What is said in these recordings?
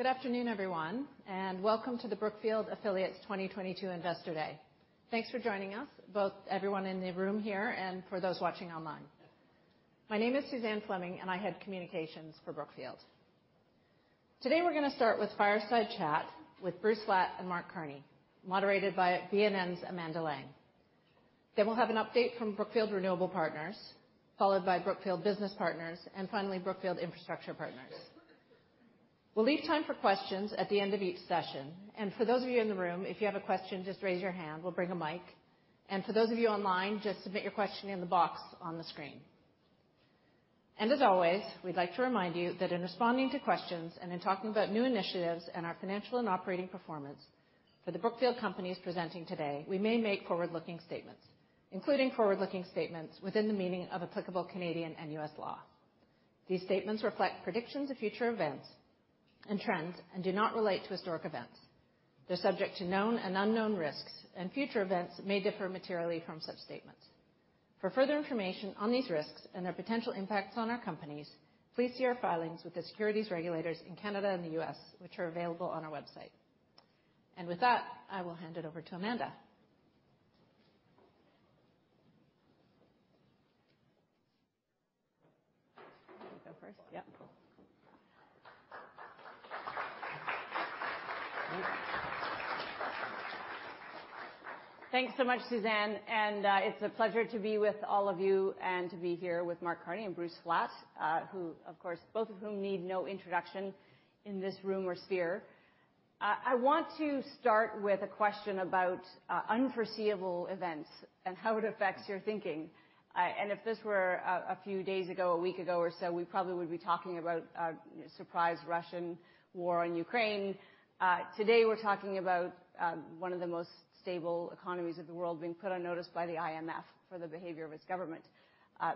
Good afternoon, everyone, and welcome to the Brookfield Affiliates 2022 Investor Day. Thanks for joining us, both everyone in the room here and for those watching online. My name is Suzanne Fleming, and I head communications for Brookfield. Today, we're gonna start with fireside chat with Bruce Flatt and Mark Carney, moderated by BNN's Amanda Lang. Then we'll have an update from Brookfield Renewable Partners, followed by Brookfield Business Partners, and finally, Brookfield Infrastructure Partners. We'll leave time for questions at the end of each session. For those of you in the room, if you have a question, just raise your hand. We'll bring a mic. For those of you online, just submit your question in the box on the screen. As always, we'd like to remind you that in responding to questions and in talking about new initiatives and our financial and operating performance for the Brookfield companies presenting today, we may make forward-looking statements, including forward-looking statements within the meaning of applicable Canadian and U.S. law. These statements reflect predictions of future events and trends and do not relate to historic events. They're subject to known and unknown risks, and future events may differ materially from such statements. For further information on these risks and their potential impacts on our companies, please see our filings with the securities regulators in Canada and the U.S., which are available on our website. With that, I will hand it over to Amanda. You go first? Yep. Cool. Thanks so much, Suzanne, and it's a pleasure to be with all of you and to be here with Mark Carney and Bruce Flatt, who, of course, both of whom need no introduction in this room or sphere. I want to start with a question about unforeseeable events and how it affects your thinking. If this were a few days ago, a week ago or so, we probably would be talking about a surprise Russian war on Ukraine. Today we're talking about one of the most stable economies of the world being put on notice by the IMF for the behavior of its government.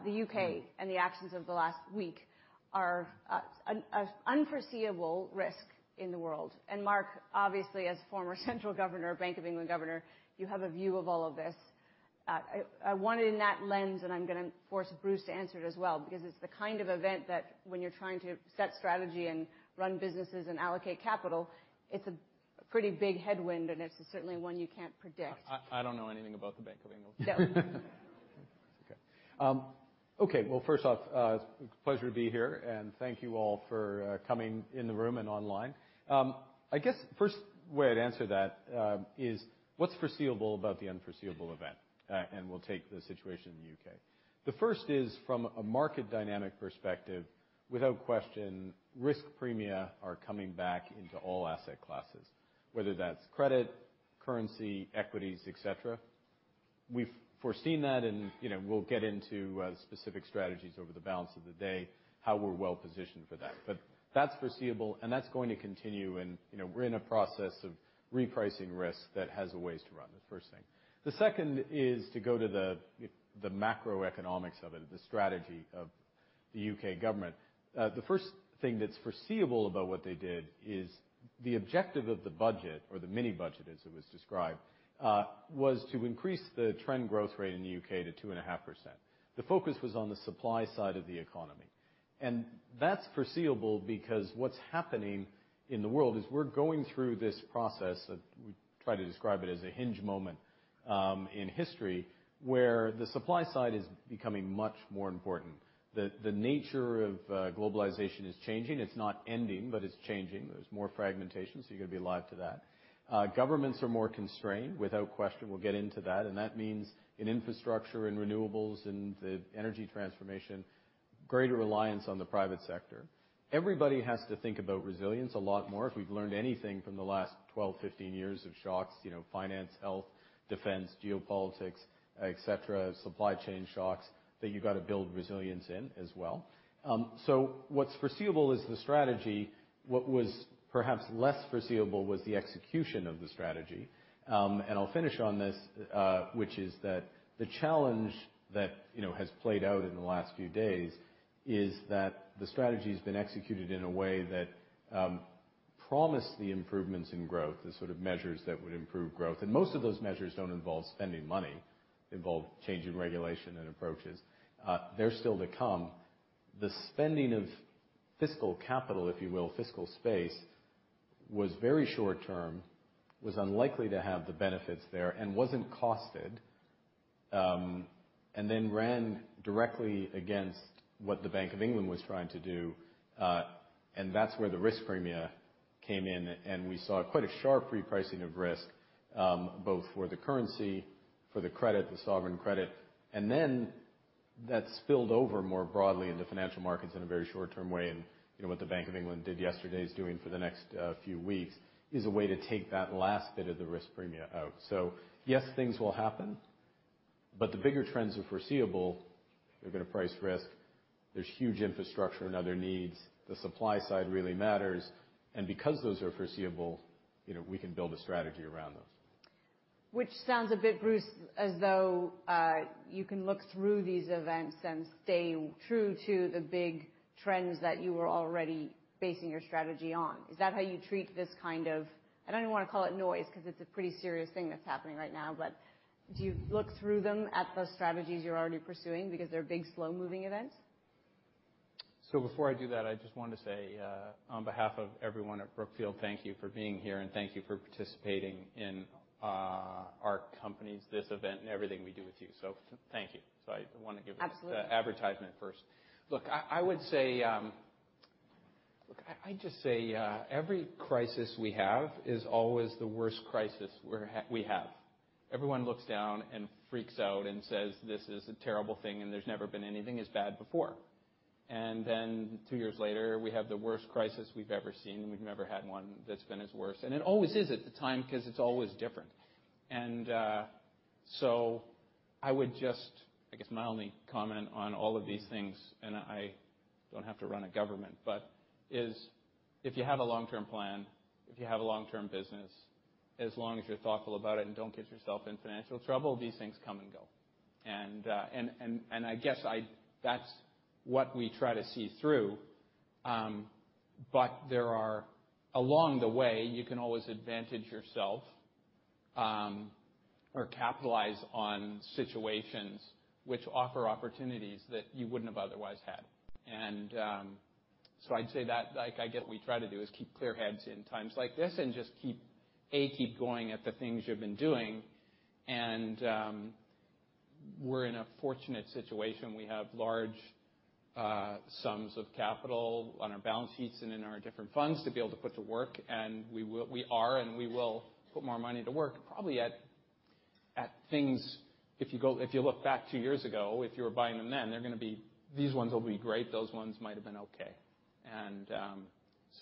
The U.K. and the actions of the last week are an unforeseeable risk in the world. Mark, obviously as former central bank Governor, Bank of England Governor, you have a view of all of this. I want it in that lens, and I'm gonna force Bruce to answer it as well, because it's the kind of event that when you're trying to set strategy and run businesses and allocate capital, it's a pretty big headwind, and it's certainly one you can't predict. I don't know anything about the Bank of England. No. Okay. Well, first off, pleasure to be here, and thank you all for coming in the room and online. I guess first way I'd answer that is what's foreseeable about the unforeseeable event? We'll take the situation in the U.K. The first is from a market dynamic perspective, without question, risk premia are coming back into all asset classes, whether that's credit, currency, equities, et cetera. We've foreseen that, and, you know, we'll get into specific strategies over the balance of the day, how we're well positioned for that. That's foreseeable, and that's going to continue and, you know, we're in a process of repricing risk that has a ways to run. The first thing. The second is to go to the macroeconomics of it, the strategy of the U.K. government. The first thing that's foreseeable about what they did is the objective of the budget, or the mini budget as it was described, was to increase the trend growth rate in the U.K. to 2.5%. The focus was on the supply side of the economy. That's foreseeable because what's happening in the world is we're going through this process that we try to describe it as a hinge moment in history, where the supply side is becoming much more important. The nature of globalization is changing. It's not ending, but it's changing. There's more fragmentation, so you're gonna be alive to that. Governments are more constrained, without question. We'll get into that. That means in infrastructure and renewables and the energy transformation, greater reliance on the private sector. Everybody has to think about resilience a lot more. If we've learned anything from the last 12, 15 years of shocks, you know, finance, health, defense, geopolitics, et cetera, supply chain shocks, that you've got to build resilience in as well. What's foreseeable is the strategy. What was perhaps less foreseeable was the execution of the strategy. I'll finish on this, which is that the challenge that, you know, has played out in the last few days is that the strategy's been executed in a way that promised the improvements in growth, the sort of measures that would improve growth. Most of those measures don't involve spending money, involve changing regulation and approaches. They're still to come. The spending of fiscal capital, if you will, fiscal space, was very short term, was unlikely to have the benefits there and wasn't costed, and then ran directly against what the Bank of England was trying to do. That's where the risk premia came in, and we saw quite a sharp repricing of risk, both for the currency, for the credit, the sovereign credit. That spilled over more broadly in the financial markets in a very short-term way. You know, what the Bank of England did yesterday is doing for the next few weeks is a way to take that last bit of the risk premia out. Yes, things will happen, but the bigger trends are foreseeable. They're gonna price risk. There's huge infrastructure and other needs. The supply side really matters. Because those are foreseeable, you know, we can build a strategy around those. Which sounds a bit, Bruce, as though you can look through these events and stay true to the big trends that you were already basing your strategy on. Is that how you treat this kind of, I don't even wanna call it noise, 'cause it's a pretty serious thing that's happening right now, but do you look through them to the strategies you're already pursuing because they're big, slow-moving events? Before I do that, I just want to say, on behalf of everyone at Brookfield, thank you for being here, and thank you for participating in this event and everything we do with you. Thank you. I wanna give- Absolutely. Look, I would say, look, I just say, every crisis we have is always the worst crisis we have. Everyone looks down and freaks out and says, "This is a terrible thing, and there's never been anything as bad before." Two years later, we have the worst crisis we've ever seen. We've never had one that's been as worse. It always is at the time 'cause it's always different. I guess my only comment on all of these things, and I don't have to run a government, but is if you have a long-term plan, if you have a long-term business, as long as you're thoughtful about it and don't get yourself in financial trouble, these things come and go. That's what we try to see through. Along the way, you can always advantage yourself, or capitalize on situations which offer opportunities that you wouldn't have otherwise had. I'd say that like I get what we try to do is keep clear heads in times like this and just keep going at the things you've been doing. We're in a fortunate situation. We have large sums of capital on our balance sheets and in our different funds to be able to put to work, and we are, and we will put more money to work probably at things. If you look back two years ago, if you were buying them then, they're gonna be these ones will be great, those ones might have been okay.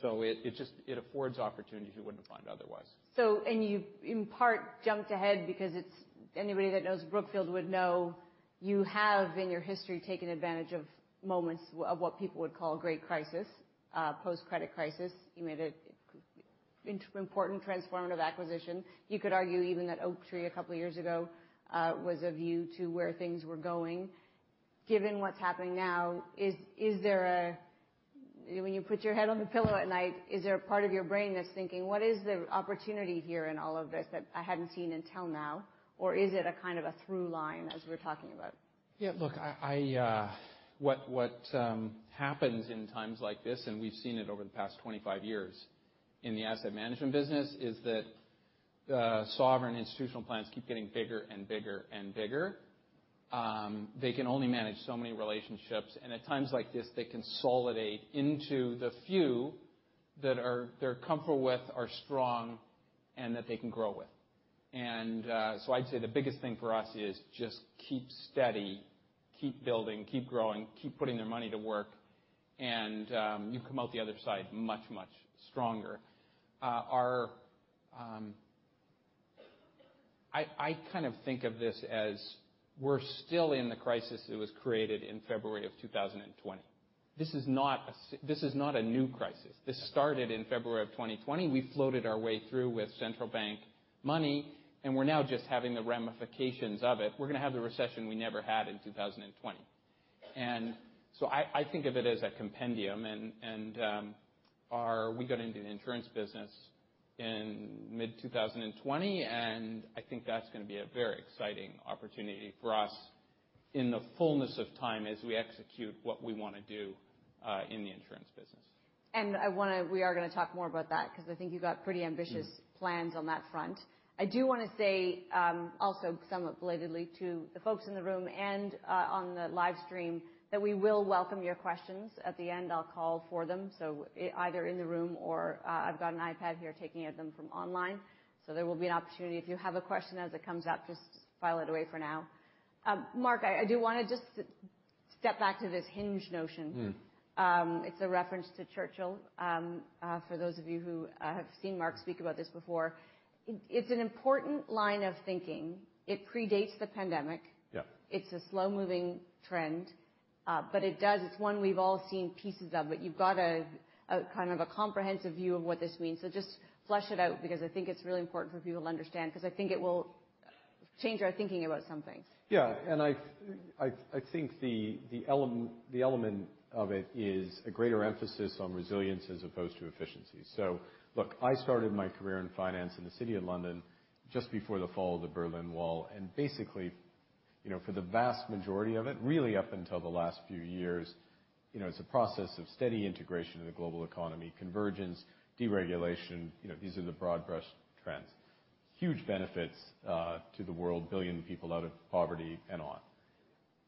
It just affords opportunities you wouldn't find otherwise. You in part jumped ahead because it's anybody that knows Brookfield would know you have, in your history, taken advantage of moments of what people would call great crisis, post-credit crisis. You made an important transformative acquisition. You could argue even that Oaktree a couple of years ago was a view to where things were going. Given what's happening now, is there, when you put your head on the pillow at night, a part of your brain that's thinking, "What is the opportunity here in all of this that I hadn't seen until now?" Or is it a kind of a through line as we're talking about? Look, what happens in times like this, and we've seen it over the past 25 years in the asset management business, is that sovereign institutional plans keep getting bigger and bigger and bigger. They can only manage so many relationships, and at times like this, they consolidate into the few that they're comfortable with, are strong, and that they can grow with. So I'd say the biggest thing for us is just keep steady, keep building, keep growing, keep putting their money to work, and you come out the other side much, much stronger. I kind of think of this as we're still in the crisis that was created in February 2020. This is not a new crisis. This started in February 2020. We floated our way through with central bank money, and we're now just having the ramifications of it. We're gonna have the recession we never had in 2020. I think of it as a complement, and we got into the insurance business in mid-2020, and I think that's gonna be a very exciting opportunity for us in the fullness of time as we execute what we wanna do in the insurance business. We are gonna talk more about that 'cause I think you got pretty ambitious. Mm. -Plans on that front. I do wanna say, also somewhat belatedly to the folks in the room and on the live stream that we will welcome your questions. At the end, I'll call for them. Either in the room or I've got an iPad here taking them from online. There will be an opportunity. If you have a question as it comes up, just file it away for now. Mark, I do wanna just step back to this hinge notion. Mm. It's a reference to Churchill. For those of you who have seen Mark speak about this before, it's an important line of thinking. It predates the pandemic. Yeah. It's a slow-moving trend, but it does. It's one we've all seen pieces of, but you've got a kind of a comprehensive view of what this means. Just flesh it out because I think it's really important for people to understand, 'cause I think it will change our thinking about some things. Yeah. I think the element of it is a greater emphasis on resilience as opposed to efficiency. Look, I started my career in finance in the City of London just before the fall of the Berlin Wall. Basically, you know, for the vast majority of it, really up until the last few years, you know, it's a process of steady integration in the global economy, convergence, deregulation. You know, these are the broad brush trends. Huge benefits to the world, billion people out of poverty and on.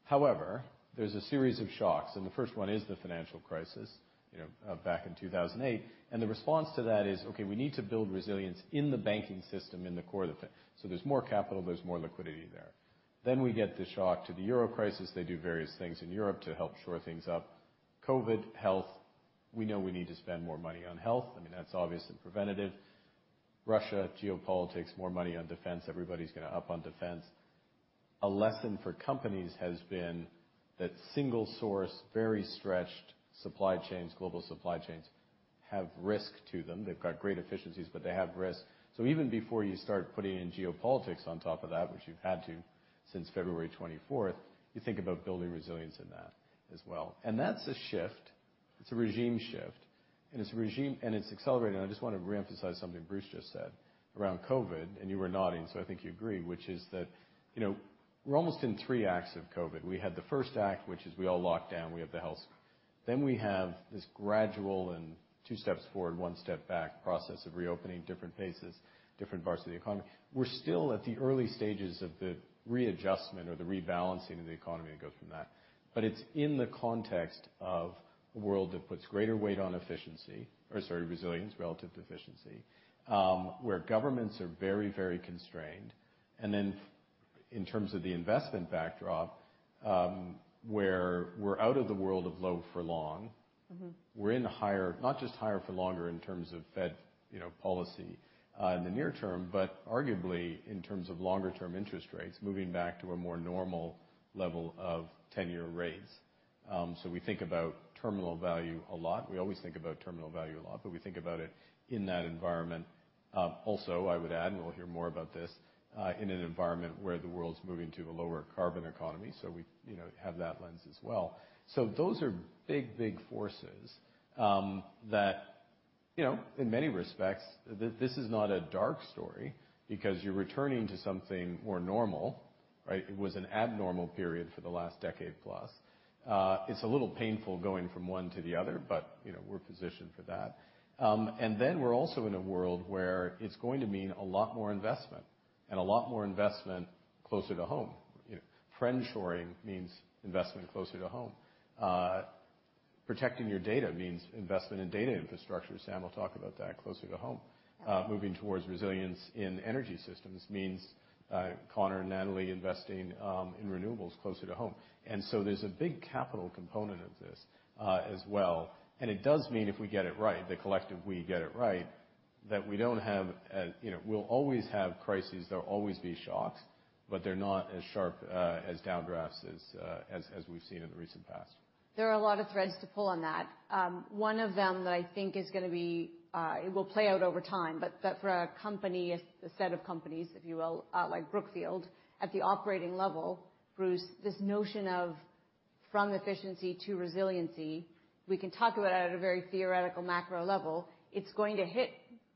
However, there's a series of shocks, and the first one is the financial crisis, you know, back in 2008. The response to that is, okay, we need to build resilience in the banking system in the core of it. There's more capital, there's more liquidity there. We get the shock to the Euro crisis. They do various things in Europe to help shore things up. COVID, health. We know we need to spend more money on health. I mean, that's obviously preventative. Russia, geopolitics, more money on defense. Everybody's gonna up on defense. A lesson for companies has been that single source, very stretched supply chains, global supply chains have risk to them. They've got great efficiencies, but they have risk. So even before you start putting in geopolitics on top of that, which you've had to since February 24th, you think about building resilience in that as well. That's a shift. It's a regime shift. It's accelerating. I just wanna re-emphasize something Bruce just said around COVID, and you were nodding, so I think you agree, which is that, you know, we're almost in three acts of COVID. We had the first act, which is we all locked down, we have the health. Then we have this gradual and two steps forward, one step back process of reopening, different paces, different parts of the economy. We're still at the early stages of the readjustment or the rebalancing of the economy to go from that. But it's in the context of a world that puts greater weight on efficiency or, sorry, resilience, relative to efficiency, where governments are very, very constrained. Then in terms of the investment backdrop, where we're out of the world of low for long. Mm-hmm. We're in higher, not just higher for longer in terms of Fed, you know, policy, in the near term, but arguably in terms of longer-term interest rates, moving back to a more normal level of 10-year rates. We think about terminal value a lot. We always think about terminal value a lot, but we think about it in that environment. I would add, and we'll hear more about this, in an environment where the world's moving to a lower carbon economy. We, you know, have that lens as well. Those are big, big forces, that, you know, in many respects, this is not a dark story because you're returning to something more normal, right? It was an abnormal period for the last decade plus. It's a little painful going from one to the other, but, you know, we're positioned for that. We're also in a world where it's going to mean a lot more investment and a lot more investment closer to home. You know, friendshoring means investment closer to home. Protecting your data means investment in data infrastructure. Sam will talk about that closer to home. Moving towards resilience in energy systems means Connor and Natalie investing in renewables closer to home. There's a big capital component of this as well. It does mean if we get it right, the collective we get it right, that we don't have a. You know, we'll always have crises, there'll always be shocks, but they're not as sharp as downdrafts as we've seen in the recent past. There are a lot of threads to pull on that. One of them that I think is gonna be, it will play out over time, but for a company, a set of companies, if you will, like Brookfield, at the operating level, Bruce, this notion of from efficiency to resiliency, we can talk about it at a very theoretical macro level. It's going to hit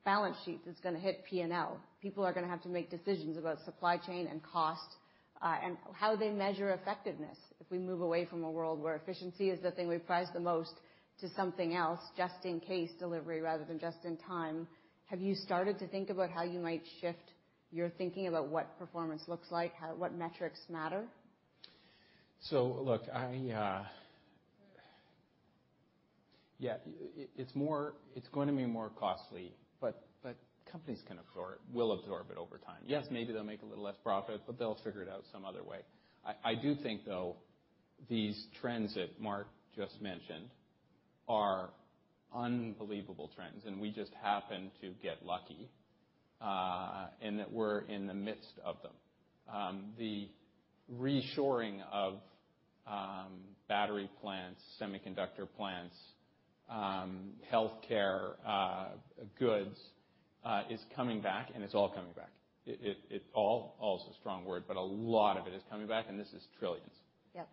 balance sheets, it's gonna hit P&L. People are gonna have to make decisions about supply chain and cost, and how they measure effectiveness. If we move away from a world where efficiency is the thing we prize the most to something else, just in case delivery rather than just in time. Have you started to think about how you might shift your thinking about what performance looks like? How what metrics matter? Look, it's going to be more costly, but companies can absorb, will absorb it over time. Yes, maybe they'll make a little less profit, but they'll figure it out some other way. I do think, though, these trends that Mark just mentioned are unbelievable trends, and we just happen to get lucky, and that we're in the midst of them. The reshoring of battery plants, semiconductor plants, healthcare goods is coming back, and it's all coming back. It all is a strong word, but a lot of it is coming back, and this is trillions. Yep.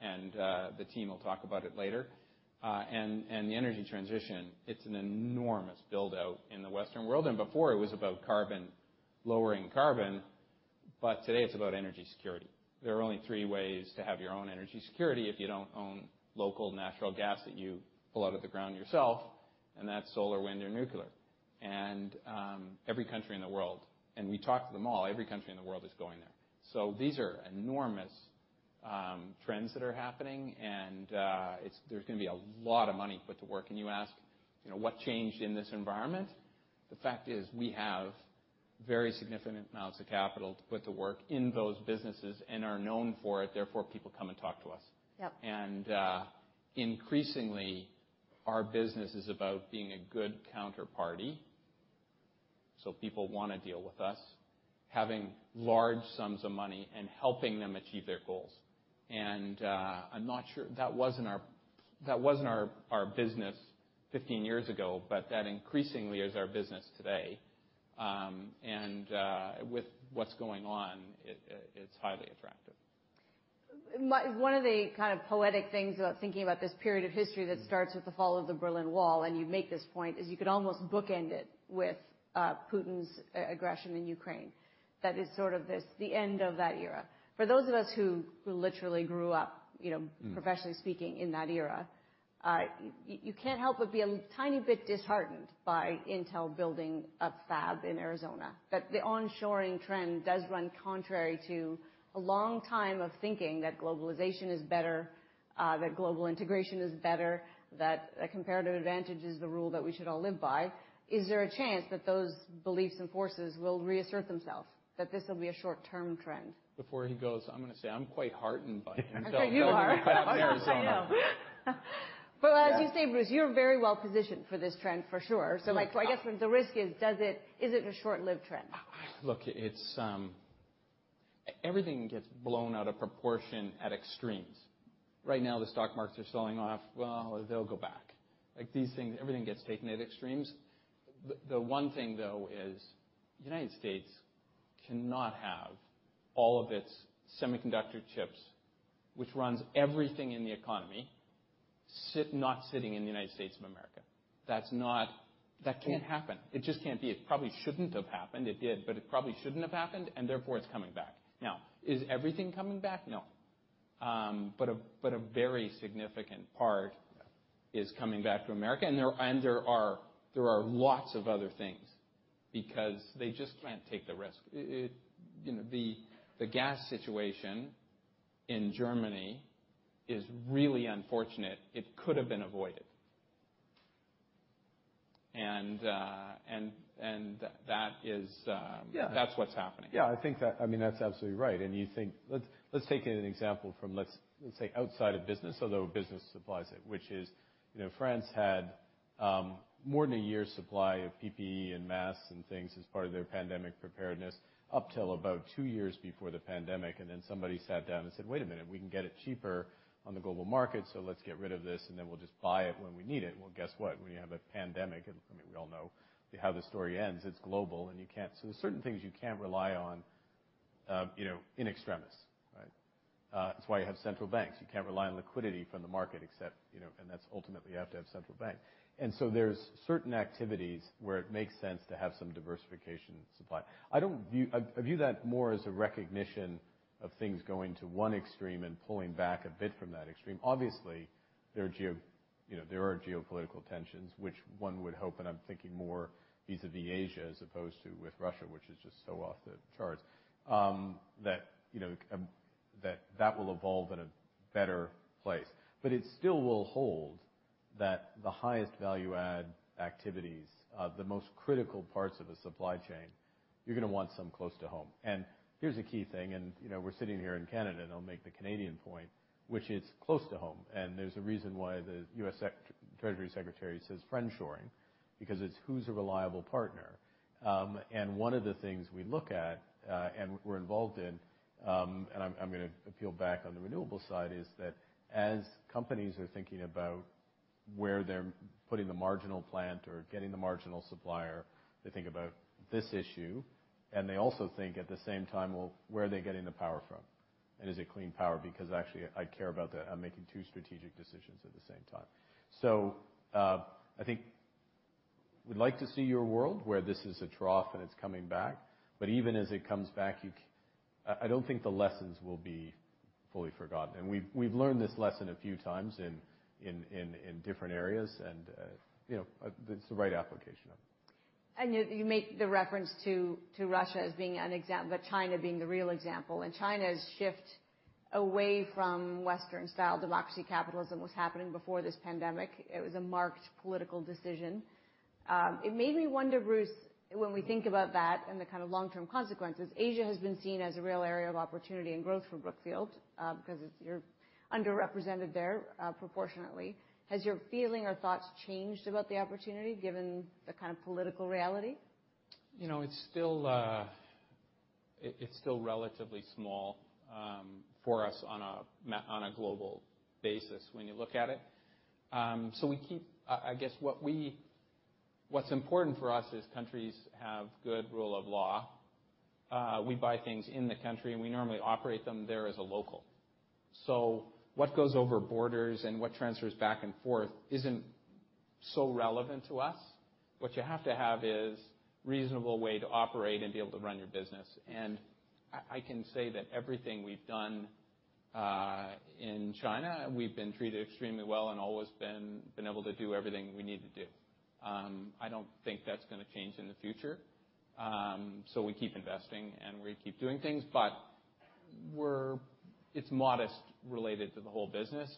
The team will talk about it later. The energy transition, it's an enormous build-out in the Western world. Before it was about carbon, lowering carbon, but today it's about energy security. There are only three ways to have your own energy security if you don't own local natural gas that you pull out of the ground yourself, and that's solar, wind, or nuclear. Every country in the world, and we talk to them all, every country in the world is going there. These are enormous trends that are happening. There's gonna be a lot of money put to work. You ask, you know, what changed in this environment? The fact is, we have very significant amounts of capital to put to work in those businesses and are known for it, therefore, people come and talk to us. Yep. Increasingly, our business is about being a good counterparty, so people wanna deal with us, having large sums of money and helping them achieve their goals. I'm not sure that wasn't our business 15 years ago, but that increasingly is our business today. With what's going on, it's highly attractive. One of the kind of poetic things about thinking about this period of history that starts with the fall of the Berlin Wall, and you make this point, is you could almost bookend it with Putin's aggression in Ukraine. That is sort of this, the end of that era. For those of us who literally grew up, you know, professionally speaking in that era, you can't help but be a tiny bit disheartened by Intel building a fab in Arizona. That the onshoring trend does run contrary to a long time of thinking that globalization is better, that global integration is better, that a comparative advantage is the rule that we should all live by. Is there a chance that those beliefs and forces will reassert themselves, that this will be a short-term trend? Before he goes, I'm gonna say I'm quite heartened by it. I think you are. In Arizona. I know. As you say, Bruce, you're very well positioned for this trend, for sure. My, I guess the risk is, does it, is it a short-lived trend? Look, it's everything gets blown out of proportion at extremes. Right now, the stock markets are selling off. Well, they'll go back. Like these things, everything gets taken at extremes. The one thing, though, is the United States cannot have all of its semiconductor chips which runs everything in the economy, not sitting in the United States of America. That's not that can't happen. It just can't be. It probably shouldn't have happened. It did, but it probably shouldn't have happened, and therefore it's coming back. Now, is everything coming back? No. But a very significant part is coming back to America, and there are lots of other things because they just can't take the risk. You know, the gas situation in Germany is really unfortunate. It could have been avoided. That is Yeah. That's what's happening. Yeah, I think that. I mean, that's absolutely right. Let's take an example from, let's say, outside of business, although business supplies it, which is, you know, France had more than a year's supply of PPE and masks and things as part of their pandemic preparedness up till about two years before the pandemic. Somebody sat down and said, "Wait a minute, we can get it cheaper on the global market, so let's get rid of this, and then we'll just buy it when we need it." Well, guess what? When you have a pandemic, and I mean, we all know how the story ends, it's global and you can't. There's certain things you can't rely on, you know, in extremis, right? That's why you have central banks. You can't rely on liquidity from the market except, you know, and that's ultimately you have to have central bank. There's certain activities where it makes sense to have some diversified supply. I view that more as a recognition of things going to one extreme and pulling back a bit from that extreme. Obviously, there are geopolitical tensions, you know, which one would hope, and I'm thinking more vis-à-vis Asia as opposed to with Russia, which is just so off the charts, that you know that will evolve in a better place. It still will hold that the highest value-add activities, the most critical parts of a supply chain, you're gonna want some close to home. Here's a key thing, you know, we're sitting here in Canada, and I'll make the Canadian point, which is close to home. There's a reason why the U.S. Treasury Secretary says friendshoring, because it's who's a reliable partner. One of the things we look at and we're involved in, and I'm gonna appeal back on the renewables side, is that as companies are thinking about where they're putting the marginal plant or getting the marginal supplier, they think about this issue, and they also think at the same time, well, where are they getting the power from? And is it clean power? Because actually I care about that. I'm making two strategic decisions at the same time. I think we'd like to see your world where this is a trough and it's coming back, but even as it comes back, I don't think the lessons will be fully forgotten. We've learned this lesson a few times in different areas and, you know, it's the right application of it. You make the reference to Russia as being an example but China being the real example. China's shift away from Western style democracy, capitalism was happening before this pandemic. It was a marked political decision. It made me wonder, Bruce, when we think about that and the kind of long-term consequences, Asia has been seen as a real area of opportunity and growth for Brookfield, because you're underrepresented there, proportionately. Has your feeling or thoughts changed about the opportunity given the kind of political reality? You know, it's still relatively small for us on a global basis when you look at it. I guess what's important for us is countries have good rule of law. We buy things in the country, and we normally operate them there as a local. What goes over borders and what transfers back and forth isn't so relevant to us. What you have to have is reasonable way to operate and be able to run your business. I can say that everything we've done in China, we've been treated extremely well and always been able to do everything we need to do. I don't think that's gonna change in the future. We keep investing and we keep doing things, but it's modest relative to the whole business.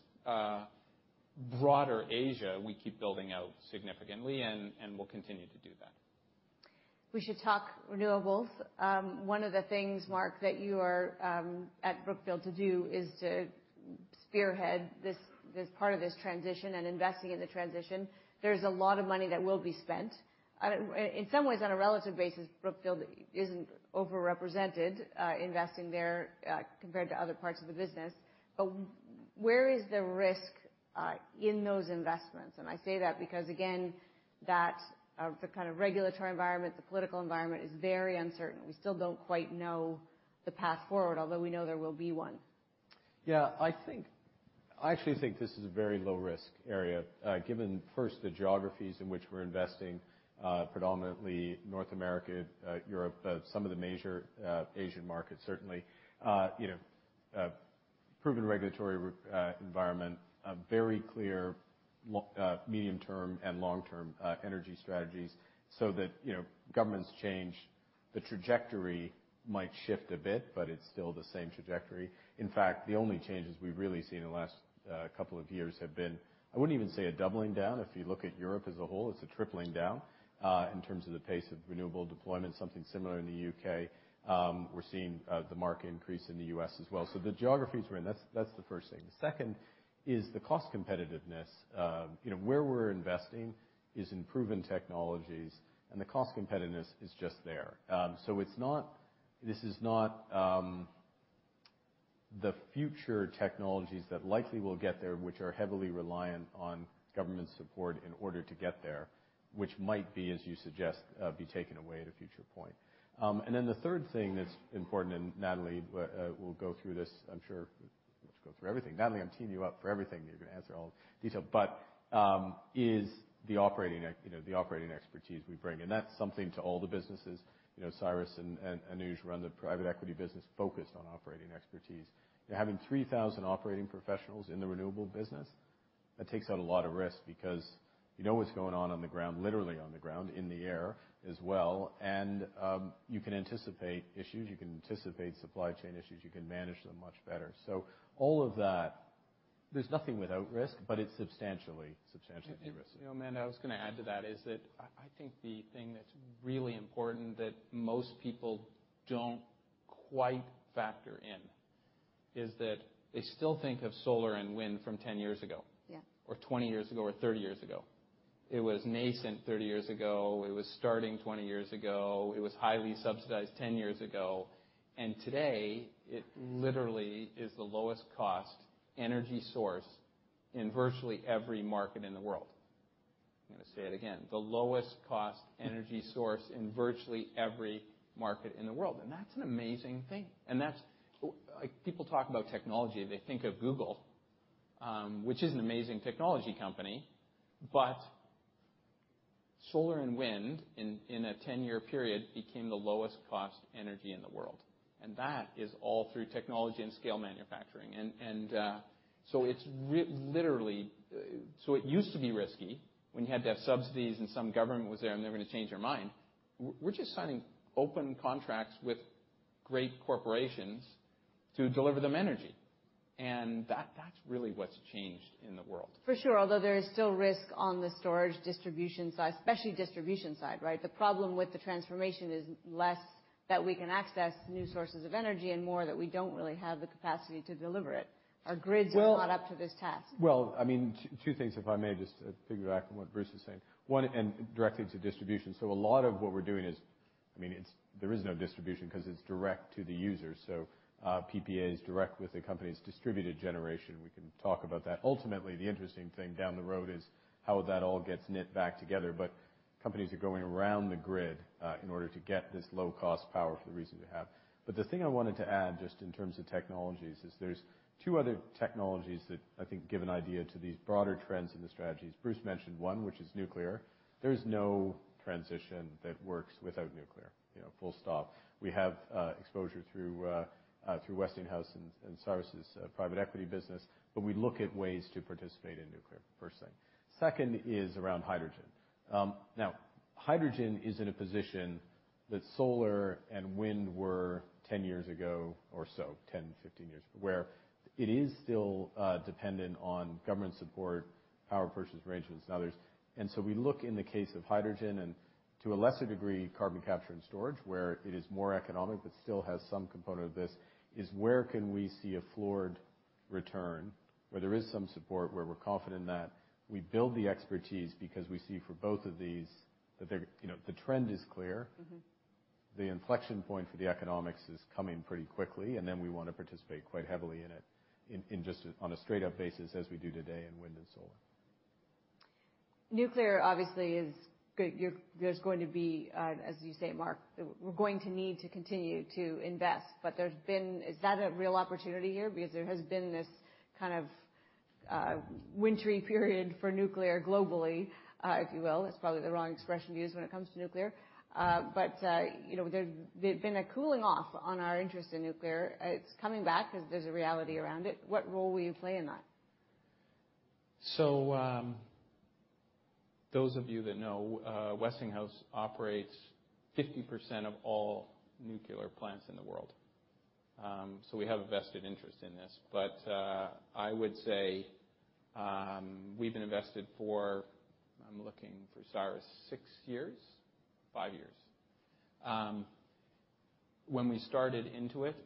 Broader Asia, we keep building out significantly and we'll continue to do that. We should talk renewables. One of the things, Mark, that you are at Brookfield to do is to spearhead this part of this transition and investing in the transition. There's a lot of money that will be spent. In some ways, on a relative basis, Brookfield isn't over-represented investing there compared to other parts of the business. Where is the risk in those investments? I say that because, again, the kind of regulatory environment, the political environment is very uncertain. We still don't quite know the path forward, although we know there will be one. Yeah. I actually think this is a very low risk area, given first the geographies in which we're investing, predominantly North America, Europe, some of the major Asian markets, certainly. You know, proven regulatory environment, a very clear medium term and long-term energy strategies so that, you know, governments change, the trajectory might shift a bit, but it's still the same trajectory. In fact, the only changes we've really seen in the last couple of years have been, I wouldn't even say a doubling down. If you look at Europe as a whole, it's a tripling down in terms of the pace of renewable deployment, something similar in the U.K. We're seeing the market increase in the U.S. as well. So the geographies we're in, that's the first thing. The second is the cost competitiveness. You know, where we're investing is in proven technologies, and the cost competitiveness is just there. So it's not the future technologies that likely will get there, which are heavily reliant on government support in order to get there, which might be, as you suggest, taken away at a future point. The third thing that's important, and Natalie will go through this, I'm sure. Let's go through everything. Not that I'm teeing you up for everything, you're gonna answer all detail. Is the operating you know, the operating expertise we bring. That's something to all the businesses. You know, Cyrus and Anuj run the private equity business focused on operating expertise. They're having 3,000 operating professionals in the renewable business. That takes out a lot of risk because you know what's going on on the ground, literally on the ground, in the air as well, and you can anticipate issues, you can anticipate supply chain issues, you can manage them much better. So all of that, there's nothing without risk, but it's substantially de-risked. You know, Amanda, I was gonna add to that is that I think the thing that's really important that most people don't quite factor in is that they still think of solar and wind from 10 years ago. Yeah. 20 years ago or 30 years ago. It was nascent 30 years ago. It was starting 20 years ago. It was highly subsidized 10 years ago. Today, it literally is the lowest cost energy source in virtually every market in the world. I'm gonna say it again, the lowest cost energy source in virtually every market in the world. That's an amazing thing. That's like people talk about technology, they think of Google, which is an amazing technology company, but solar and wind in a 10-year period became the lowest cost energy in the world. That is all through technology and scale manufacturing. So it's literally, so it used to be risky when you had to have subsidies and some government was there, and they're gonna change their mind. We're just signing open contracts with great corporations to deliver them energy. That, that's really what's changed in the world. For sure. Although there is still risk on the storage distribution side, especially distribution side, right? The problem with the transformation is less that we can access new sources of energy and more that we don't really have the capacity to deliver it. Well- Our grids are not up to this task. Well, I mean, two things if I may, just to piggyback on what Bruce is saying. One, directly to distribution. A lot of what we're doing is, I mean, it's there is no distribution 'cause it's direct to the user. PPA is direct with the company's distributed generation. We can talk about that. Ultimately, the interesting thing down the road is how that all gets knit back together. Companies are going around the grid in order to get this low-cost power for the reason they have. The thing I wanted to add, just in terms of technologies, is there's two other technologies that I think give an idea to these broader trends in the strategies. Bruce mentioned one, which is nuclear. There's no transition that works without nuclear, you know, full stop. We have exposure through Westinghouse and Cyrus' private equity business, but we look at ways to participate in nuclear, first thing. Second is around hydrogen. Now, hydrogen is in a position that solar and wind were 10 years ago or so, 10, 15 years, where it is still dependent on government support, power purchase arrangements and others. We look in the case of hydrogen and to a lesser degree, carbon capture and storage, where it is more economic but still has some component of this, is where can we see a floor return where there is some support, where we're confident that we build the expertise because we see for both of these that they're, you know, the trend is clear. Mm-hmm. The inflection point for the economics is coming pretty quickly, and then we wanna participate quite heavily in it, in just on a straight up basis as we do today in wind and solar. Nuclear obviously there's going to be, as you say, Mark, we're going to need to continue to invest. Is that a real opportunity here? Because there has been this kind of wintry period for nuclear globally, if you will. It's probably the wrong expression to use when it comes to nuclear. But you know, there's been a cooling off on our interest in nuclear. It's coming back 'cause there's a reality around it. What role will you play in that? Those of you that know, Westinghouse operates 50% of all nuclear plants in the world. We have a vested interest in this. I would say, we've been invested for, I'm looking for Cyrus, six years? Five years. When we started into it,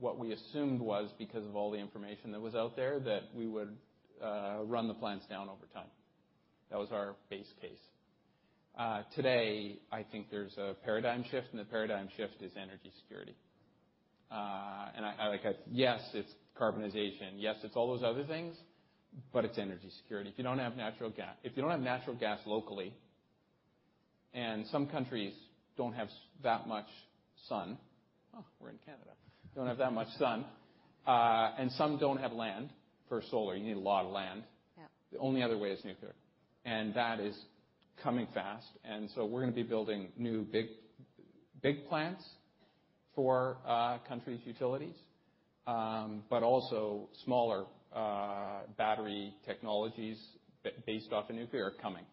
what we assumed was because of all the information that was out there, that we would run the plants down over time. That was our base case. Today, I think there's a paradigm shift, and the paradigm shift is energy security. Yes, it's decarbonization. Yes, it's all those other things, but it's energy security. If you don't have natural gas locally, and some countries don't have that much sun. Oh, we're in Canada, don't have that much sun. Some don't have land for solar. You need a lot of land. Yeah. The only other way is nuclear. That is coming fast. We're gonna be building new big plants for countries' utilities, but also smaller battery technologies based off of nuclear are coming.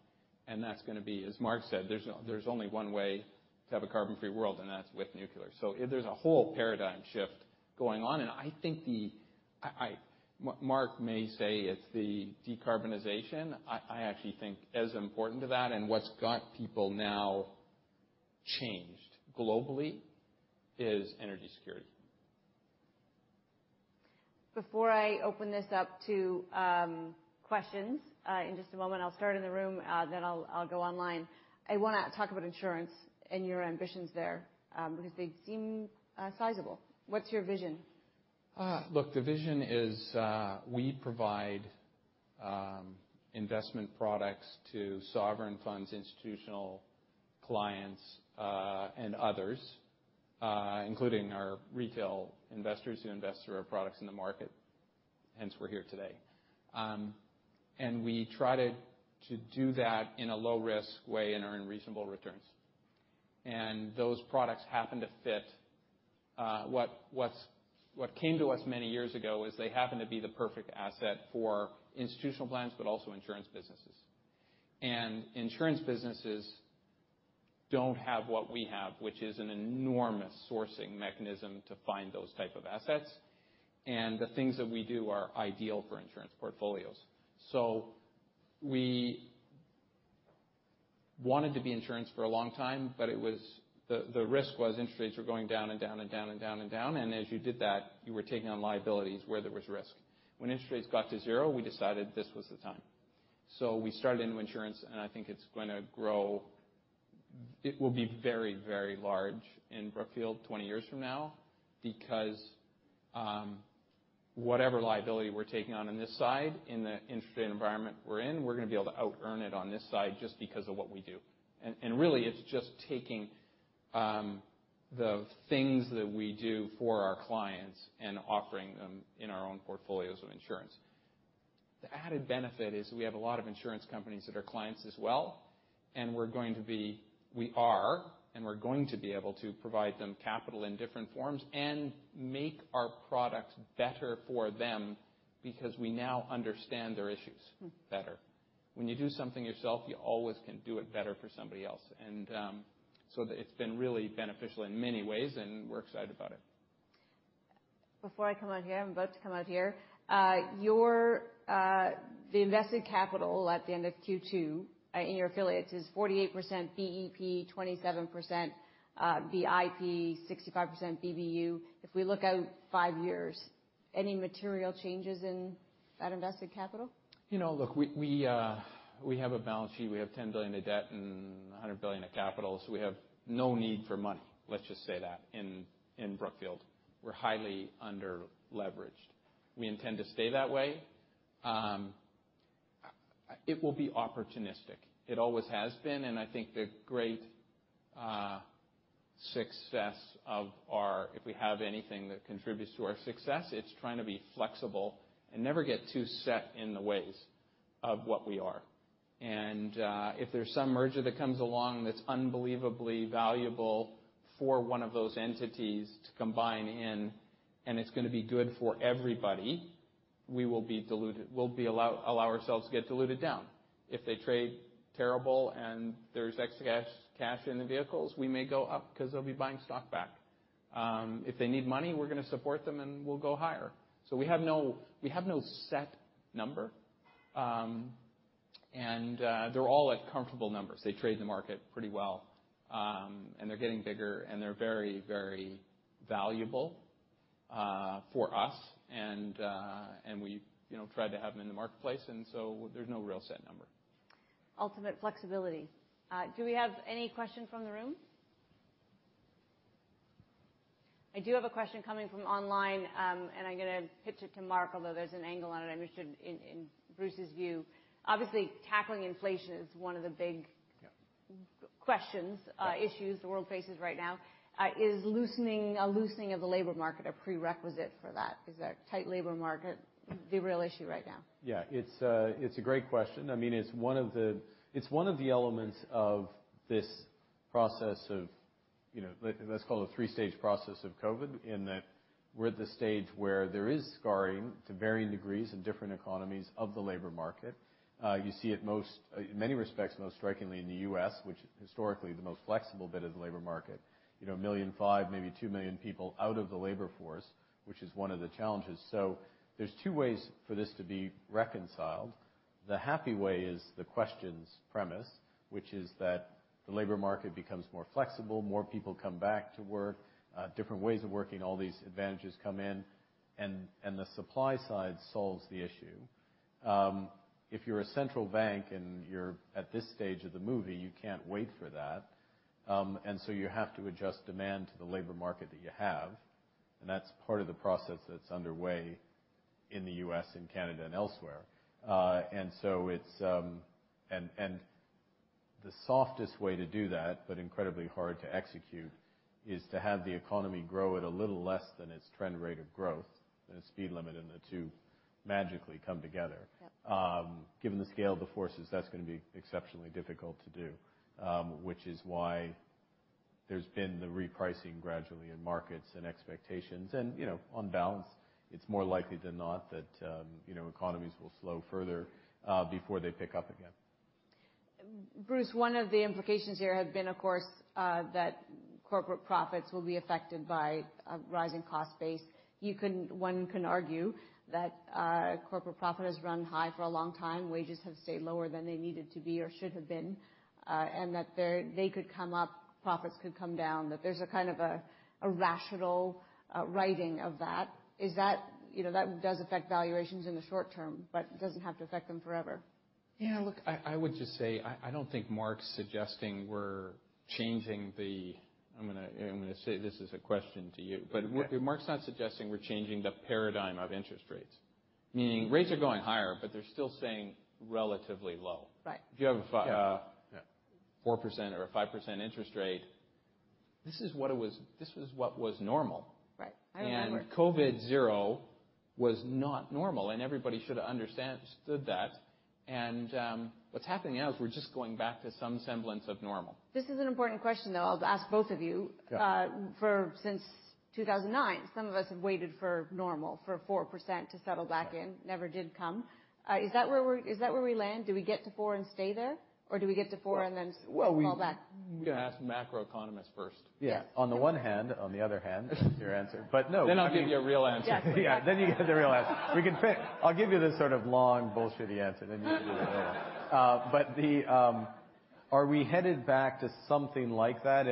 That's gonna be, as Mark said, there's only one way to have a carbon-free world, and that's with nuclear. There's a whole paradigm shift going on. I think Mark may say it's the decarbonization. I actually think as important to that and what's got people now changed globally is energy security. Before I open this up to questions, in just a moment, I'll start in the room, then I'll go online. I wanna talk about insurance and your ambitions there, because they seem sizable. What's your vision? Look, the vision is, we provide investment products to sovereign funds, institutional clients, and others, including our retail investors who invest through our products in the market, hence we're here today. We try to do that in a low risk way and earn reasonable returns. Those products happen to fit, what came to us many years ago is they happen to be the perfect asset for institutional plans but also insurance businesses. Insurance businesses don't have what we have, which is an enormous sourcing mechanism to find those type of assets. The things that we do are ideal for insurance portfolios. We wanted to be insurance for a long time, but it was the risk was interest rates were going down and down and down and down and down. As you did that, you were taking on liabilities where there was risk. When interest rates got to zero, we decided this was the time. We started into insurance, and I think it's gonna grow. It will be very, very large in Brookfield 20 years from now because, whatever liability we're taking on on this side, in the interest rate environment we're in, we're gonna be able to outearn it on this side just because of what we do. Really, it's just taking the things that we do for our clients and offering them in our own portfolios of insurance. The added benefit is we have a lot of insurance companies that are clients as well, and we are going to be able to provide them capital in different forms and make our products better for them because we now understand their issues better. Mm. When you do something yourself, you always can do it better for somebody else. It's been really beneficial in many ways, and we're excited about it. Before I come out here, I'm about to come out here. Your invested capital at the end of Q2 in your affiliates is 48% BEP, 27% BIP, 65% BBU. If we look out five years, any material changes in that invested capital? You know, look, we have a balance sheet. We have $10 billion of debt and $100 billion of capital, so we have no need for money, let's just say that, in Brookfield. We're highly under leveraged. We intend to stay that way. It will be opportunistic. It always has been, and I think the great success of our. If we have anything that contributes to our success, it's trying to be flexible and never get too set in the ways of what we are. If there's some merger that comes along that's unbelievably valuable for one of those entities to combine in, and it's gonna be good for everybody, we will be diluted. We'll allow ourselves to get diluted down. If they trade terribly and there's extra cash in the vehicles, we may go up because they'll be buying stock back. If they need money, we're gonna support them, and we'll go higher. We have no set number. They're all at comfortable numbers. They trade the market pretty well, and they're getting bigger, and they're very, very valuable for us. We, you know, try to have them in the marketplace, so there's no real set number. Ultimate flexibility. Do we have any questions from the room? I do have a question coming from online, and I'm gonna pitch it to Mark, although there's an angle on it I'm interested in Bruce's view. Obviously, tackling inflation is one of the big. Yeah. Issues the world faces right now. Is a loosening of the labor market a prerequisite for that? Is that tight labor market the real issue right now? Yeah. It's a great question. I mean, it's one of the elements of this process of, you know, let's call it the three-stage process of COVID, in that we're at the stage where there is scarring to varying degrees in different economies of the labor market. You see it most in many respects most strikingly in the U.S., which historically the most flexible bit of the labor market. You know, 1.5 million, maybe 2 million people out of the labor force, which is one of the challenges. There's two ways for this to be reconciled. The happy way is the question's premise, which is that the labor market becomes more flexible, more people come back to work, different ways of working, all these advantages come in, and the supply side solves the issue. If you're a central bank and you're at this stage of the movie, you can't wait for that. You have to adjust demand to the labor market that you have, and that's part of the process that's underway in the U.S. and Canada and elsewhere. The softest way to do that, but incredibly hard to execute, is to have the economy grow at a little less than its trend rate of growth and its speed limit and the two magically come together. Yep. Given the scale of the forces, that's gonna be exceptionally difficult to do. Which is why there's been the repricing gradually in markets and expectations. You know, on balance, it's more likely than not that, you know, economies will slow further before they pick up again. Bruce, one of the implications here have been, of course, that corporate profits will be affected by a rising cost base. One can argue that corporate profit has run high for a long time, wages have stayed lower than they needed to be or should have been, and that they could come up, profits could come down, that there's a kind of a rational righting of that. Is that, you know, that does affect valuations in the short term, but it doesn't have to affect them forever. Yeah, look, I would just say I don't think Mark's suggesting we're changing the. I'm gonna say this as a question to you. Yeah. Mark's not suggesting we're changing the paradigm of interest rates. Meaning rates are going higher, but they're still staying relatively low. Right. If you have a 4% or a 5% interest rate, this is what it was. This is what was normal. Right. I remember. COVID Zero was not normal, and everybody should've understood that. What's happening now is we're just going back to some semblance of normal. This is an important question, though. I'll ask both of you. Yeah. Ever since 2009, some of us have waited for normal, for 4% to settle back in. Never did come. Is that where we land? Do we get to 4% and stay there, or do we get to 4% and then- Well, we Pull back? Ask the macroeconomists first. Yeah. Yes. On the one hand, on the other hand is your answer. No, I mean, I'll give you a real answer. Yes. Yeah, then you give the real answer. I'll give you the sort of long bullshitty answer, then you can do the real one. But the... Are we headed back to something like that?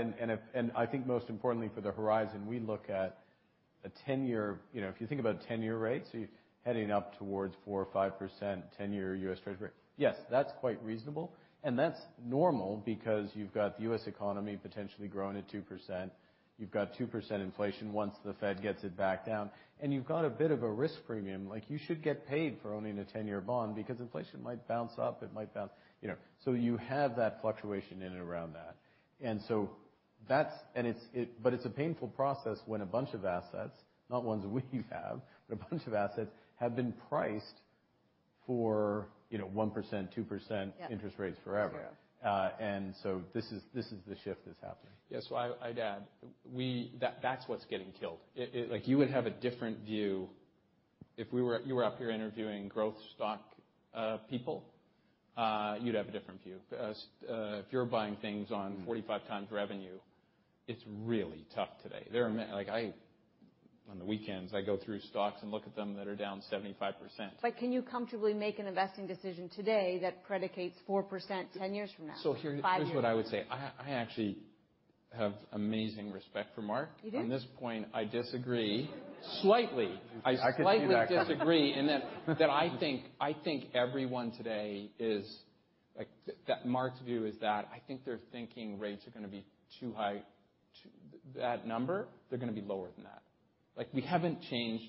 I think most importantly for the horizon, we look at a 10-year, you know, if you think about 10-year rates, so you're heading up towards 4% or 5% 10-year U.S. Treasury. Yes, that's quite reasonable, and that's normal because you've got the U.S. economy potentially growing at 2%. You've got 2% inflation once the Fed gets it back down, and you've got a bit of a risk premium. Like, you should get paid for owning a 10-year bond because inflation might bounce up, it might bounce, you know. So you have that fluctuation in and around that. It's a painful process when a bunch of assets, not ones we have, but a bunch of assets have been priced for, you know, 1%, 2%. Yeah. Interest rates forever. Yeah. This is the shift that's happening. Yeah, I'd add. That's what's getting killed. Like, you would have a different view if you were up here interviewing growth stock people. You'd have a different view. If you're buying things on 45x revenue, it's really tough today. Like, on the weekends, I go through stocks and look at them that are down 75%. Can you comfortably make an investing decision today that predicates 4% 10 years from now? So here- Five years. Here's what I would say. I actually have amazing respect for Mark. You do? On this point, I disagree. Slightly. I can see that coming. I slightly disagree in that I think everyone today is like, Mark's view is that I think they're thinking rates are gonna be too high. That number, they're gonna be lower than that. Like, we haven't changed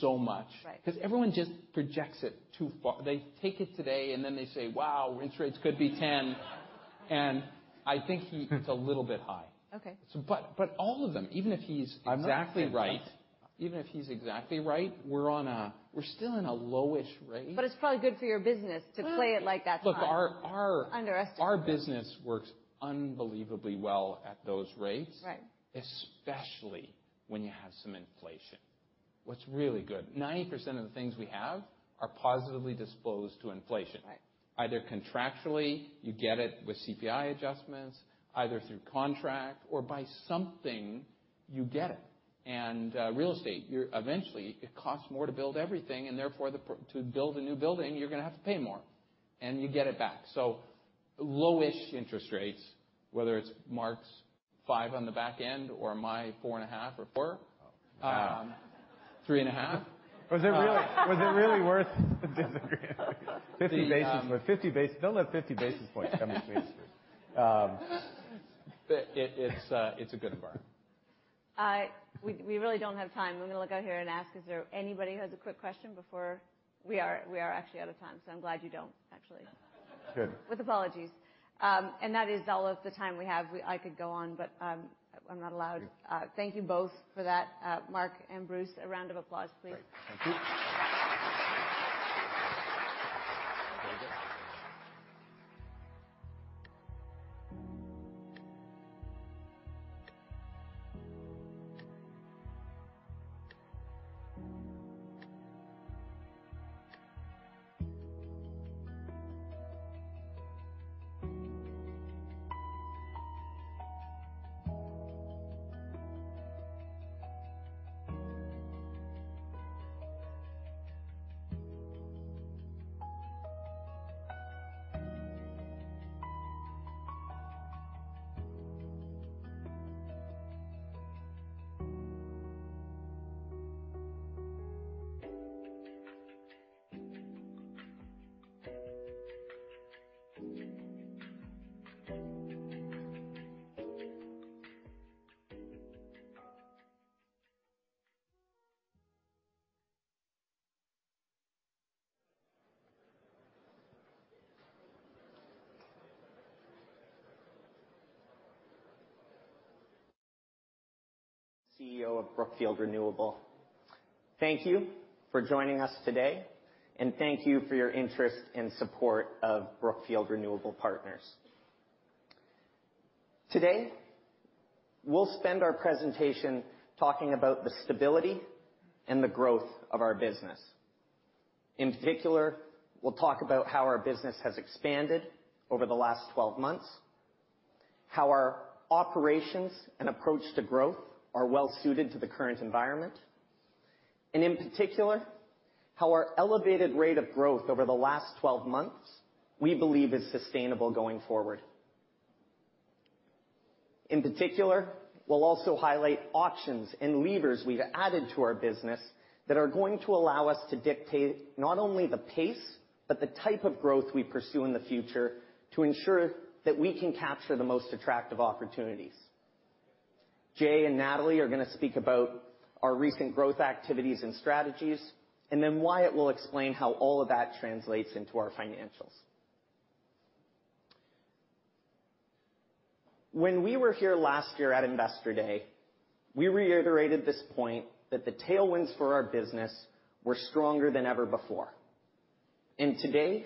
so much. Right. 'Cause everyone just projects it too far. They take it today, and then they say, "Wow, interest rates could be 10%." I think it's a little bit high. Okay. All of them, even if he's exactly right, I'm not saying that. Even if he's exactly right, we're still in a low-ish rate. It's probably good for your business to play it like that, huh? Look, our Underestimate. Our business works unbelievably well at those rates. Right. Especially when you have some inflation. What's really good, 90% of the things we have are positively disposed to inflation. Right. Either contractually, you get it with CPI adjustments, either through contract or by something, you get it. Real estate, eventually it costs more to build everything and therefore to build a new building, you're gonna have to pay more, and you get it back. Low-ish interest rates, whether it's Mark's 5% on the back end or my 4.5% or 4%. 3.5%. Was it really worth disagreeing? 50 basis points. Don't let 50 basis points come between us, Bruce. It's a good bar. We really don't have time. Let me look out here and ask, is there anybody who has a quick question before we are actually out of time, so I'm glad you don't, actually. Good. With apologies. That is all of the time we have. I could go on, but I'm not allowed. Thank you both for that. Mark and Bruce, a round of applause, please. Great. Thank you. Very good. CEO of Brookfield Renewable. Thank you for joining us today, and thank you for your interest and support of Brookfield Renewable Partners. Today, we'll spend our presentation talking about the stability and the growth of our business. In particular, we'll talk about how our business has expanded over the last 12 months, how our operations and approach to growth are well suited to the current environment, and in particular, how our elevated rate of growth over the last 12 months, we believe is sustainable going forward. In particular, we'll also highlight options and levers we've added to our business that are going to allow us to dictate not only the pace but the type of growth we pursue in the future to ensure that we can capture the most attractive opportunities. Jay and Natalie are gonna speak about our recent growth activities and strategies, and then Wyatt will explain how all of that translates into our financials. When we were here last year at Investor Day, we reiterated this point that the tailwinds for our business were stronger than ever before. Today,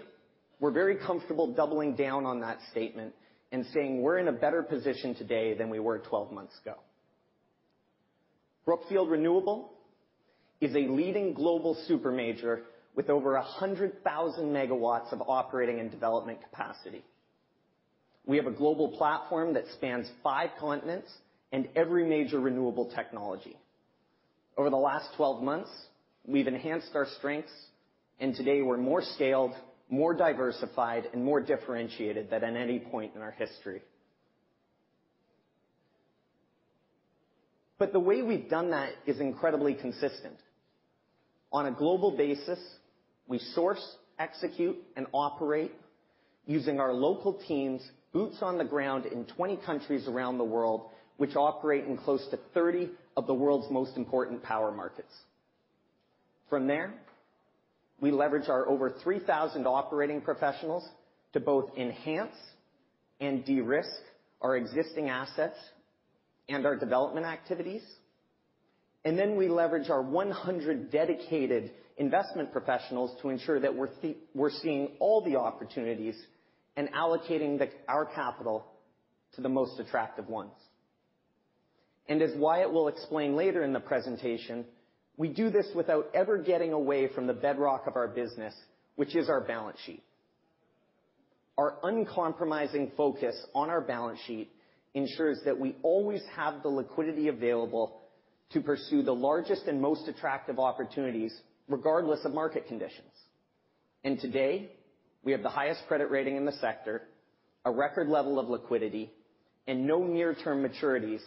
we're very comfortable doubling down on that statement and saying we're in a better position today than we were 12 months ago. Brookfield Renewable is a leading global super major with over 100,000 MW of operating and development capacity. We have a global platform that spans five continents and every major renewable technology. Over the last 12 months, we've enhanced our strengths, and today we're more scaled, more diversified, and more differentiated than at any point in our history. The way we've done that is incredibly consistent. On a global basis, we source, execute, and operate using our local teams, boots on the ground in 20 countries around the world, which operate in close to 30 of the world's most important power markets. From there, we leverage our over 3,000 operating professionals to both enhance and de-risk our existing assets and our development activities. We leverage our 100 dedicated investment professionals to ensure that we're seeing all the opportunities and allocating the, our capital to the most attractive ones. As Wyatt will explain later in the presentation, we do this without ever getting away from the bedrock of our business, which is our balance sheet. Our uncompromising focus on our balance sheet ensures that we always have the liquidity available to pursue the largest and most attractive opportunities regardless of market conditions. Today, we have the highest credit rating in the sector, a record level of liquidity, and no near-term maturities,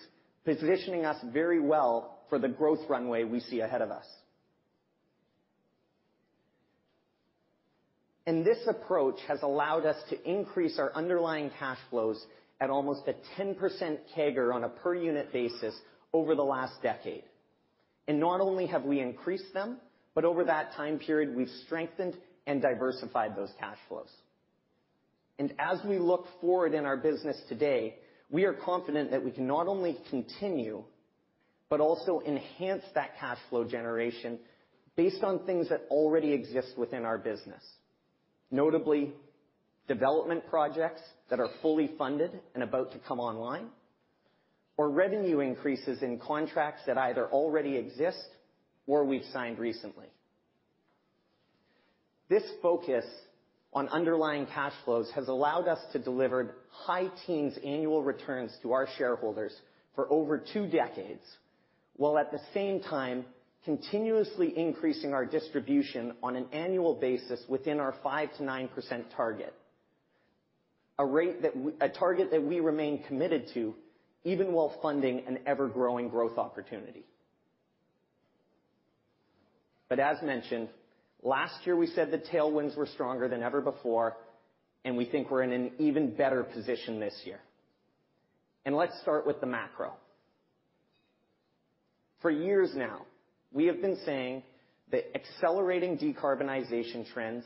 positioning us very well for the growth runway we see ahead of us. This approach has allowed us to increase our underlying cash flows at almost a 10% CAGR on a per unit basis over the last decade. Not only have we increased them, but over that time period, we've strengthened and diversified those cash flows. As we look forward in our business today, we are confident that we can not only continue but also enhance that cash flow generation based on things that already exist within our business. Notably, development projects that are fully funded and about to come online or revenue increases in contracts that either already exist or we've signed recently. This focus on underlying cash flows has allowed us to deliver high teens annual returns to our shareholders for over two decades, while at the same time continuously increasing our distribution on an annual basis within our 5%-9% target. A target that we remain committed to, even while funding an ever-growing growth opportunity. As mentioned, last year, we said the tailwinds were stronger than ever before, and we think we're in an even better position this year. Let's start with the macro. For years now, we have been saying that accelerating decarbonization trends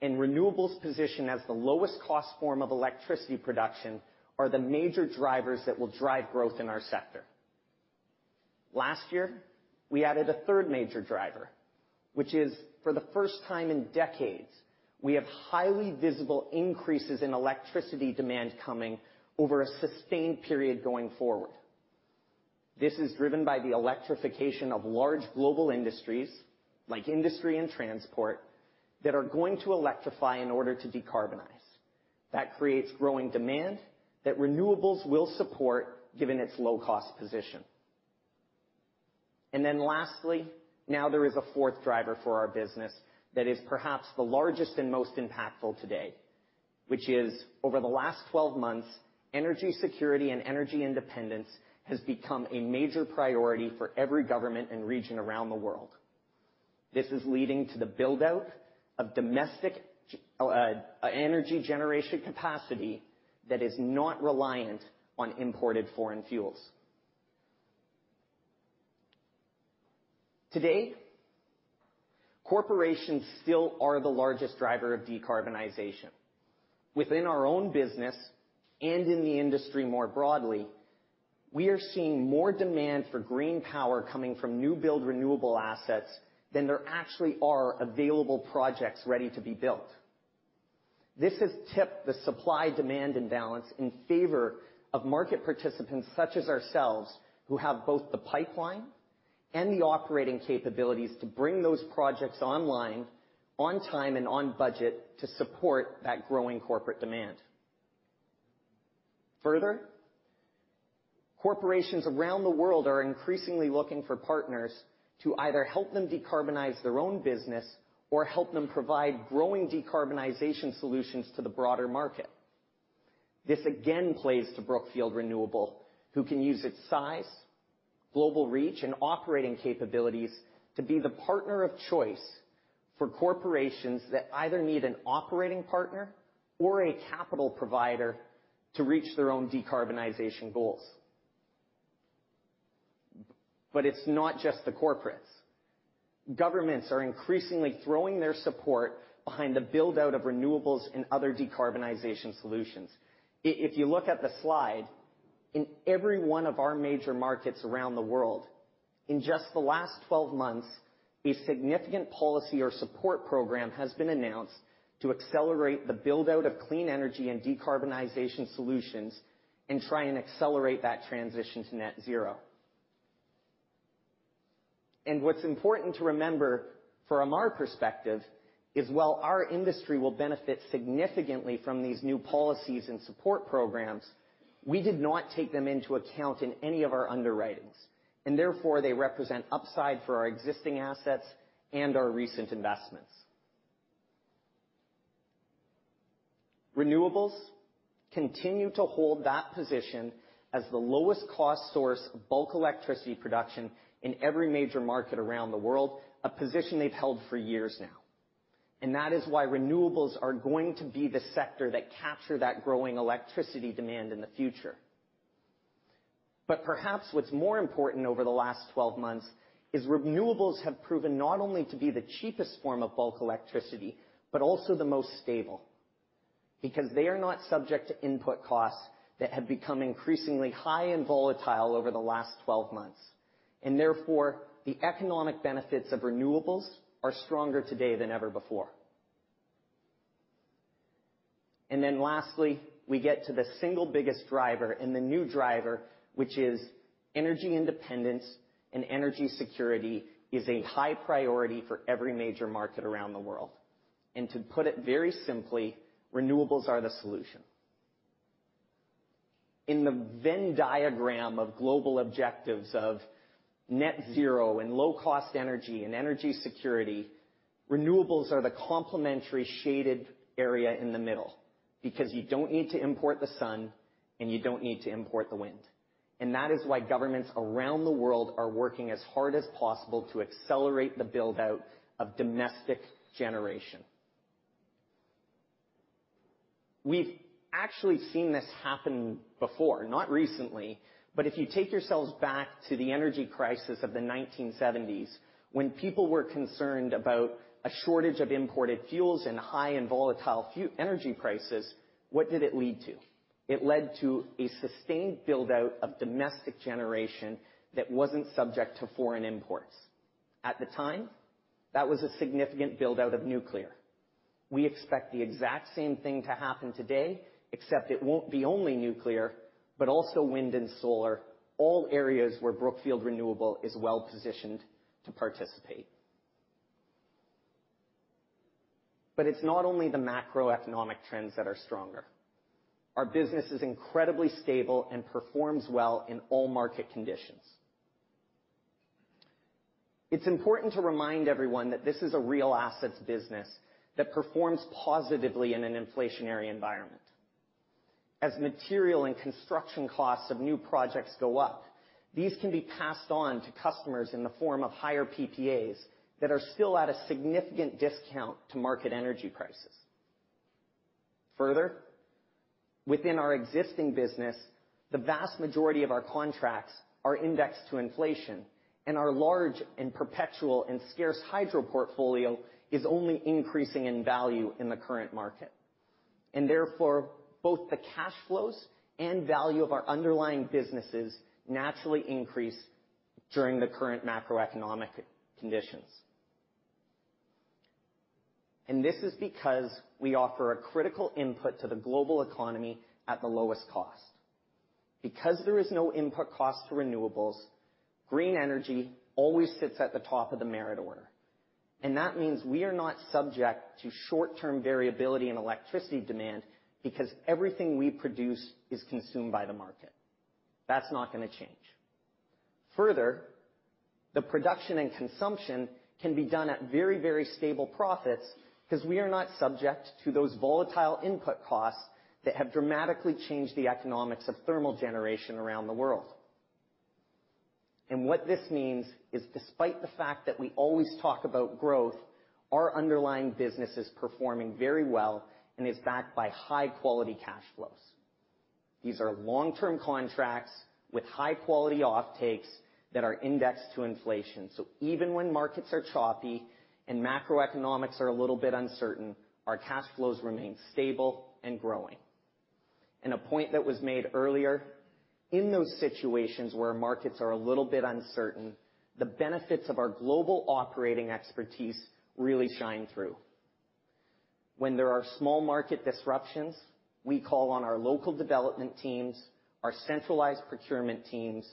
and renewables' position as the lowest cost form of electricity production are the major drivers that will drive growth in our sector. Last year, we added a third major driver, which is for the first time in decades, we have highly visible increases in electricity demand coming over a sustained period going forward. This is driven by the electrification of large global industries, like industry and transport, that are going to electrify in order to decarbonize. That creates growing demand that renewables will support given its low-cost position. Lastly, now there is a fourth driver for our business that is perhaps the largest and most impactful today, which is over the last 12 months, energy security and energy independence has become a major priority for every government and region around the world. This is leading to the build-out of domestic energy generation capacity that is not reliant on imported foreign fuels. Today, corporations still are the largest driver of decarbonization. Within our own business and in the industry more broadly, we are seeing more demand for green power coming from new build renewable assets than there actually are available projects ready to be built. This has tipped the supply-demand imbalance in favor of market participants such as ourselves, who have both the pipeline and the operating capabilities to bring those projects online, on time, and on budget to support that growing corporate demand. Furthermore, corporations around the world are increasingly looking for partners to either help them decarbonize their own business or help them provide growing decarbonization solutions to the broader market. This again plays to Brookfield Renewable, who can use its size, global reach, and operating capabilities to be the partner of choice for corporations that either need an operating partner or a capital provider to reach their own decarbonization goals. It's not just the corporates. Governments are increasingly throwing their support behind the build-out of renewables and other decarbonization solutions. If you look at the slide, in every one of our major markets around the world, in just the last 12 months, a significant policy or support program has been announced to accelerate the build-out of clean energy and decarbonization solutions and try and accelerate that transition to net zero. What's important to remember from our perspective is while our industry will benefit significantly from these new policies and support programs, we did not take them into account in any of our underwritings, and therefore, they represent upside for our existing assets and our recent investments. Renewables continue to hold that position as the lowest cost source of bulk electricity production in every major market around the world, a position they've held for years now. That is why renewables are going to be the sector that capture that growing electricity demand in the future. Perhaps what's more important over the last 12 months is renewables have proven not only to be the cheapest form of bulk electricity, but also the most stable, because they are not subject to input costs that have become increasingly high and volatile over the last 12 months. Therefore, the economic benefits of renewables are stronger today than ever before. Then lastly, we get to the single biggest driver and the new driver, which is energy independence and energy security is a high priority for every major market around the world. To put it very simply, renewables are the solution. In the Venn diagram of global objectives of net zero and low-cost energy and energy security, renewables are the complementary shaded area in the middle because you don't need to import the sun and you don't need to import the wind. That is why governments around the world are working as hard as possible to accelerate the build-out of domestic generation. We've actually seen this happen before, not recently, but if you take yourselves back to the energy crisis of the 1970s, when people were concerned about a shortage of imported fuels and high and volatile energy prices, what did it lead to? It led to a sustained build-out of domestic generation that wasn't subject to foreign imports. At the time, that was a significant build-out of nuclear. We expect the exact same thing to happen today, except it won't be only nuclear, but also wind and solar, all areas where Brookfield Renewable is well-positioned to participate. It's not only the macroeconomic trends that are stronger. Our business is incredibly stable and performs well in all market conditions. It's important to remind everyone that this is a real assets business that performs positively in an inflationary environment. As material and construction costs of new projects go up, these can be passed on to customers in the form of higher PPAs that are still at a significant discount to market energy prices. Further, within our existing business, the vast majority of our contracts are indexed to inflation, and our large and perpetual and scarce hydro portfolio is only increasing in value in the current market. Therefore, both the cash flows and value of our underlying businesses naturally increase during the current macroeconomic conditions. This is because we offer a critical input to the global economy at the lowest cost. Because there is no input cost to renewables, green energy always sits at the top of the merit order. That means we are not subject to short-term variability in electricity demand because everything we produce is consumed by the market. That's not gonna change. Further, the production and consumption can be done at very, very stable profits because we are not subject to those volatile input costs that have dramatically changed the economics of thermal generation around the world. What this means is despite the fact that we always talk about growth, our underlying business is performing very well and is backed by high-quality cash flows. These are long-term contracts with high-quality offtakes that are indexed to inflation. Even when markets are choppy and macroeconomics are a little bit uncertain, our cash flows remain stable and growing. A point that was made earlier, in those situations where markets are a little bit uncertain, the benefits of our global operating expertise really shine through. When there are small market disruptions, we call on our local development teams, our centralized procurement teams,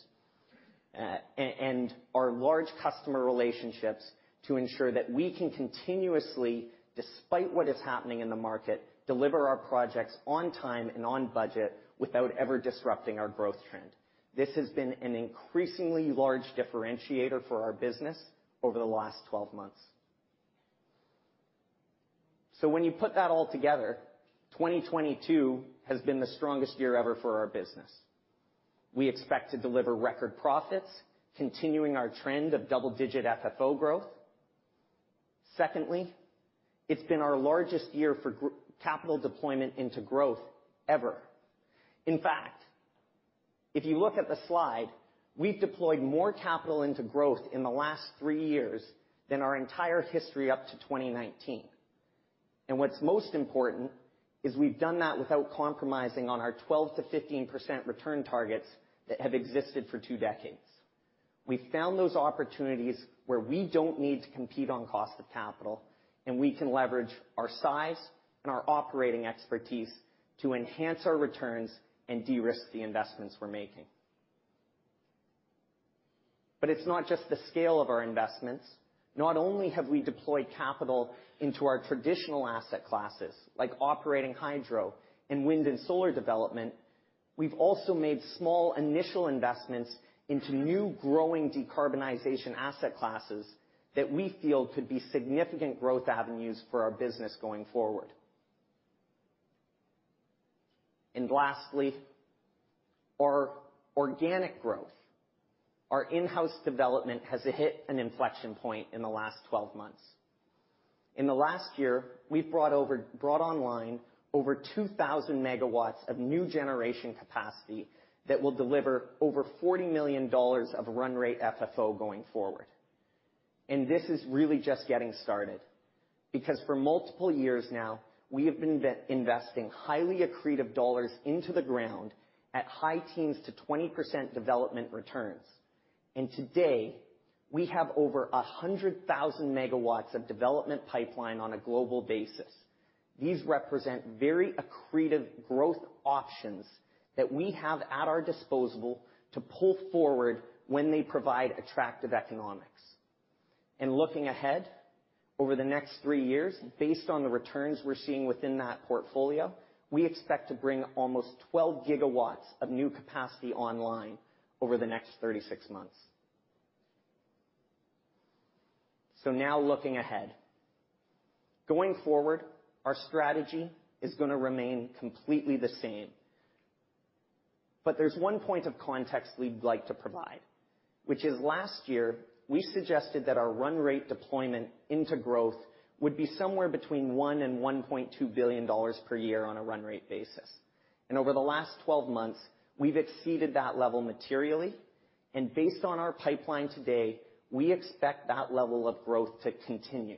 and our large customer relationships to ensure that we can continuously, despite what is happening in the market, deliver our projects on time and on budget without ever disrupting our growth trend. This has been an increasingly large differentiator for our business over the last 12 months. When you put that all together, 2022 has been the strongest year ever for our business. We expect to deliver record profits, continuing our trend of double-digit FFO growth. Secondly, it's been our largest year for capital deployment into growth ever. In fact, if you look at the slide, we've deployed more capital into growth in the last three years than our entire history up to 2019. What's most important is we've done that without compromising on our 12%-15% return targets that have existed for two decades. We found those opportunities where we don't need to compete on cost of capital, and we can leverage our size and our operating expertise to enhance our returns and de-risk the investments we're making. It's not just the scale of our investments. Not only have we deployed capital into our traditional asset classes, like operating hydro and wind and solar development, we've also made small initial investments into new growing decarbonization asset classes that we feel could be significant growth avenues for our business going forward. Lastly, our organic growth, our in-house development, has hit an inflection point in the last 12 months. In the last year, we've brought online over 2,000 MW of new generation capacity that will deliver over $40 million of run rate FFO going forward. This is really just getting started. For multiple years now, we have been re-investing highly accretive dollars into the ground at high teens to 20% development returns. Today, we have over 100,000 MW of development pipeline on a global basis. These represent very accretive growth options that we have at our disposal to pull forward when they provide attractive economics. Looking ahead, over the next three years, based on the returns we're seeing within that portfolio, we expect to bring almost 12 GW of new capacity online over the next 36 months. Now looking ahead. Going forward, our strategy is gonna remain completely the same. There's one point of context we'd like to provide, which is last year, we suggested that our run rate deployment into growth would be somewhere between $1 billion and $1.2 billion per year on a run rate basis. Over the last 12 months, we've exceeded that level materially. Based on our pipeline today, we expect that level of growth to continue.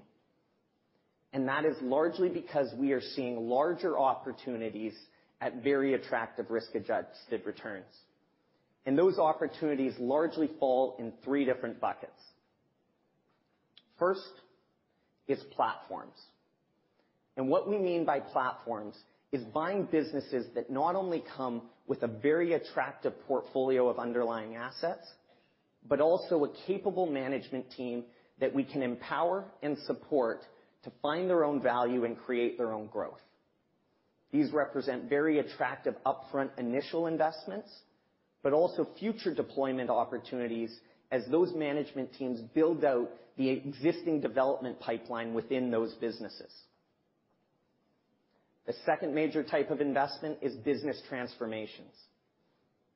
That is largely because we are seeing larger opportunities at very attractive risk-adjusted returns. Those opportunities largely fall in three different buckets. First is platforms. What we mean by platforms is buying businesses that not only come with a very attractive portfolio of underlying assets, but also a capable management team that we can empower and support to find their own value and create their own growth. These represent very attractive upfront initial investments, but also future deployment opportunities as those management teams build out the existing development pipeline within those businesses. The second major type of investment is business transformations.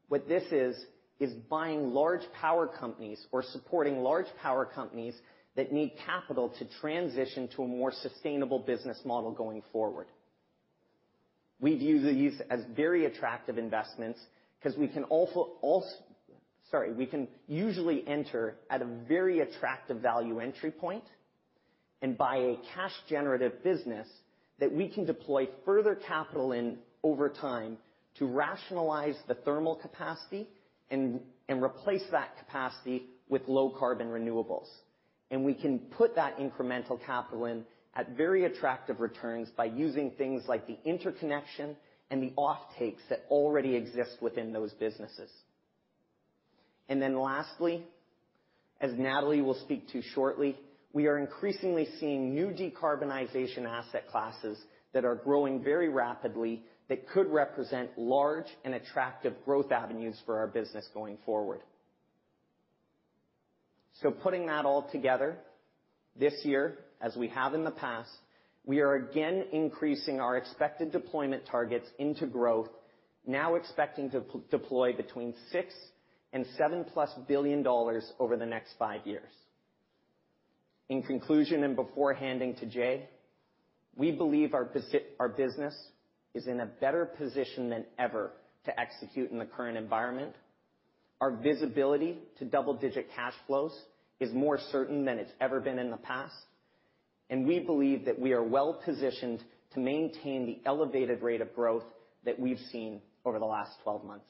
What this is buying large power companies or supporting large power companies that need capital to transition to a more sustainable business model going forward. We view these as very attractive investments because we can also. Sorry, we can usually enter at a very attractive value entry point, and buy a cash generative business that we can deploy further capital in over time to rationalize the thermal capacity and replace that capacity with low carbon renewables. We can put that incremental capital in at very attractive returns by using things like the interconnection and the offtakes that already exist within those businesses. Then lastly, as Natalie will speak to shortly, we are increasingly seeing new decarbonization asset classes that are growing very rapidly that could represent large and attractive growth avenues for our business going forward. Putting that all together, this year, as we have in the past, we are again increasing our expected deployment targets into growth, now expecting to deploy between $6 billion and $7+ billion over the next five years. In conclusion, and before handing to Jay, we believe our business is in a better position than ever to execute in the current environment. Our visibility to double-digit cash flows is more certain than it's ever been in the past, and we believe that we are well-positioned to maintain the elevated rate of growth that we've seen over the last 12 months.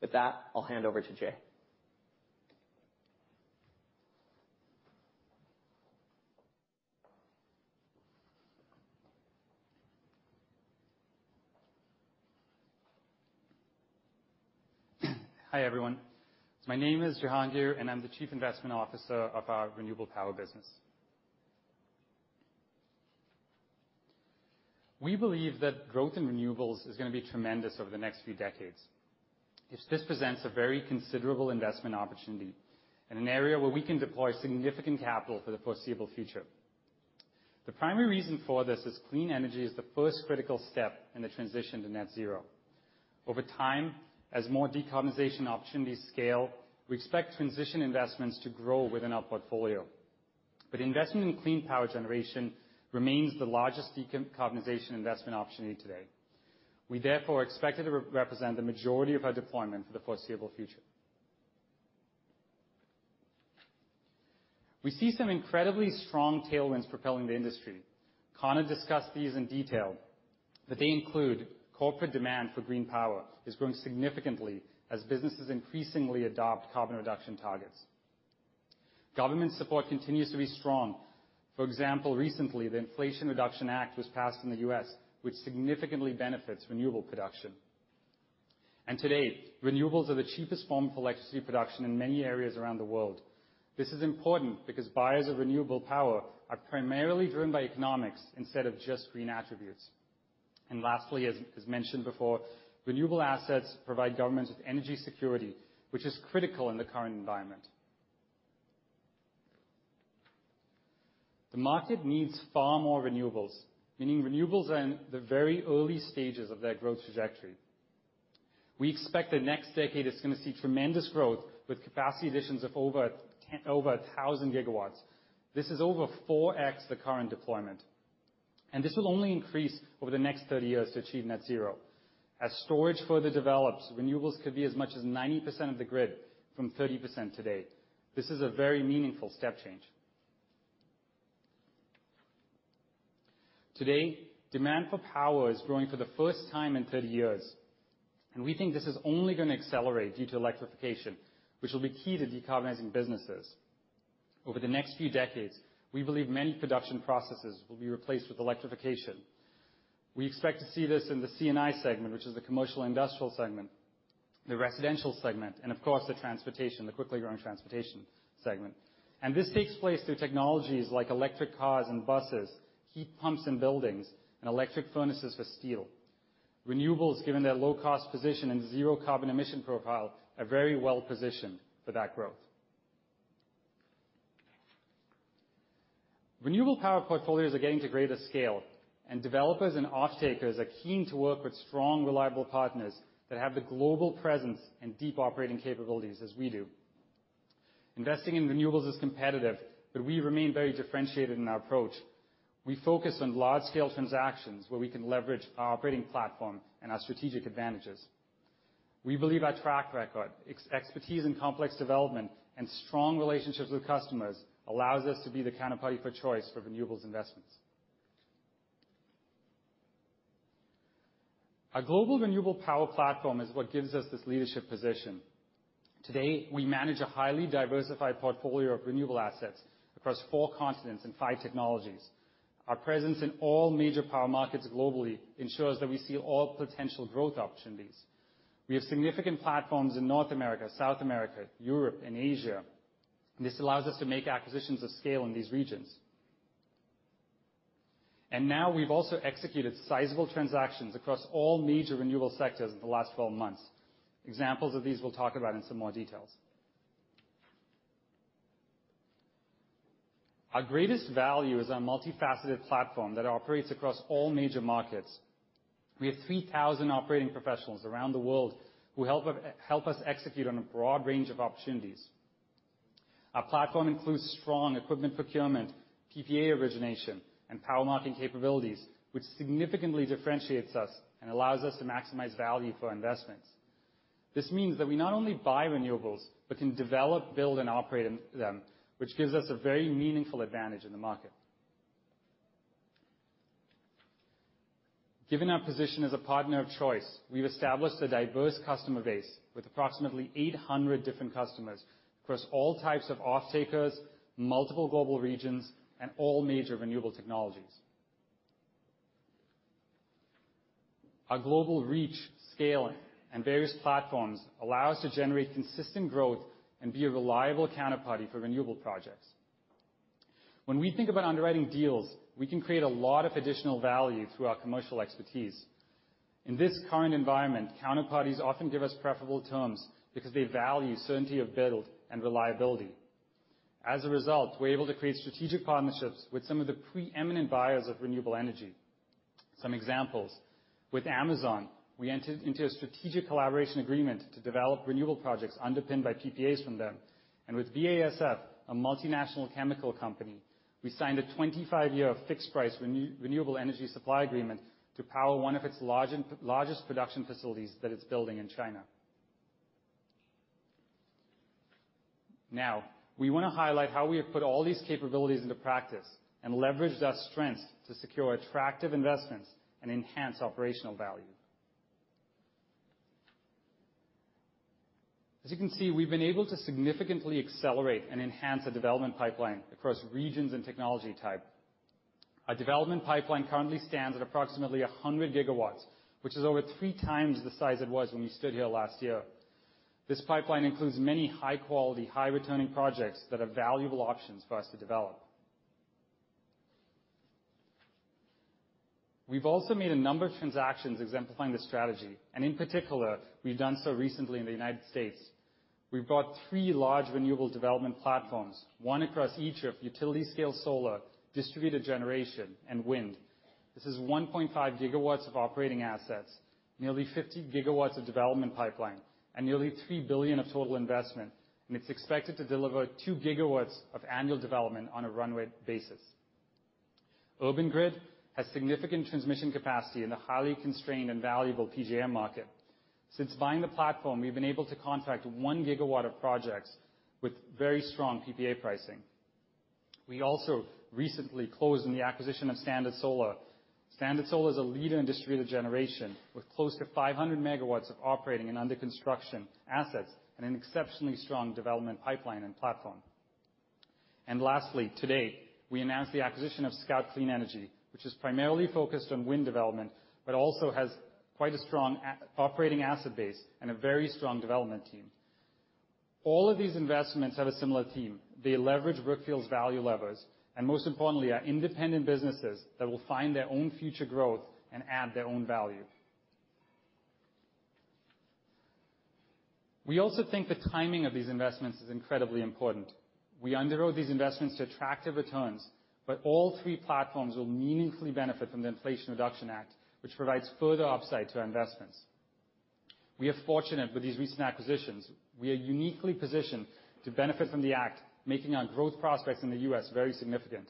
With that, I'll hand over to Jay. Hi, everyone. My name is Jehangir, and I'm the Chief Investment Officer of our Renewable Power Business. We believe that growth in renewables is gonna be tremendous over the next few decades. This presents a very considerable investment opportunity in an area where we can deploy significant capital for the foreseeable future. The primary reason for this is clean energy is the first critical step in the transition to net zero. Over time, as more decarbonization opportunities scale, we expect transition investments to grow within our portfolio. Investment in clean power generation remains the largest decarbonization investment opportunity today. We therefore expect it to represent the majority of our deployment for the foreseeable future. We see some incredibly strong tailwinds propelling the industry. Connor discussed these in detail, but they include corporate demand for green power is growing significantly as businesses increasingly adopt carbon reduction targets. Government support continues to be strong. For example, recently, the Inflation Reduction Act was passed in the U.S., which significantly benefits renewable production. Today, renewables are the cheapest form for electricity production in many areas around the world. This is important because buyers of renewable power are primarily driven by economics instead of just green attributes. Lastly, as mentioned before, renewable assets provide governments with energy security, which is critical in the current environment. The market needs far more renewables, meaning renewables are in the very early stages of their growth trajectory. We expect the next decade is gonna see tremendous growth with capacity additions of over 1,000 GW. This is over 4x the current deployment, and this will only increase over the next 30 years to achieve net zero. As storage further develops, renewables could be as much as 90% of the grid from 30% today. This is a very meaningful step change. Today, demand for power is growing for the first time in 30 years, and we think this is only gonna accelerate due to electrification, which will be key to decarbonizing businesses. Over the next few decades, we believe many production processes will be replaced with electrification. We expect to see this in the C&I segment, which is the commercial industrial segment, the residential segment, and of course, the transportation, the quickly growing transportation segment. This takes place through technologies like electric cars and buses, heat pumps in buildings, and electric furnaces for steel. Renewables, given their low cost position and zero carbon emission profile, are very well positioned for that growth. Renewable power portfolios are getting to greater scale, and developers and offtakers are keen to work with strong, reliable partners that have the global presence and deep operating capabilities as we do. Investing in renewables is competitive, but we remain very differentiated in our approach. We focus on large-scale transactions where we can leverage our operating platform and our strategic advantages. We believe our track record, expertise in complex development, and strong relationships with customers allows us to be the counterparty of choice for renewables investments. Our global renewable power platform is what gives us this leadership position. Today, we manage a highly diversified portfolio of renewable assets across four continents and five technologies. Our presence in all major power markets globally ensures that we see all potential growth opportunities. We have significant platforms in North America, South America, Europe, and Asia, and this allows us to make acquisitions of scale in these regions. Now we've also executed sizable transactions across all major renewable sectors in the last 12 months. Examples of these, we'll talk about in some more details. Our greatest value is our multifaceted platform that operates across all major markets. We have 3,000 operating professionals around the world who help us execute on a broad range of opportunities. Our platform includes strong equipment procurement, PPA origination, and power marketing capabilities, which significantly differentiates us and allows us to maximize value for our investments. This means that we not only buy renewables, but can develop, build, and operate them, which gives us a very meaningful advantage in the market. Given our position as a partner of choice, we've established a diverse customer base with approximately 800 different customers across all types of offtakers, multiple global regions, and all major renewable technologies. Our global reach, scaling, and various platforms allow us to generate consistent growth and be a reliable counterparty for renewable projects. When we think about underwriting deals, we can create a lot of additional value through our commercial expertise. In this current environment, counterparties often give us preferable terms because they value certainty of build and reliability. As a result, we're able to create strategic partnerships with some of the preeminent buyers of renewable energy. Some examples. With Amazon, we entered into a strategic collaboration agreement to develop renewable projects underpinned by PPAs from them. With BASF, a multinational chemical company, we signed a 25-year fixed price renewable energy supply agreement to power one of its largest production facilities that it's building in China. Now, we wanna highlight how we have put all these capabilities into practice and leveraged our strengths to secure attractive investments and enhance operational value. As you can see, we've been able to significantly accelerate and enhance the development pipeline across regions and technology type. Our development pipeline currently stands at approximately 100 GW, which is over 3x the size it was when we stood here last year. This pipeline includes many high-quality, high-returning projects that are valuable options for us to develop. We've also made a number of transactions exemplifying the strategy, and in particular, we've done so recently in the United States. We've bought three large renewable development platforms, one across each of utility scale solar, distributed generation, and wind. This is 1.5 GW of operating assets, nearly 50 GW of development pipeline, and nearly $3 billion of total investment, and it's expected to deliver 2 GW of annual development on a runway basis. Urban Grid has significant transmission capacity in the highly constrained and valuable PJM market. Since buying the platform, we've been able to contract 1 GW of projects with very strong PPA pricing. We also recently closed on the acquisition of Standard Solar. Standard Solar is a leader in distributed generation with close to 500 MW of operating and under construction assets, and an exceptionally strong development pipeline and platform. Lastly, today, we announced the acquisition of Scout Clean Energy, which is primarily focused on wind development, but also has quite a strong operating asset base and a very strong development team. All of these investments have a similar theme. They leverage Brookfield's value levers, and most importantly, are independent businesses that will find their own future growth and add their own value. We also think the timing of these investments is incredibly important. We underwrote these investments to attractive returns, but all three platforms will meaningfully benefit from the Inflation Reduction Act, which provides further upside to our investments. We are fortunate with these recent acquisitions. We are uniquely positioned to benefit from the act, making our growth prospects in the U.S. very significant.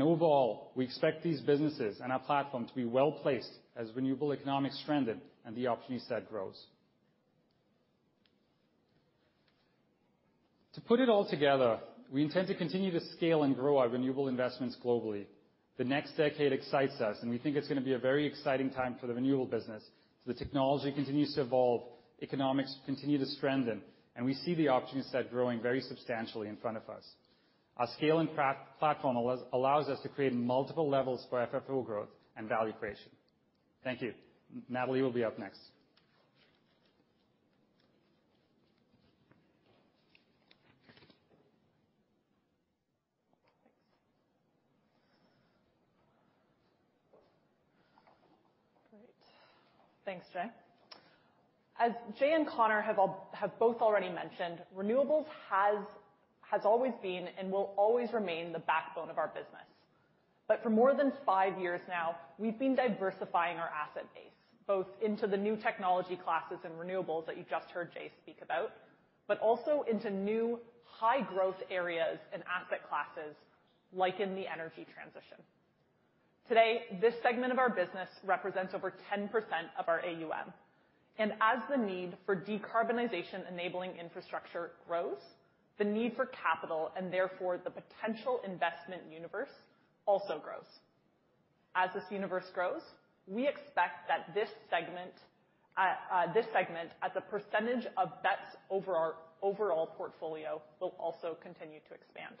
Overall, we expect these businesses and our platform to be well-placed as renewable economics strengthen and the opportunity set grows. To put it all together, we intend to continue to scale and grow our renewable investments globally. The next decade excites us, and we think it's gonna be a very exciting time for the renewable business. The technology continues to evolve, economics continue to strengthen, and we see the opportunity set growing very substantially in front of us. Our scale and platform allows us to create multiple levels for FFO growth and value creation. Thank you. Natalie will be up next. Great. Thanks, Jay. As Jay and Connor have both already mentioned, renewables has always been and will always remain the backbone of our business. For more than five years now, we've been diversifying our asset base, both into the new technology classes and renewables that you just heard Jay speak about, but also into new high growth areas and asset classes, like in the energy transition. Today, this segment of our business represents over 10% of our AUM. As the need for decarbonization-enabling infrastructure grows, the need for capital, and therefore the potential investment universe also grows. As this universe grows, we expect that this segment as a percentage of that's over our overall portfolio, will also continue to expand.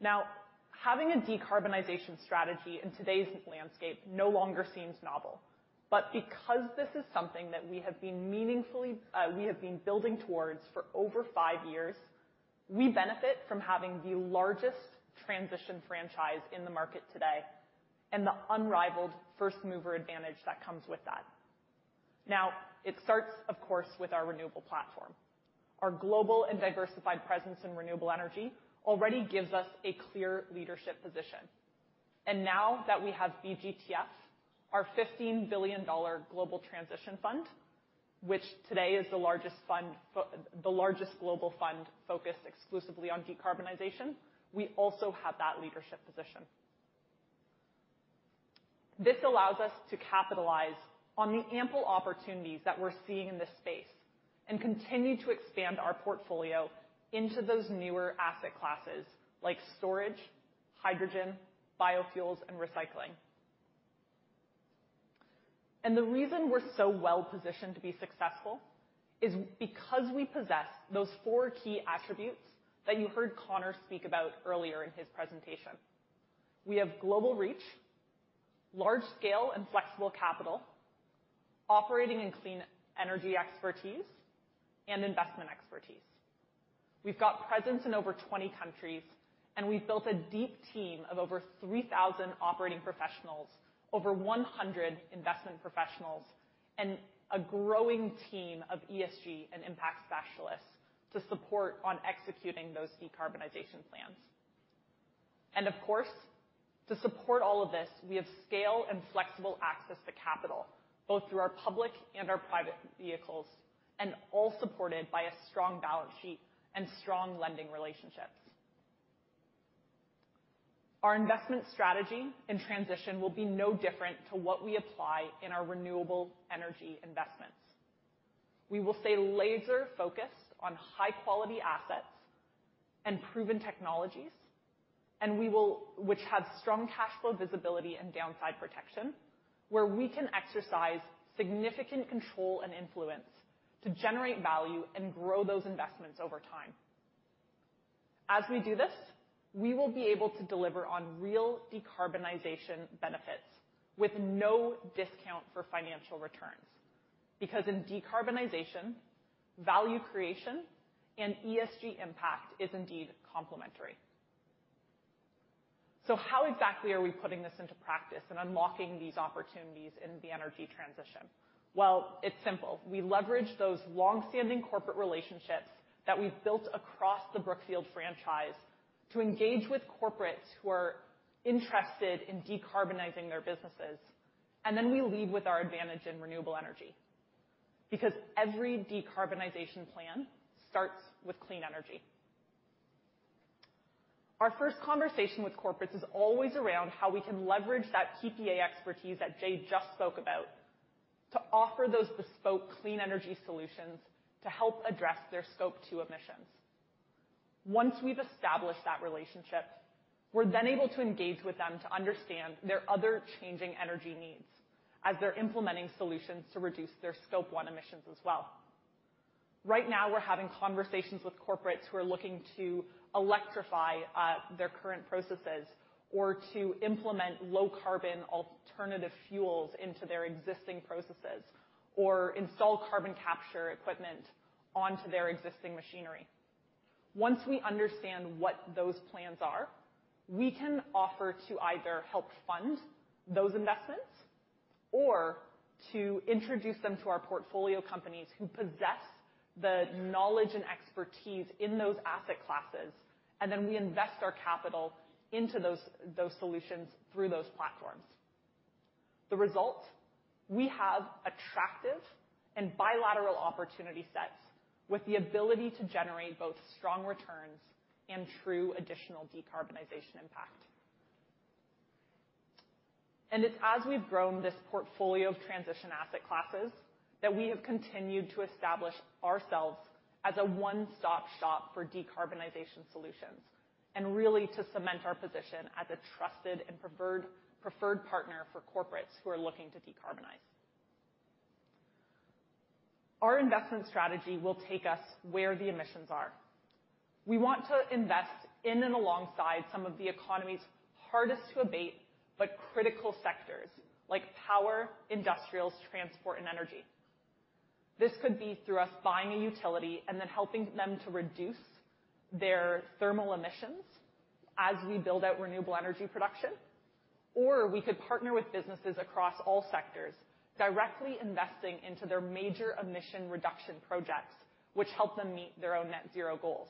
Now, having a decarbonization strategy in today's landscape no longer seems novel. Because this is something that we have been meaningfully, we have been building towards for over five years, we benefit from having the largest transition franchise in the market today and the unrivaled first mover advantage that comes with that. Now, it starts, of course, with our renewable platform. Our global and diversified presence in renewable energy already gives us a clear leadership position. Now that we have BGTF, our $15 billion global transition fund, which today is the largest global fund focused exclusively on decarbonization, we also have that leadership position. This allows us to capitalize on the ample opportunities that we're seeing in this space and continue to expand our portfolio into those newer asset classes like storage, hydrogen, biofuels, and recycling. The reason we're so well-positioned to be successful is because we possess those four key attributes that you heard Connor speak about earlier in his presentation. We have global reach, large scale and flexible capital, operating and clean energy expertise, and investment expertise. We've got presence in over 20 countries, and we've built a deep team of over 3,000 operating professionals, over 100 investment professionals, and a growing team of ESG and impact specialists to support on executing those decarbonization plans. Of course, to support all of this, we have scale and flexible access to capital, both through our public and our private vehicles, and all supported by a strong balance sheet and strong lending relationships. Our investment strategy and transition will be no different to what we apply in our renewable energy investments. We will stay laser-focused on high-quality assets and proven technologies, which have strong cash flow visibility and downside protection, where we can exercise significant control and influence to generate value and grow those investments over time. As we do this, we will be able to deliver on real decarbonization benefits with no discount for financial returns. Because in decarbonization, value creation and ESG impact is indeed complementary. How exactly are we putting this into practice and unlocking these opportunities in the energy transition? Well, it's simple. We leverage those long-standing corporate relationships that we've built across the Brookfield franchise to engage with corporates who are interested in decarbonizing their businesses. We lead with our advantage in renewable energy. Because every decarbonization plan starts with clean energy. Our first conversation with corporates is always around how we can leverage that PPA expertise that Jay just spoke about to offer those bespoke clean energy solutions to help address their Scope 2 emissions. Once we've established that relationship, we're then able to engage with them to understand their other changing energy needs as they're implementing solutions to reduce their Scope 1 emissions as well. Right now we're having conversations with corporates who are looking to electrify their current processes or to implement low carbon alternative fuels into their existing processes, or install carbon capture equipment onto their existing machinery. Once we understand what those plans are, we can offer to either help fund those investments or to introduce them to our portfolio companies who possess the knowledge and expertise in those asset classes, and then we invest our capital into those solutions through those platforms. The result, we have attractive and bilateral opportunity sets with the ability to generate both strong returns and true additional decarbonization impact. It's as we've grown this portfolio of transition asset classes that we have continued to establish ourselves as a one-stop shop for decarbonization solutions and really to cement our position as a trusted and preferred partner for corporates who are looking to decarbonize. Our investment strategy will take us where the emissions are. We want to invest in and alongside some of the economy's hardest to abate, but critical sectors like power, industrials, transport and energy. This could be through us buying a utility and then helping them to reduce their thermal emissions as we build out renewable energy production. Or we could partner with businesses across all sectors, directly investing into their major emission reduction projects, which help them meet their own net zero goals.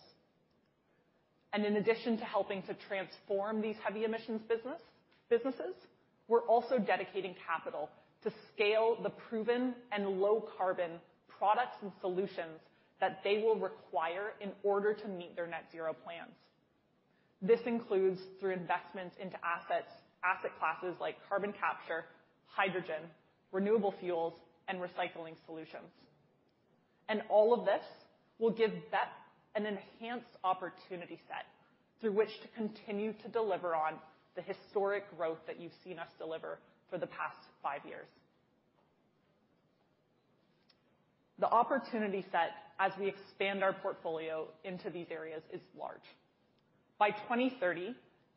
In addition to helping to transform these heavy emissions businesses, we're also dedicating capital to scale the proven and low carbon products and solutions that they will require in order to meet their net zero plans. This includes through investments into assets, asset classes like carbon capture, hydrogen, renewable fuels and recycling solutions. All of this will give BEP an enhanced opportunity set through which to continue to deliver on the historic growth that you've seen us deliver for the past five years. The opportunity set as we expand our portfolio into these areas is large. By 2030,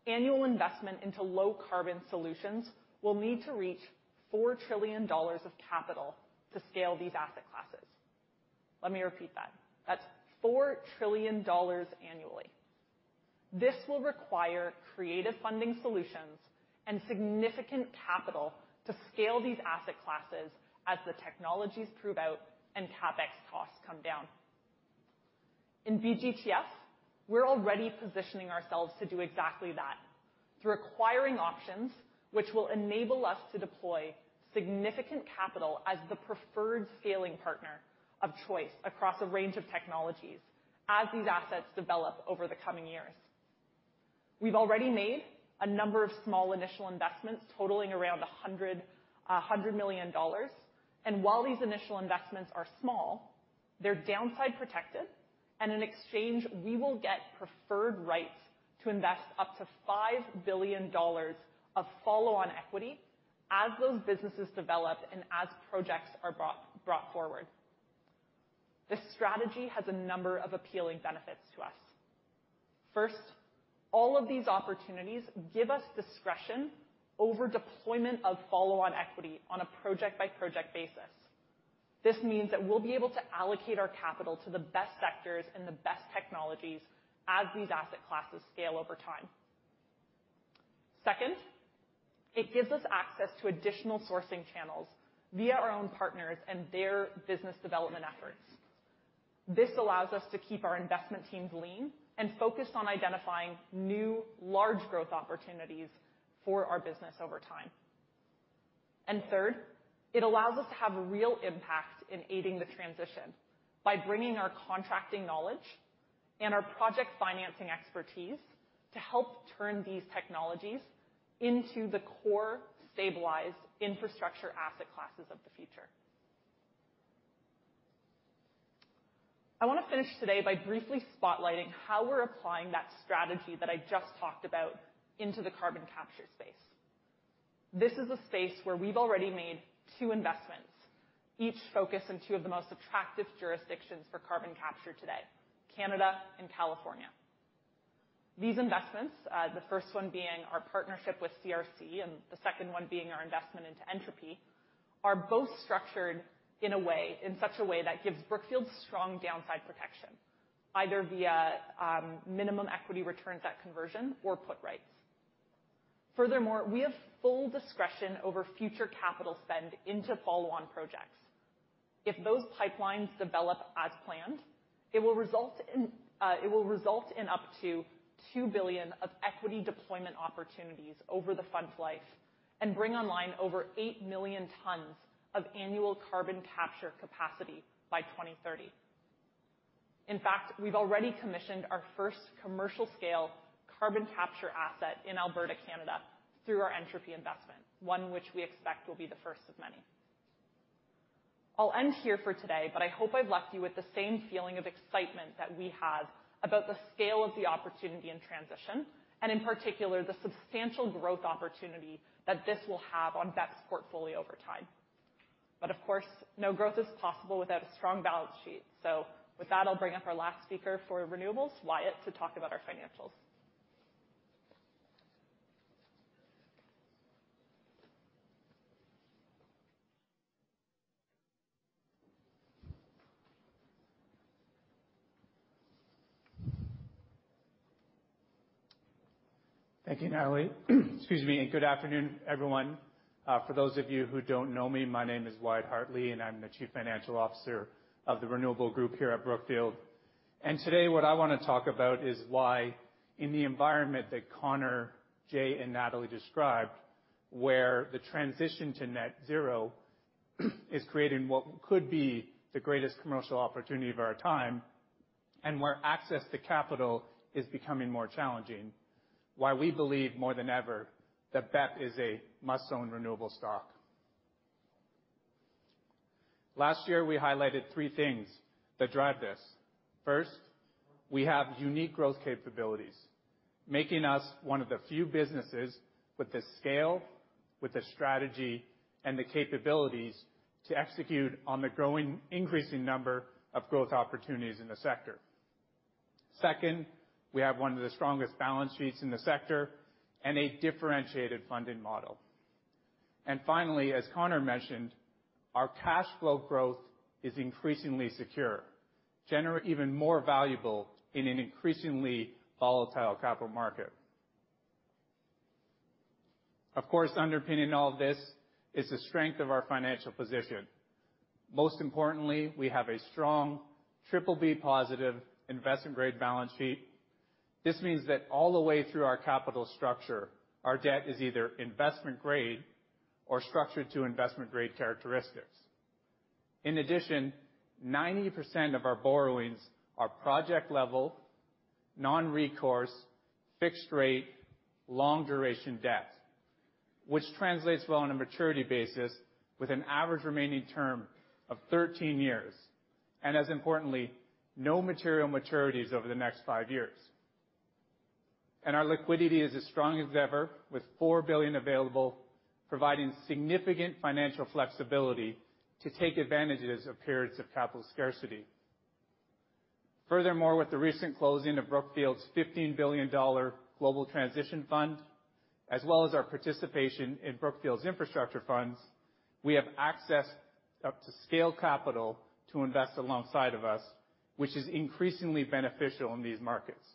annual investment into low carbon solutions will need to reach $4 trillion of capital to scale these asset classes. Let me repeat that. That's $4 trillion annually. This will require creative funding solutions and significant capital to scale these asset classes as the technologies prove out and CapEx costs come down. In BGTF, we're already positioning ourselves to do exactly that. Through acquiring options which will enable us to deploy significant capital as the preferred scaling partner of choice across a range of technologies as these assets develop over the coming years. We've already made a number of small initial investments totaling around $100 million. While these initial investments are small, they're downside protected, and in exchange, we will get preferred rights to invest up to $5 billion of follow-on equity as those businesses develop and as projects are brought forward. This strategy has a number of appealing benefits to us. First, all of these opportunities give us discretion over deployment of follow-on equity on a project-by-project basis. This means that we'll be able to allocate our capital to the best sectors and the best technologies as these asset classes scale over time. Second, it gives us access to additional sourcing channels via our own partners and their business development efforts. This allows us to keep our investment teams lean and focused on identifying new large growth opportunities for our business over time. Third, it allows us to have real impact in aiding the transition by bringing our contracting knowledge and our project financing expertise to help turn these technologies into the core stabilized infrastructure asset classes of the future. I want to finish today by briefly spotlighting how we're applying that strategy that I just talked about into the carbon capture space. This is a space where we've already made two investments. We focus on two of the most attractive jurisdictions for carbon capture today, Canada and California. These investments, the first one being our partnership with CRC and the second one being our investment into Entropy, are both structured in such a way that gives Brookfield strong downside protection, either via minimum equity returns at conversion or put rights. Furthermore, we have full discretion over future capital spend into follow-on projects. If those pipelines develop as planned, it will result in up to $2 billion of equity deployment opportunities over the fund's life and bring online over 8 million tons of annual carbon capture capacity by 2030. In fact, we've already commissioned our first commercial scale carbon capture asset in Alberta, Canada, through our Entropy investment, one which we expect will be the first of many. I'll end here for today, but I hope I've left you with the same feeling of excitement that we have about the scale of the opportunity in transition, and in particular, the substantial growth opportunity that this will have on BEP's portfolio over time. Of course, no growth is possible without a strong balance sheet. With that, I'll bring up our last speaker for renewables, Wyatt, to talk about our financials. Thank you, Natalie. Excuse me, and good afternoon, everyone. For those of you who don't know me, my name is Wyatt Hartley, and I'm the Chief Financial Officer of the Renewable Group here at Brookfield. Today, what I wanna talk about is why in the environment that Connor, Jay, and Natalie described, where the transition to net zero is creating what could be the greatest commercial opportunity of our time, and where access to capital is becoming more challenging, why we believe more than ever that BEP is a must-own renewable stock. Last year, we highlighted three things that drive this. First, we have unique growth capabilities, making us one of the few businesses with the scale, with the strategy, and the capabilities to execute on the growing, increasing number of growth opportunities in the sector. Second, we have one of the strongest balance sheets in the sector and a differentiated funding model. Finally, as Connor mentioned, our cash flow growth is increasingly secure, even more valuable in an increasingly volatile capital market. Of course, underpinning all of this is the strength of our financial position. Most importantly, we have a strong BBB+ investment-grade balance sheet. This means that all the way through our capital structure, our debt is either investment grade or structured to investment-grade characteristics. In addition, 90% of our borrowings are project-level, non-recourse, fixed rate, long duration debt, which translates well on a maturity basis with an average remaining term of 13 years. As importantly, no material maturities over the next five years. Our liquidity is as strong as ever, with $4 billion available, providing significant financial flexibility to take advantages of periods of capital scarcity. Furthermore, with the recent closing of Brookfield's $15 billion global transition fund, as well as our participation in Brookfield's infrastructure funds, we have access to scale capital to invest alongside of us, which is increasingly beneficial in these markets.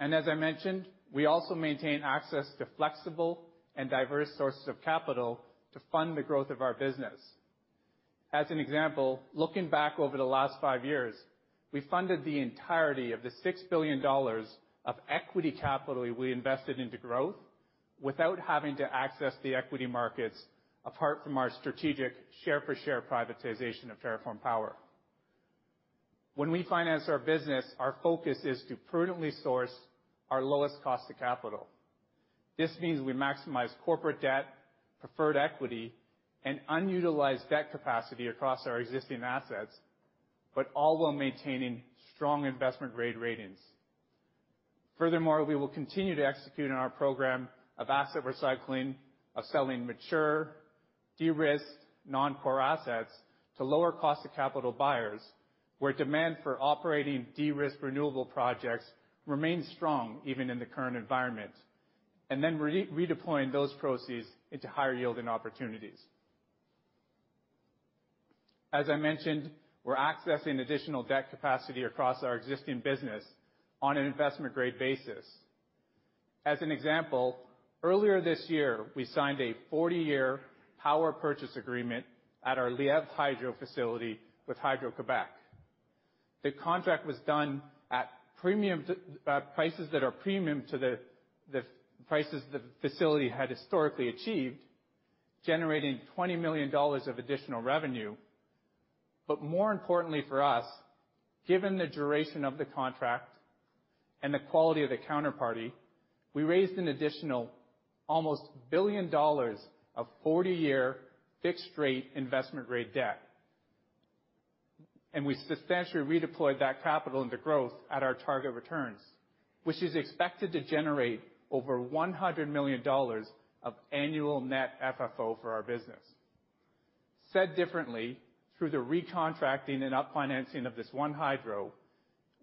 As I mentioned, we also maintain access to flexible and diverse sources of capital to fund the growth of our business. As an example, looking back over the last five years, we funded the entirety of the $6 billion of equity capital we invested into growth without having to access the equity markets apart from our strategic share for share privatization of TerraForm Power. When we finance our business, our focus is to prudently source our lowest cost of capital. This means we maximize corporate debt, preferred equity, and unutilized debt capacity across our existing assets, but all while maintaining strong investment-grade ratings. Furthermore, we will continue to execute on our program of asset recycling, of selling mature, de-risked, non-core assets to lower cost of capital buyers, where demand for operating de-risked renewable projects remains strong even in the current environment, and then redeploying those proceeds into higher yielding opportunities. As I mentioned, we're accessing additional debt capacity across our existing business on an investment-grade basis. As an example, earlier this year, we signed a 40-year power purchase agreement at our Lièvre Hydro facility with Hydro-Québec. The contract was done at premium to prices that are premium to the prices the facility had historically achieved, generating $20 million of additional revenue. More importantly for us, given the duration of the contract and the quality of the counterparty, we raised an additional almost $1 billion of 40-year fixed rate investment-grade debt. We substantially redeployed that capital into growth at our target returns, which is expected to generate over $100 million of annual net FFO for our business. Said differently, through the recontracting and refinancing of this one hydro,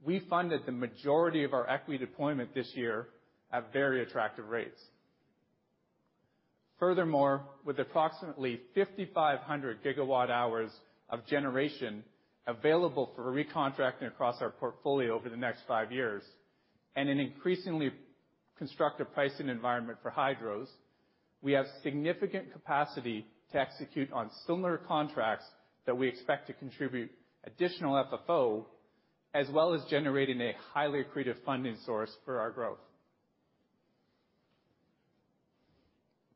we funded the majority of our equity deployment this year at very attractive rates. Furthermore, with approximately 5,500 GWh of generation available for recontracting across our portfolio over the next five years, and an increasingly constructive pricing environment for hydros, we have significant capacity to execute on similar contracts that we expect to contribute additional FFO, as well as generating a highly accretive funding source for our growth.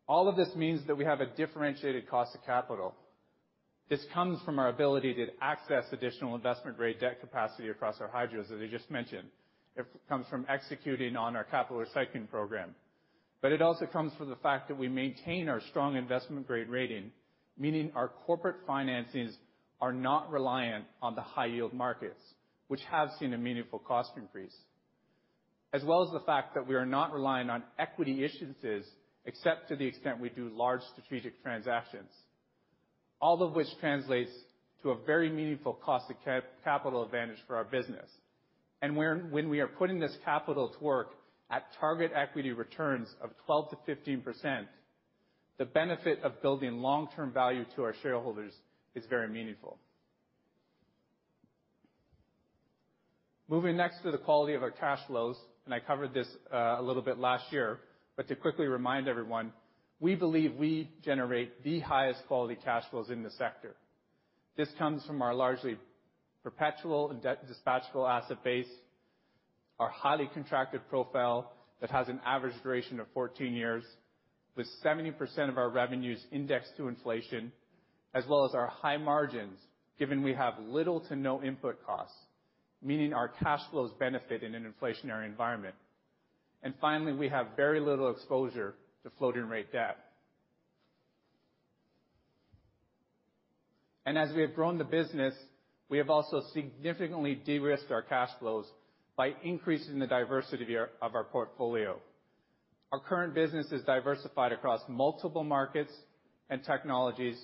All of this means that we have a differentiated cost of capital. This comes from our ability to access additional investment-grade debt capacity across our hydros, as I just mentioned. It comes from executing on our capital recycling program. It also comes from the fact that we maintain our strong investment-grade rating, meaning our corporate financings are not reliant on the high-yield markets, which have seen a meaningful cost increase. As well as the fact that we are not relying on equity issuances, except to the extent we do large strategic transactions. All of which translates to a very meaningful cost of capital advantage for our business. When we are putting this capital to work at target equity returns of 12%-15%, the benefit of building long-term value to our shareholders is very meaningful. Moving next to the quality of our cash flows, I covered this a little bit last year, but to quickly remind everyone, we believe we generate the highest quality cash flows in the sector. This comes from our largely perpetual and debt dispatchable asset base, our highly contracted profile that has an average duration of 14 years, with 70% of our revenues indexed to inflation, as well as our high margins, given we have little to no input costs, meaning our cash flows benefit in an inflationary environment. Finally, we have very little exposure to floating rate debt. As we have grown the business, we have also significantly de-risked our cash flows by increasing the diversity of our portfolio. Our current business is diversified across multiple markets and technologies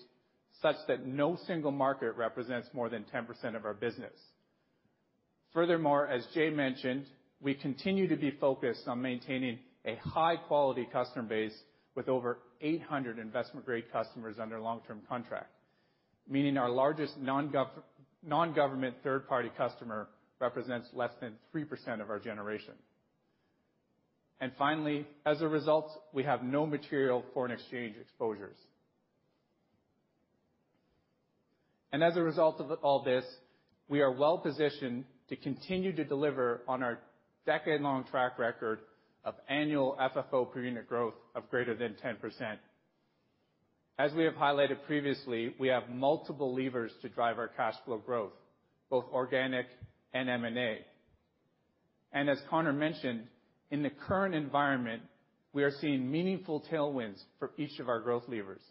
such that no single market represents more than 10% of our business. Furthermore, as Jay mentioned, we continue to be focused on maintaining a high-quality customer base with over 800 investment-grade customers under long-term contract. Meaning our largest non-government third-party customer represents less than 3% of our generation. Finally, as a result, we have no material foreign exchange exposures. As a result of all this, we are well-positioned to continue to deliver on our decade-long track record of annual FFO per unit growth of greater than 10%. As we have highlighted previously, we have multiple levers to drive our cash flow growth, both organic and M&A. As Connor mentioned, in the current environment, we are seeing meaningful tailwinds for each of our growth levers,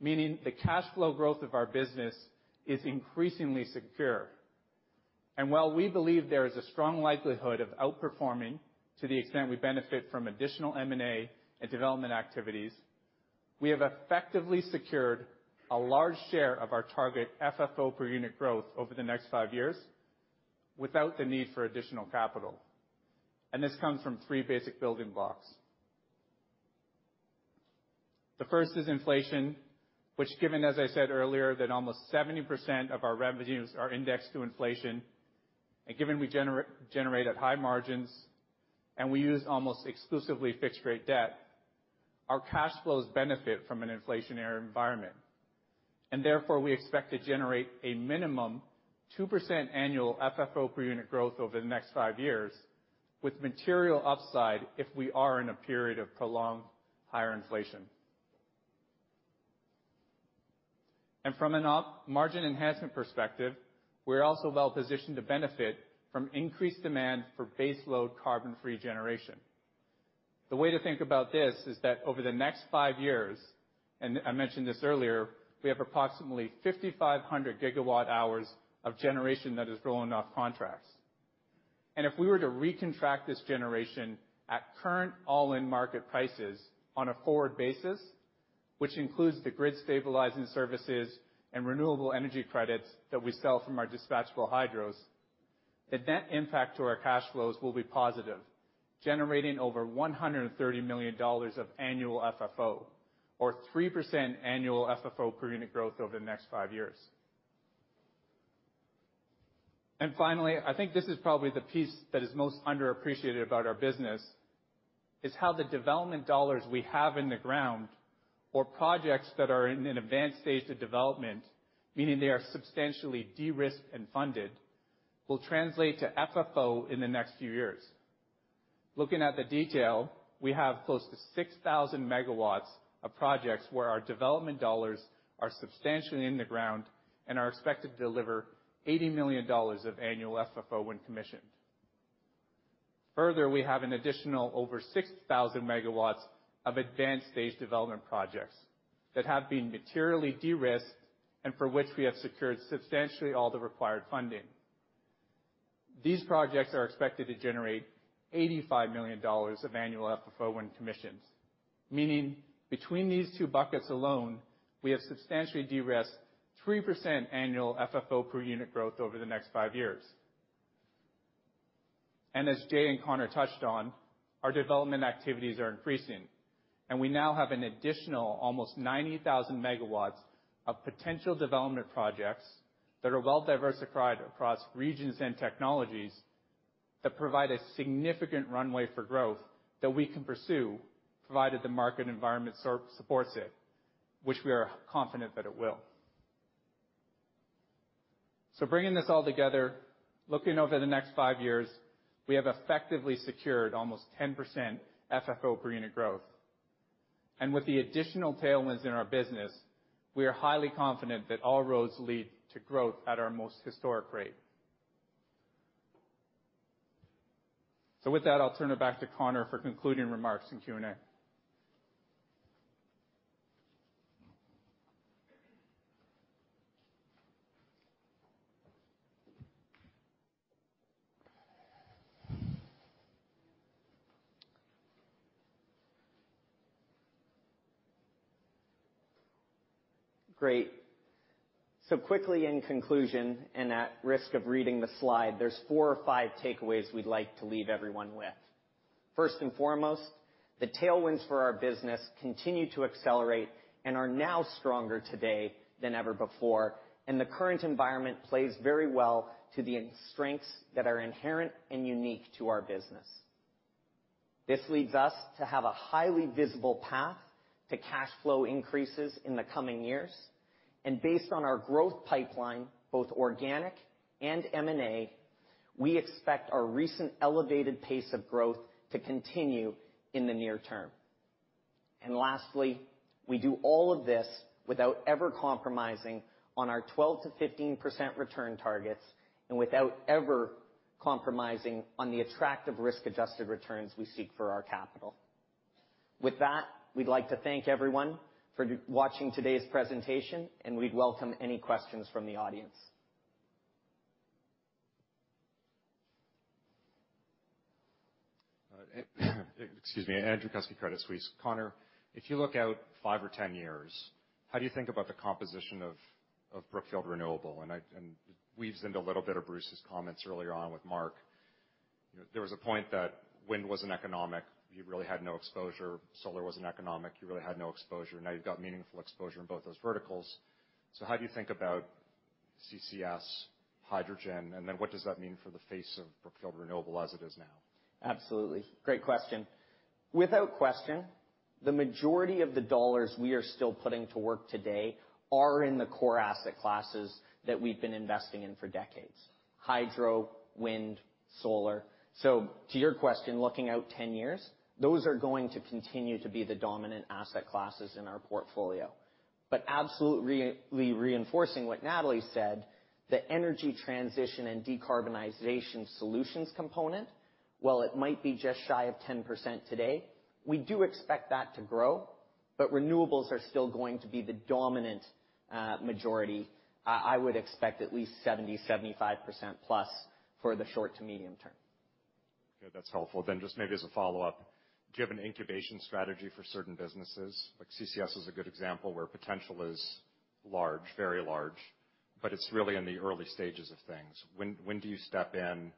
meaning the cash flow growth of our business is increasingly secure. While we believe there is a strong likelihood of outperforming to the extent we benefit from additional M&A and development activities, we have effectively secured a large share of our target FFO per unit growth over the next five years without the need for additional capital. This comes from three basic building blocks. The first is inflation, which given, as I said earlier, that almost 70% of our revenues are indexed to inflation, and given we generate at high margins, and we use almost exclusively fixed rate debt, our cash flows benefit from an inflationary environment. Therefore, we expect to generate a minimum 2% annual FFO per unit growth over the next five years with material upside if we are in a period of prolonged higher inflation. From an off-margin enhancement perspective, we're also well-positioned to benefit from increased demand for base load carbon-free generation. The way to think about this is that over the next five years, and I mentioned this earlier, we have approximately 5,500 GWh of generation that is rolling off contracts. If we were to recontract this generation at current all-in market prices on a forward basis, which includes the grid stabilizing services and renewable energy credits that we sell from our dispatchable hydros, the net impact to our cash flows will be positive, generating over $130 million of annual FFO or 3% annual FFO per unit growth over the next five years. Finally, I think this is probably the piece that is most underappreciated about our business, is how the development dollars we have in the ground or projects that are in an advanced stage of development, meaning they are substantially de-risked and funded, will translate to FFO in the next few years. Looking at the detail, we have close to 6,000 MW of projects where our development dollars are substantially in the ground and are expected to deliver $80 million of annual FFO when commissioned. Further, we have an additional over 6,000 MW of advanced stage development projects that have been materially de-risked and for which we have secured substantially all the required funding. These projects are expected to generate $85 million of annual FFO when commissioned, meaning between these two buckets alone, we have substantially de-risked 3% annual FFO per unit growth over the next five years. As Jay and Connor touched on, our development activities are increasing, and we now have an additional almost 90,000 MW of potential development projects that are well-diversified across regions and technologies that provide a significant runway for growth that we can pursue, provided the market environment supports it, which we are confident that it will. Bringing this all together, looking over the next five years, we have effectively secured almost 10% FFO per unit growth. With the additional tailwinds in our business, we are highly confident that all roads lead to growth at our most historic rate. With that, I'll turn it back to Connor for concluding remarks and Q&A. Great. Quickly in conclusion, and at risk of reading the slide, there's four or five takeaways we'd like to leave everyone with. First and foremost, the tailwinds for our business continue to accelerate and are now stronger today than ever before, and the current environment plays very well to the strengths that are inherent and unique to our business. This leads us to have a highly visible path to cash flow increases in the coming years. Based on our growth pipeline, both organic and M&A, we expect our recent elevated pace of growth to continue in the near term. Lastly, we do all of this without ever compromising on our 12%-15% return targets and without ever compromising on the attractive risk-adjusted returns we seek for our capital. With that, we'd like to thank everyone for watching today's presentation, and we'd welcome any questions from the audience. Excuse me. Andrew Kuske, Credit Suisse. Connor, if you look out five or 10 years, how do you think about the composition of Brookfield Renewable? It weaves into a little bit of Bruce's comments earlier on with Mark. You know, there was a point that wind wasn't economic. You really had no exposure. Solar wasn't economic. You really had no exposure. Now you've got meaningful exposure in both those verticals. How do you think about CCS, hydrogen, and then what does that mean for the face of Brookfield Renewable as it is now? Absolutely. Great question. Without question, the majority of the dollars we are still putting to work today are in the core asset classes that we've been investing in for decades, hydro, wind, solar. To your question, looking out 10 years, those are going to continue to be the dominant asset classes in our portfolio. Absolutely reinforcing what Natalie said, the energy transition and decarbonization solutions component, while it might be just shy of 10% today, we do expect that to grow, but renewables are still going to be the dominant, majority. I would expect at least 70%-75%+ for the short to medium term. Okay, that's helpful. Just maybe as a follow-up, do you have an incubation strategy for certain businesses? Like, CCS is a good example where potential is large, very large, but it's really in the early stages of things. When do you step in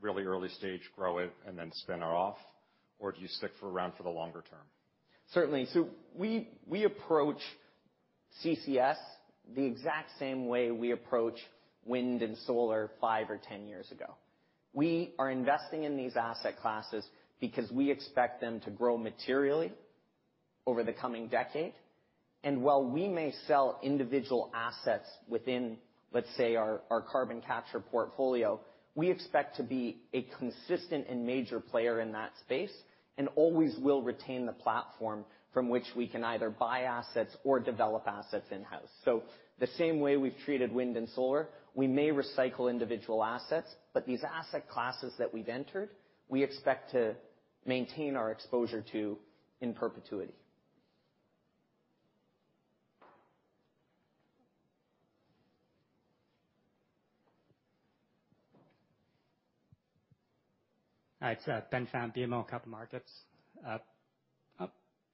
really early stage, grow it, and then spin it off? Or do you stick for around for the longer term? Certainly. We approach CCS the exact same way we approached wind and solar five or 10 years ago. We are investing in these asset classes because we expect them to grow materially over the coming decade. While we may sell individual assets within, let's say, our carbon capture portfolio, we expect to be a consistent and major player in that space and always will retain the platform from which we can either buy assets or develop assets in-house. The same way we've treated wind and solar, we may recycle individual assets, but these asset classes that we've entered, we expect to maintain our exposure to in perpetuity. All right, Ben Pham, BMO Capital Markets.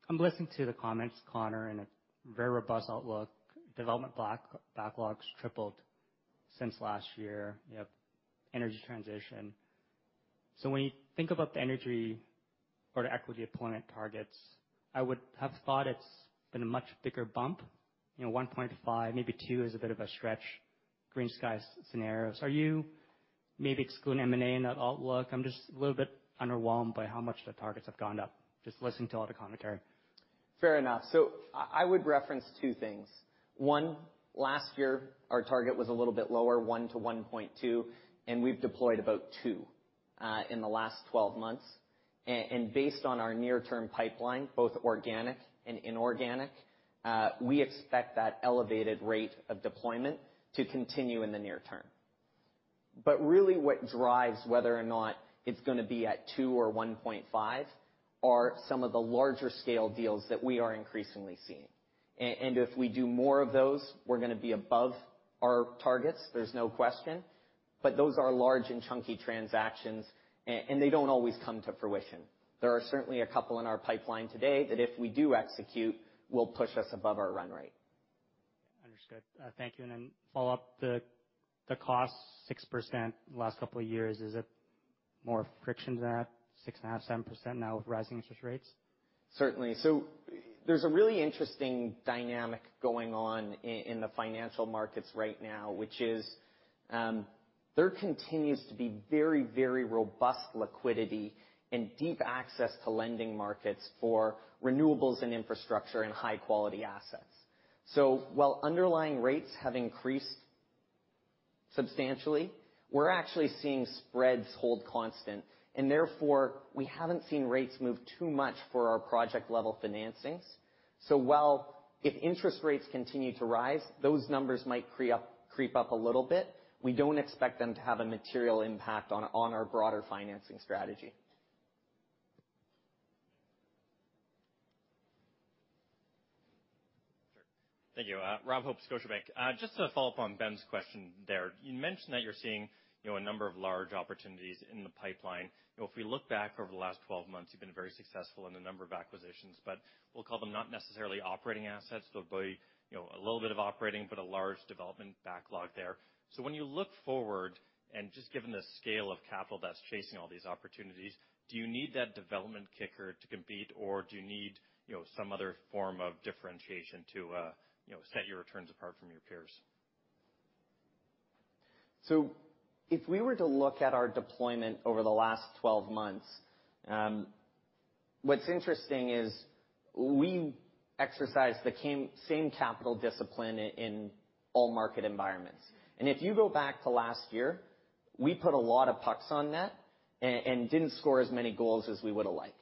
I'm listening to the comments, Connor, and a very robust outlook. Development backlogs tripled since last year. You have energy transition. So when you think about the energy or the equity deployment targets, I would have thought it's been a much bigger bump. You know, $1.5 billion, maybe $2 billion is a bit of a stretch, green skies scenarios. Are you maybe excluding M&A in that outlook? I'm just a little bit underwhelmed by how much the targets have gone up, just listening to all the commentary. Fair enough. I would reference two things. One, last year our target was a little bit lower, $1 billion-$1.2 billio, and we've deployed about $2 billion in the last 12 months. Based on our near-term pipeline, both organic and inorganic, we expect that elevated rate of deployment to continue in the near term. Really what drives whether or not it's gonna be at $2 billion or $1.5 billion are some of the larger scale deals that we are increasingly seeing. If we do more of those, we're gonna be above our targets, there's no question. Those are large and chunky transactions and they don't always come to fruition. There are certainly a couple in our pipeline today that if we do execute, will push us above our run rate. Understood. Thank you. Follow up, the cost 6% last couple of years, is it more friction than that? 6.5%-7% now with rising interest rates. Certainly. There's a really interesting dynamic going on in the financial markets right now, which is, there continues to be very, very robust liquidity and deep access to lending markets for renewables and infrastructure and high-quality assets. While underlying rates have increased substantially, we're actually seeing spreads hold constant, and therefore, we haven't seen rates move too much for our project-level financings. While if interest rates continue to rise, those numbers might creep up a little bit, we don't expect them to have a material impact on our broader financing strategy. Thank you. Rob Hope, Scotiabank. Just to follow up on Ben's question there, you mentioned that you're seeing, you know, a number of large opportunities in the pipeline. You know, if we look back over the last 12 months, you've been very successful in a number of acquisitions, but we'll call them not necessarily operating assets. They'll be, you know, a little bit of operating, but a large development backlog there. When you look forward and just given the scale of capital that's chasing all these opportunities, do you need that development kicker to compete, or do you need, you know, some other form of differentiation to, you know, set your returns apart from your peers? If we were to look at our deployment over the last 12 months, what's interesting is we exercise the same capital discipline in all market environments. If you go back to last year, we put a lot of pucks on net and didn't score as many goals as we would've liked.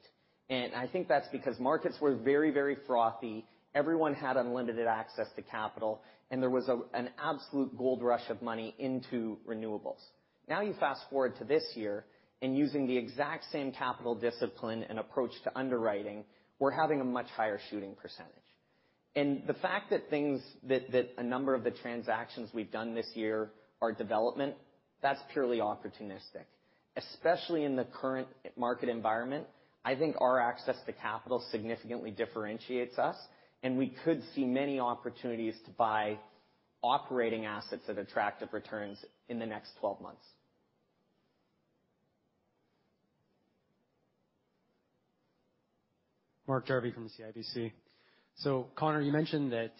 I think that's because markets were very, very frothy. Everyone had unlimited access to capital, and there was an absolute gold rush of money into renewables. Now, you fast-forward to this year and using the exact same capital discipline and approach to underwriting, we're having a much higher shooting percentage. The fact that a number of the transactions we've done this year are development, that's purely opportunistic. Especially in the current market environment, I think our access to capital significantly differentiates us, and we could see many opportunities to buy operating assets at attractive returns in the next 12 months. Mark Jarvi from CIBC. Connor, you mentioned that,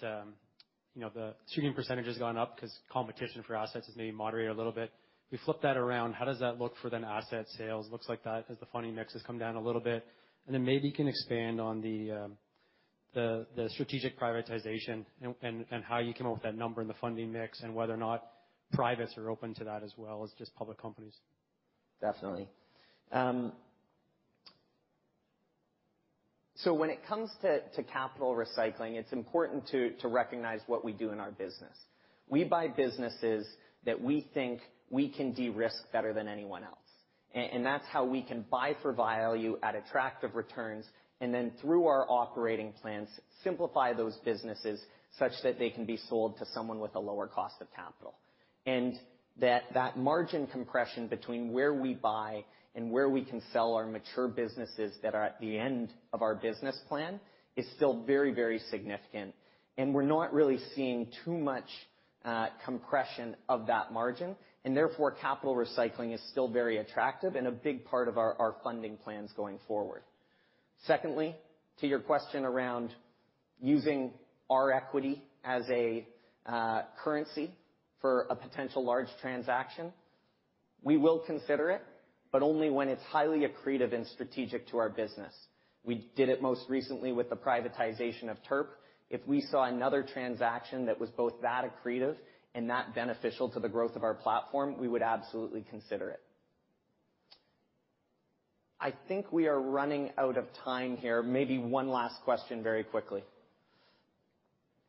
you know, the shooting percentage has gone up 'cause competition for assets has maybe moderated a little bit. We flip that around, how does that look for the asset sales? Looks like that as the funding mix has come down a little bit. Then maybe you can expand on the strategic privatization and how you come up with that number and the funding mix and whether or not privates are open to that as well as just public companies. Definitely. When it comes to capital recycling, it's important to recognize what we do in our business. We buy businesses that we think we can de-risk better than anyone else. That's how we can buy for value at attractive returns and then through our operating plans, simplify those businesses such that they can be sold to someone with a lower cost of capital. That margin compression between where we buy and where we can sell our mature businesses that are at the end of our business plan is still very significant. We're not really seeing too much compression of that margin, and therefore, capital recycling is still very attractive and a big part of our funding plans going forward. Secondly, to your question around using our equity as a currency for a potential large transaction, we will consider it, but only when it's highly accretive and strategic to our business. We did it most recently with the privatization of TERP. If we saw another transaction that was both that accretive and that beneficial to the growth of our platform, we would absolutely consider it. I think we are running out of time here. Maybe one last question very quickly.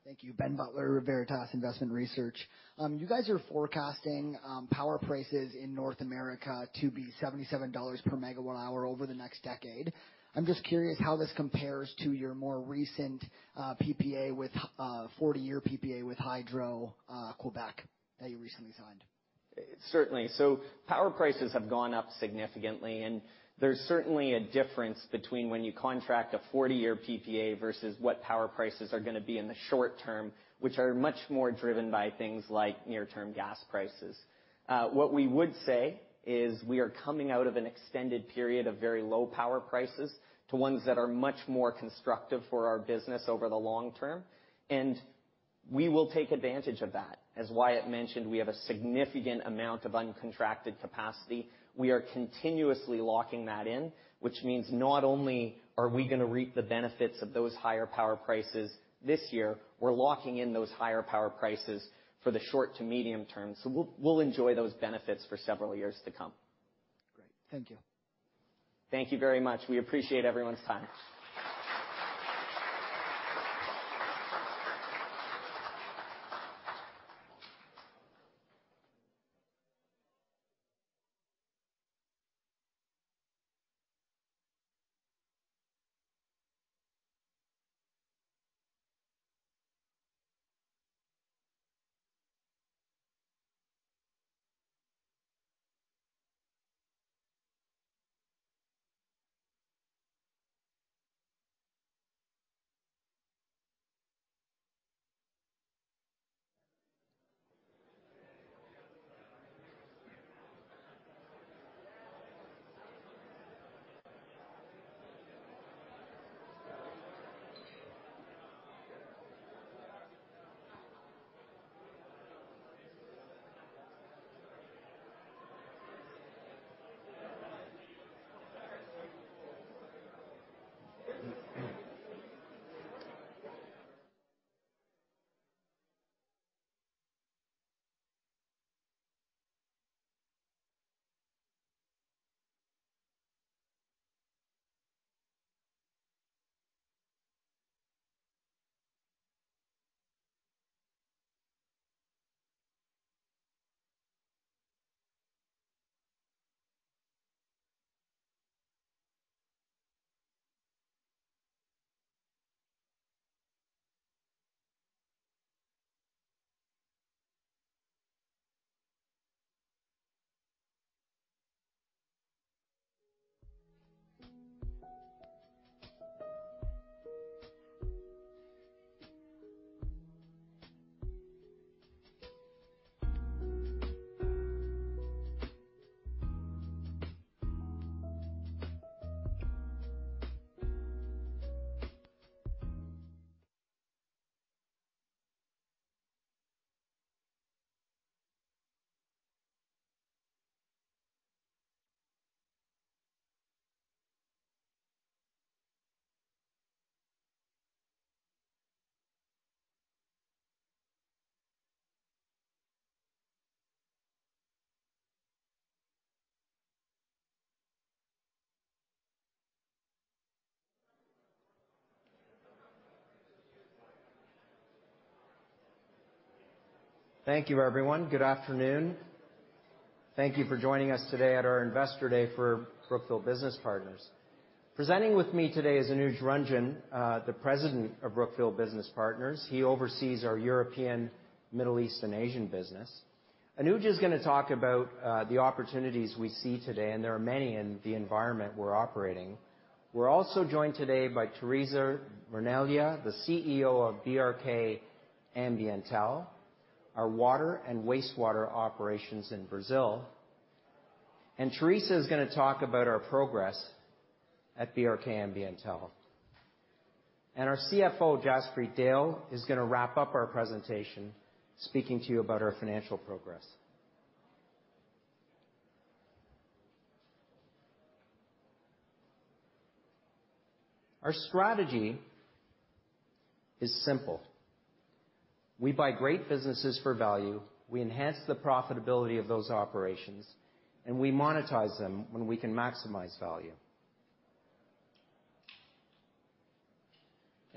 Thank you. Ben Butler, Veritas Investment Research. You guys are forecasting power prices in North America to be $77 MWh over the next decade. I'm just curious how this compares to your more recent 40-year PPA with Hydro-Québec that you recently signed. Certainly. Power prices have gone up significantly, and there's certainly a difference between when you contract a 40-year PPA versus what power prices are gonna be in the short term, which are much more driven by things like near-term gas prices. What we would say is we are coming out of an extended period of very low power prices to ones that are much more constructive for our business over the long term. We will take advantage of that. As Wyatt mentioned, we have a significant amount of uncontracted capacity. We are continuously locking that in, which means not only are we gonna reap the benefits of those higher power prices this year, we're locking in those higher power prices for the short to medium term. We'll enjoy those benefits for several years to come. Great. Thank you. Thank you very much. We appreciate everyone's time. Thank you, everyone. Good afternoon. Thank you for joining us today at our Investor Day for Brookfield Business Partners. Presenting with me today is Anuj Ranjan, the President of Brookfield Business Partners. He oversees our European, Middle East, and Asian business. Anuj is gonna talk about the opportunities we see today, and there are many in the environment we're operating. We're also joined today by Teresa Vernaglia, the CEO of BRK Ambiental, our water and wastewater operations in Brazil. Teresa is gonna talk about our progress at BRK Ambiental. Our CFO, Jaspreet Dehl, is gonna wrap up our presentation, speaking to you about our financial progress. Our strategy is simple. We buy great businesses for value, we enhance the profitability of those operations, and we monetize them when we can maximize value.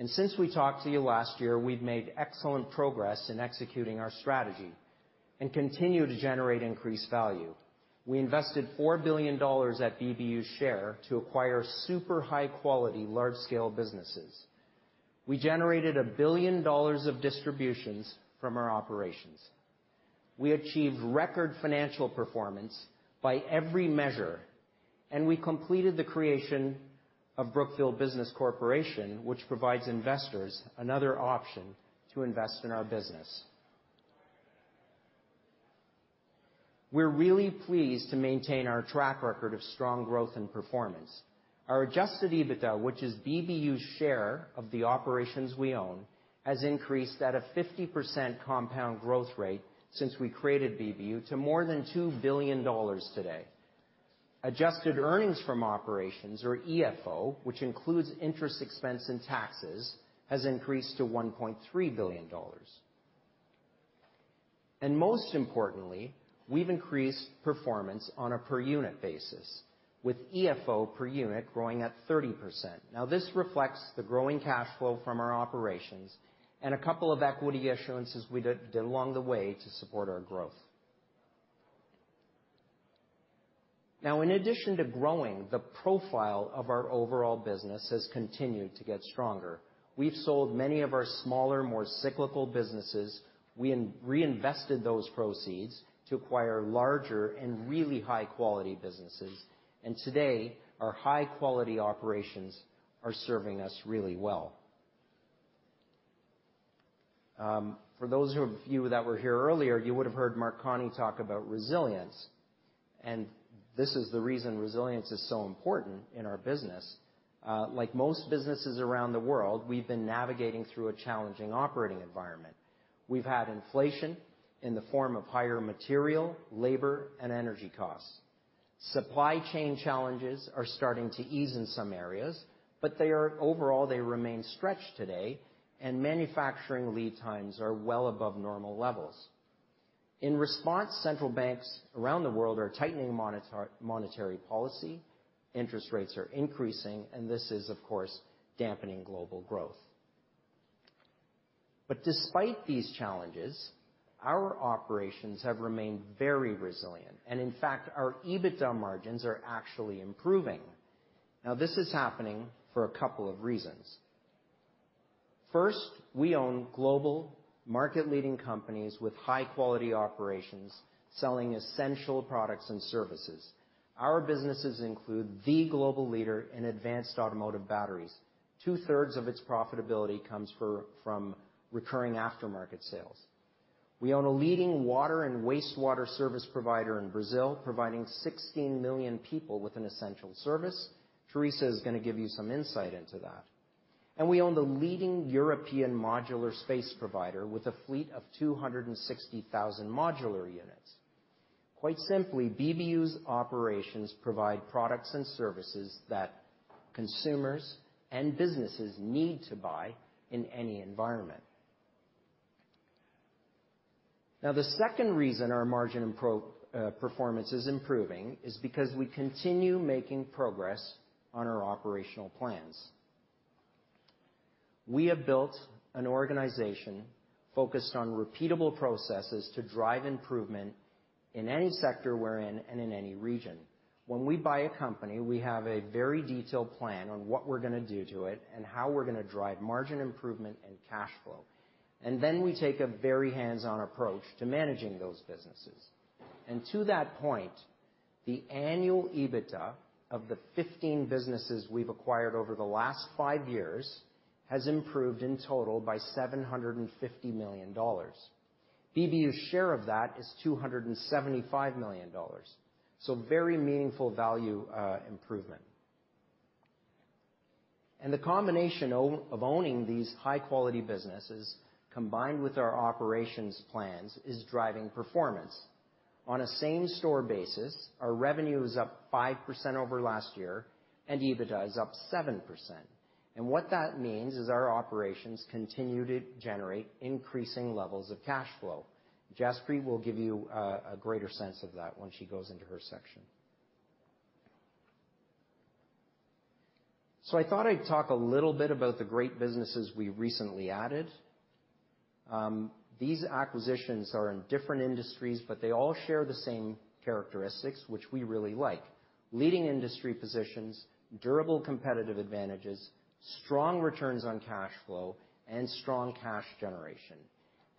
Since we talked to you last year, we've made excellent progress in executing our strategy and continue to generate increased value. We invested $4 billion at BBU's share to acquire super high quality, large scale businesses. We generated $1 billion of distributions from our operations. We achieved record financial performance by every measure, and we completed the creation of Brookfield Business Corporation, which provides investors another option to invest in our business. We're really pleased to maintain our track record of strong growth and performance. Our Adjusted EBITDA, which is BBU's share of the operations we own, has increased at a 50% compound growth rate since we created BBU to more than $2 billion today. Adjusted earnings from operations, or EFO, which includes interest expense and taxes, has increased to $1.3 billion. Most importantly, we've increased performance on a per unit basis, with EFO per unit growing at 30%. Now this reflects the growing cash flow from our operations and a couple of equity issuances we did along the way to support our growth. Now, in addition to growing, the profile of our overall business has continued to get stronger. We've sold many of our smaller, more cyclical businesses. We reinvested those proceeds to acquire larger and really high-quality businesses. Today, our high-quality operations are serving us really well. For those of you that were here earlier, you would've heard Mark Carney talk about resilience. This is the reason resilience is so important in our business. Like most businesses around the world, we've been navigating through a challenging operating environment. We've had inflation in the form of higher material, labor, and energy costs. Supply chain challenges are starting to ease in some areas, but overall they remain stretched today, and manufacturing lead times are well above normal levels. In response, central banks around the world are tightening monetary policy, interest rates are increasing, and this is, of course, dampening global growth. Despite these challenges, our operations have remained very resilient, and in fact, our EBITDA margins are actually improving. Now, this is happening for a couple of reasons. First, we own global market-leading companies with high-quality operations, selling essential products and services. Our businesses include the global leader in advanced automotive batteries. 2/3 of its profitability comes from recurring aftermarket sales. We own a leading water and wastewater service provider in Brazil, providing 16 million people with an essential service. Teresa is gonna give you some insight into that. We own the leading European modular space provider with a fleet of 260,000 modular units. Quite simply, BBU's operations provide products and services that consumers and businesses need to buy in any environment. Now, the second reason our margin performance is improving is because we continue making progress on our operational plans. We have built an organization focused on repeatable processes to drive improvement in any sector we're in and in any region. When we buy a company, we have a very detailed plan on what we're gonna do to it and how we're gonna drive margin improvement and cash flow. We take a very hands-on approach to managing those businesses. To that point, the annual EBITDA of the 15 businesses we've acquired over the last five years has improved in total by $750 million. BBU's share of that is $275 million. Very meaningful value improvement. The combination of owning these high-quality businesses, combined with our operations plans, is driving performance. On a same-store basis, our revenue is up 5% over last year, and EBITDA is up 7%. What that means is our operations continue to generate increasing levels of cash flow. Jaspreet will give you a greater sense of that when she goes into her section. I thought I'd talk a little bit about the great businesses we recently added. These acquisitions are in different industries, but they all share the same characteristics, which we really like, leading industry positions, durable competitive advantages, strong returns on cash flow, and strong cash generation.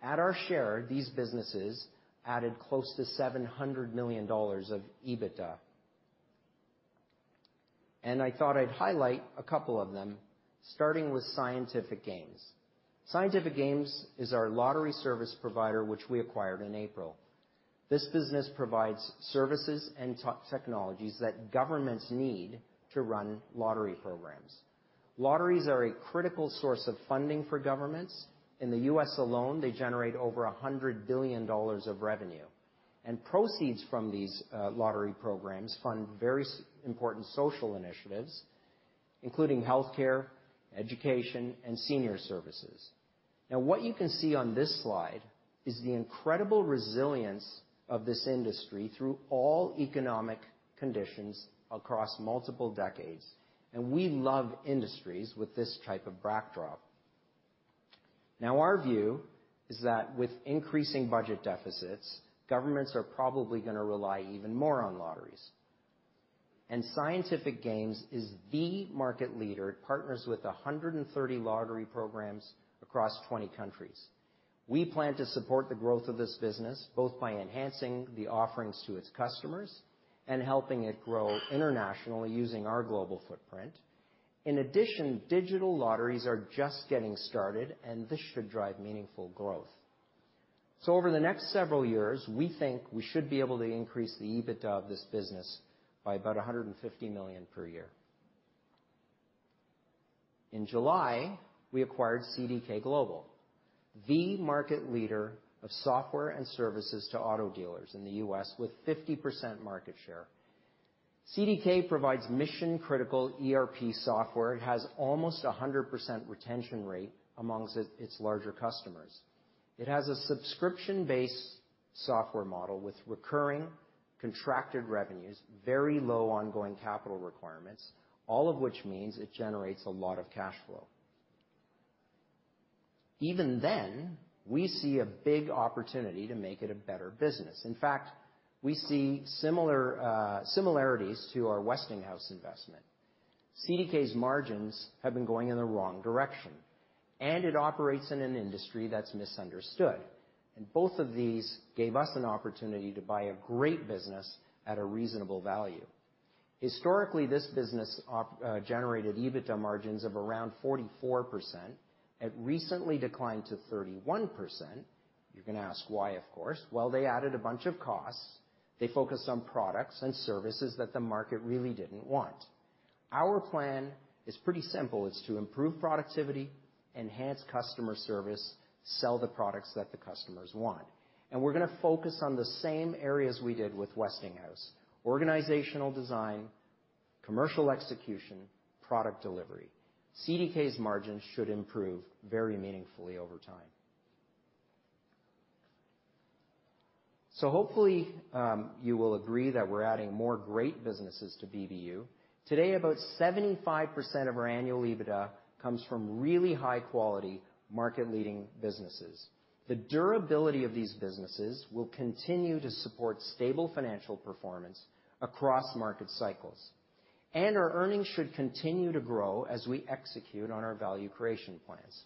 At our share, these businesses added close to $700 million of EBITDA. I thought I'd highlight a couple of them, starting with Scientific Games. Scientific Games is our lottery service provider, which we acquired in April. This business provides services and technologies that governments need to run lottery programs. Lotteries are a critical source of funding for governments. In the U.S. alone, they generate over $100 billion of revenue. Proceeds from these lottery programs fund very important social initiatives, including healthcare, education, and senior services. Now, what you can see on this slide is the incredible resilience of this industry through all economic conditions across multiple decades. We love industries with this type of backdrop. Now, our view is that with increasing budget deficits, governments are probably gonna rely even more on lotteries. Scientific Games is the market leader. It partners with 130 lottery programs across 20 countries. We plan to support the growth of this business, both by enhancing the offerings to its customers and helping it grow internationally using our global footprint. In addition, digital lotteries are just getting started, and this should drive meaningful growth. Over the next several years, we think we should be able to increase the EBITDA of this business by about $150 million per year. In July, we acquired CDK Global, the market leader of software and services to auto dealers in the U.S. with 50% market share. CDK provides mission-critical ERP software. It has almost a 100% retention rate amongst its larger customers. It has a subscription-based software model with recurring contracted revenues, very low ongoing capital requirements, all of which means it generates a lot of cash flow. Even then, we see a big opportunity to make it a better business. In fact, we see similar similarities to our Westinghouse investment. CDK's margins have been going in the wrong direction, and it operates in an industry that's misunderstood. Both of these gave us an opportunity to buy a great business at a reasonable value. Historically, this business generated EBITDA margins of around 44%. It recently declined to 31%. You're gonna ask why, of course. Well, they added a bunch of costs. They focused on products and services that the market really didn't want. Our plan is pretty simple, it's to improve productivity, enhance customer service, sell the products that the customers want. We're gonna focus on the same areas we did with Westinghouse, organizational design, commercial execution, product delivery. CDK's margins should improve very meaningfully over time. Hopefully, you will agree that we're adding more great businesses to BBU. Today, about 75% of our annual EBITDA comes from really high quality market-leading businesses. The durability of these businesses will continue to support stable financial performance across market cycles, and our earnings should continue to grow as we execute on our value creation plans.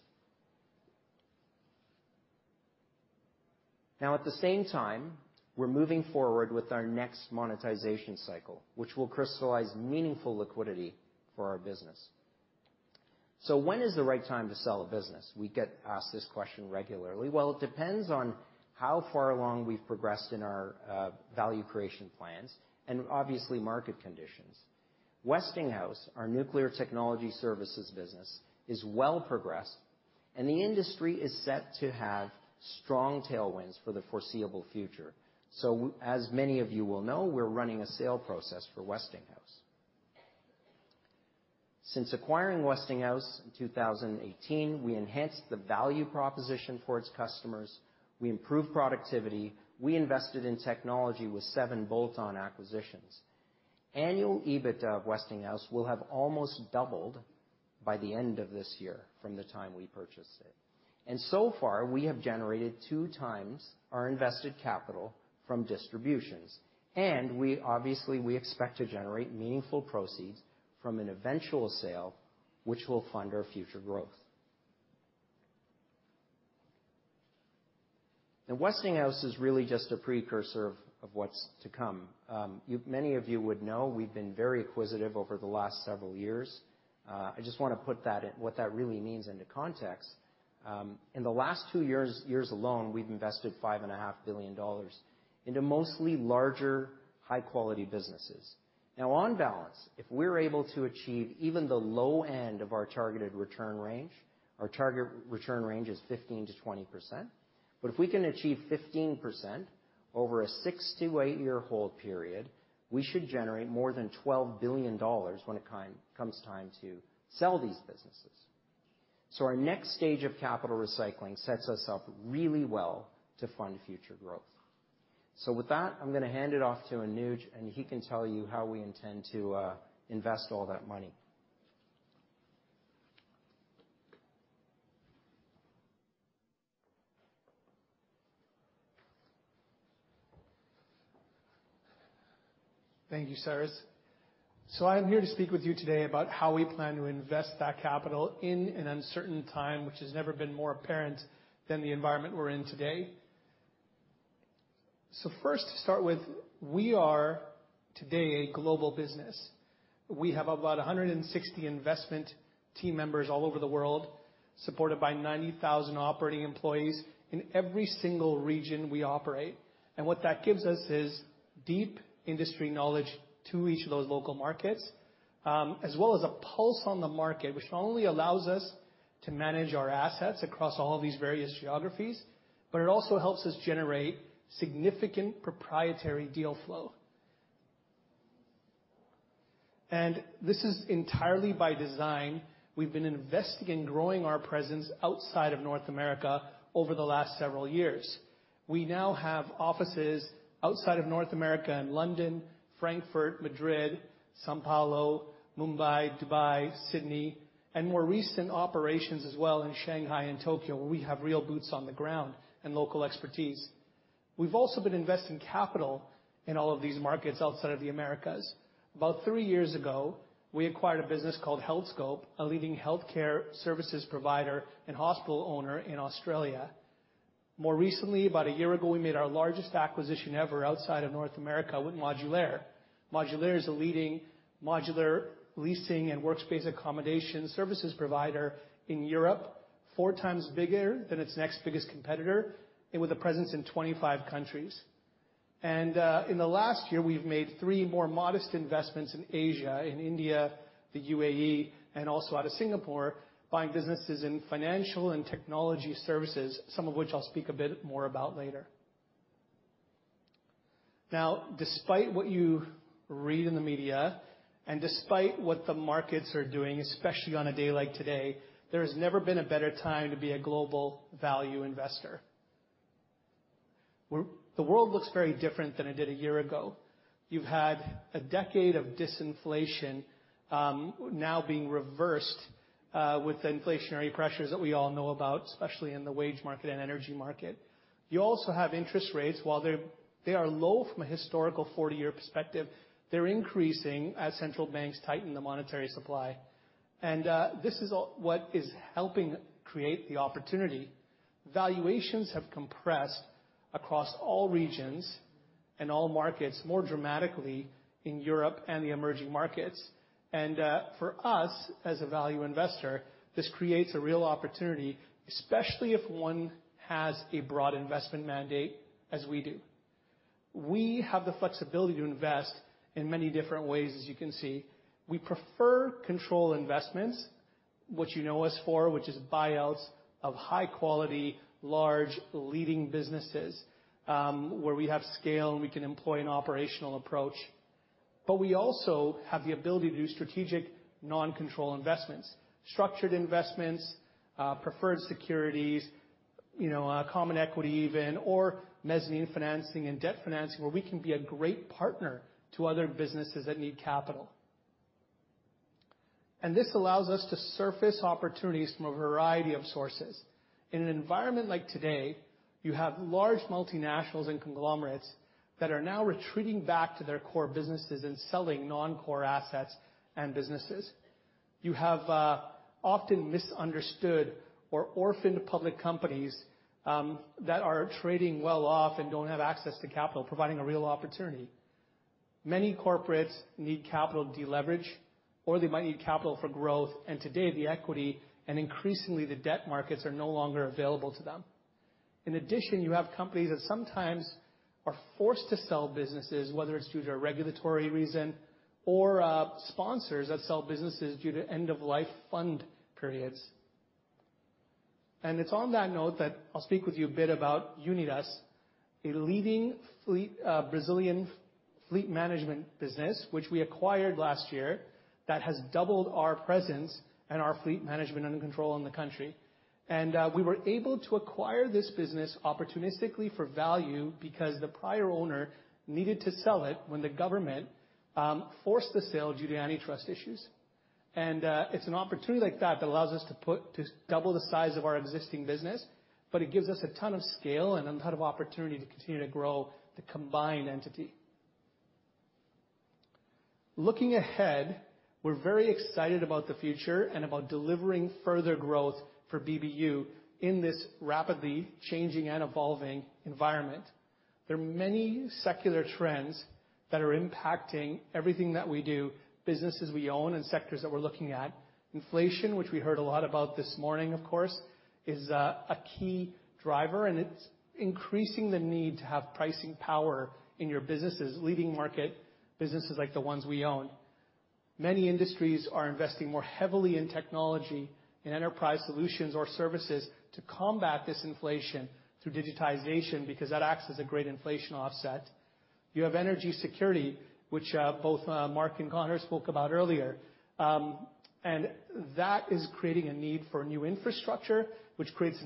Now, at the same time, we're moving forward with our next monetization cycle, which will crystallize meaningful liquidity for our business. When is the right time to sell a business? We get asked this question regularly. Well, it depends on how far along we've progressed in our value creation plans, and obviously market conditions. Westinghouse, our nuclear technology services business, is well progressed, and the industry is set to have strong tailwinds for the foreseeable future. As many of you will know, we're running a sale process for Westinghouse. Since acquiring Westinghouse in 2018, we enhanced the value proposition for its customers. We improved productivity. We invested in technology with seven bolt-on acquisitions. Annual EBITDA of Westinghouse will have almost doubled by the end of this year from the time we purchased it. So far, we have generated 2x our invested capital from distributions. Obviously, we expect to generate meaningful proceeds from an eventual sale, which will fund our future growth. Now, Westinghouse is really just a precursor of what's to come. Many of you would know we've been very acquisitive over the last several years. I just wanna put that what that really means into context. In the last two years alone, we've invested $5.5 billion into mostly larger, high-quality businesses. Now on balance, if we're able to achieve even the low end of our targeted return range, our target return range is 15%-20%, but if we can achieve 15% over a six to eight-year hold period, we should generate more than $12 billion when comes time to sell these businesses. Our next stage of capital recycling sets us up really well to fund future growth. With that, I'm gonna hand it off to Anuj, and he can tell you how we intend to invest all that money. Thank you, Cyrus. I am here to speak with you today about how we plan to invest that capital in an uncertain time, which has never been more apparent than the environment we're in today. First to start with, we are today a global business. We have about 160 investment team members all over the world, supported by 90,000 operating employees in every single region we operate. What that gives us is deep industry knowledge to each of those local markets, as well as a pulse on the market, which not only allows us to manage our assets across all these various geographies, but it also helps us generate significant proprietary deal flow. This is entirely by design. We've been investing in growing our presence outside of North America over the last several years. We now have offices outside of North America in London, Frankfurt, Madrid, São Paulo, Mumbai, Dubai, Sydney, and more recent operations as well in Shanghai and Tokyo, where we have real boots on the ground and local expertise. We've also been investing capital in all of these markets outside of the Americas. About three years ago, we acquired a business called Healthscope, a leading healthcare services provider and hospital owner in Australia. More recently, about a year ago, we made our largest acquisition ever outside of North America with Modulaire. Modulaire is a leading modular leasing and workspace accommodation services provider in Europe, 4x bigger than its next biggest competitor, and with a presence in 25 countries. In the last year, we've made three more modest investments in Asia, in India, the UAE, and also out of Singapore, buying businesses in financial and technology services, some of which I'll speak a bit more about later. Now, despite what you read in the media, and despite what the markets are doing, especially on a day like today, there has never been a better time to be a global value investor, where the world looks very different than it did a year ago. You've had a decade of disinflation, now being reversed, with the inflationary pressures that we all know about, especially in the wage market and energy market. You also have interest rates. While they are low from a historical 40-year perspective, they're increasing as central banks tighten the monetary supply. This is all what is helping create the opportunity. Valuations have compressed across all regions and all markets more dramatically in Europe and the emerging markets. For us as a value investor, this creates a real opportunity, especially if one has a broad investment mandate, as we do. We have the flexibility to invest in many different ways, as you can see. We prefer control investments. What you know us for, which is buyouts of high quality, large leading businesses, where we have scale, and we can employ an operational approach. But we also have the ability to do strategic non-control investments, structured investments, preferred securities, you know, common equity even, or mezzanine financing and debt financing, where we can be a great partner to other businesses that need capital. This allows us to surface opportunities from a variety of sources. In an environment like today, you have large multinationals and conglomerates that are now retreating back to their core businesses and selling non-core assets and businesses. You have often misunderstood or orphaned public companies that are trading well off and don't have access to capital, providing a real opportunity. Many corporates need capital to deleverage, or they might need capital for growth. Today the equity, and increasingly the debt markets are no longer available to them. In addition, you have companies that sometimes are forced to sell businesses, whether it's due to a regulatory reason or sponsors that sell businesses due to end of life fund periods. It's on that note that I'll speak with you a bit about Unidas, a leading fleet Brazilian fleet management business, which we acquired last year, that has doubled our presence and our fleet management under control in the country. We were able to acquire this business opportunistically for value because the prior owner needed to sell it when the government forced the sale due to antitrust issues. It's an opportunity like that that allows us to double the size of our existing business, but it gives us a ton of scale and a ton of opportunity to continue to grow the combined entity. Looking ahead, we're very excited about the future and about delivering further growth for BBU in this rapidly changing and evolving environment. There are many secular trends that are impacting everything that we do, businesses we own, and sectors that we're looking at. Inflation, which we heard a lot about this morning, of course, is a key driver, and it's increasing the need to have pricing power in your businesses, leading market businesses like the ones we own. Many industries are investing more heavily in technology and enterprise solutions or services to combat this inflation through digitization, because that acts as a great inflation offset. You have energy security, which both Mark and Connor spoke about earlier. That is creating a need for new infrastructure, which creates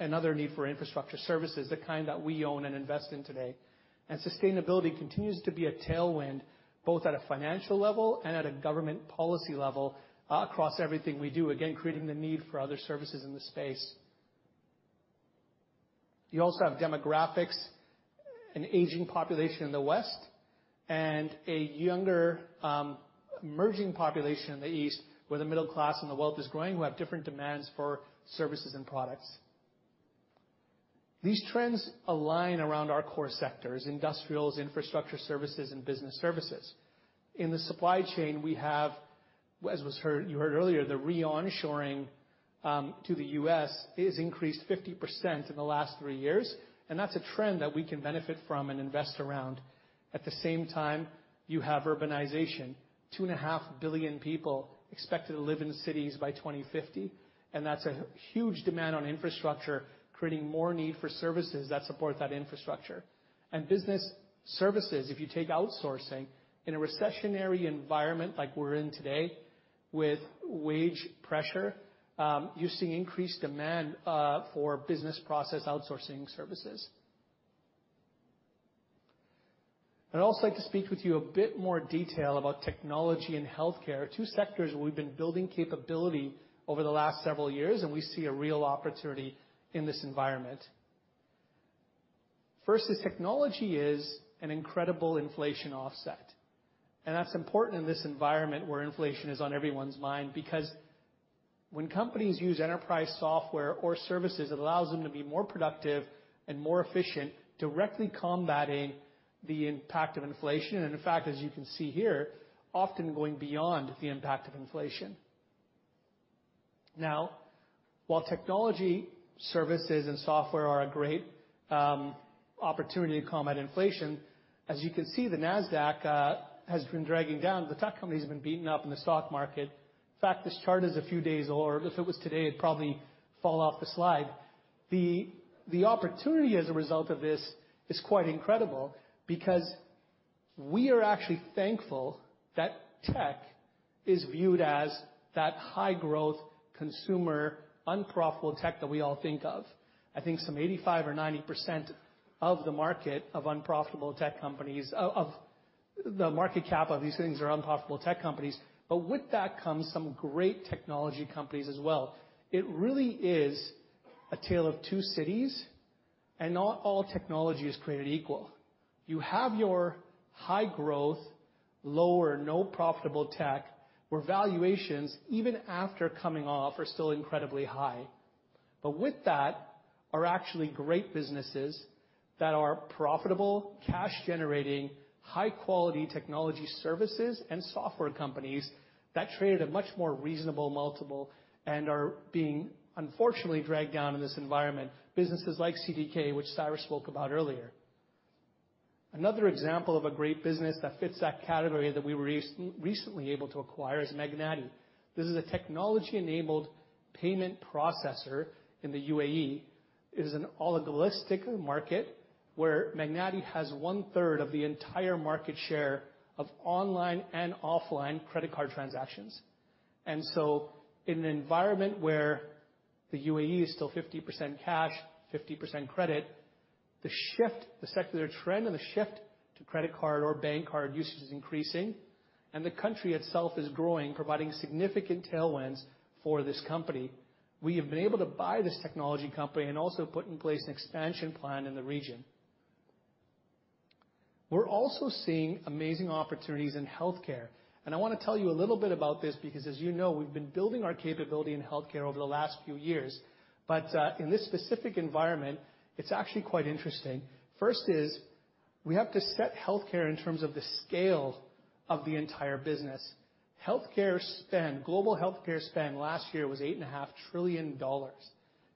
another need for infrastructure services, the kind that we own and invest in today. Sustainability continues to be a tailwind, both at a financial level and at a government policy level across everything we do, again, creating the need for other services in the space. You also have demographics, an aging population in the West, and a younger, emerging population in the East, where the middle class and the wealth is growing, who have different demands for services and products. These trends align around our core sectors industrials, infrastructure services, and business services. In the supply chain we have, you heard earlier, the re-onshoring to the U.S. is increased 50% in the last three years, and that's a trend that we can benefit from and invest around. At the same time, you have urbanization. 2.5 billion people expected to live in cities by 2050, and that's a huge demand on infrastructure, creating more need for services that support that infrastructure. Business services, if you take outsourcing in a recessionary environment like we're in today with wage pressure, you see increased demand for business process outsourcing services. I'd also like to speak with you in a bit more detail about technology and healthcare, two sectors we've been building capability over the last several years, and we see a real opportunity in this environment. First, technology is an incredible inflation offset, and that's important in this environment where inflation is on everyone's mind because when companies use enterprise software or services, it allows them to be more productive and more efficient, directly combating the impact of inflation. In fact, as you can see here, often going beyond the impact of inflation. Now, while technology services and software are a great opportunity to combat inflation, as you can see, the Nasdaq has been dragging down. The tech companies have been beaten up in the stock market. In fact, this chart is a few days old. If it was today, it'd probably fall off the slide. The opportunity as a result of this is quite incredible because we are actually thankful that tech is viewed as that high growth consumer unprofitable tech that we all think of. I think some 85% or 90% of the market of unprofitable tech companies, of the market cap of these things are unprofitable tech companies. But with that comes some great technology companies as well. It really is a tale of two cities. Not all technology is created equal. You have your high growth, low or no profitable tech, where valuations, even after coming off, are still incredibly high. With that are actually great businesses that are profitable, cash generating, high quality technology services and software companies that trade at a much more reasonable multiple and are being unfortunately dragged down in this environment. Businesses like CDK, which Cyrus spoke about earlier. Another example of a great business that fits that category that we were recently able to acquire is Magnati. This is a technology-enabled payment processor in the UAE. It is an oligopolistic market where Magnati has 1/3 of the entire market share of online and offline credit card transactions. In an environment where the UAE is still 50% cash, 50% credit, the shift, the secular trend and the shift to credit card or bank card usage is increasing, and the country itself is growing, providing significant tailwinds for this company. We have been able to buy this technology company and also put in place an expansion plan in the region. We're also seeing amazing opportunities in healthcare, and I wanna tell you a little bit about this because as you know, we've been building our capability in healthcare over the last few years. In this specific environment, it's actually quite interesting. First is we have to set healthcare in terms of the scale of the entire business. Healthcare spend, global healthcare spend last year was $8.5 trillion.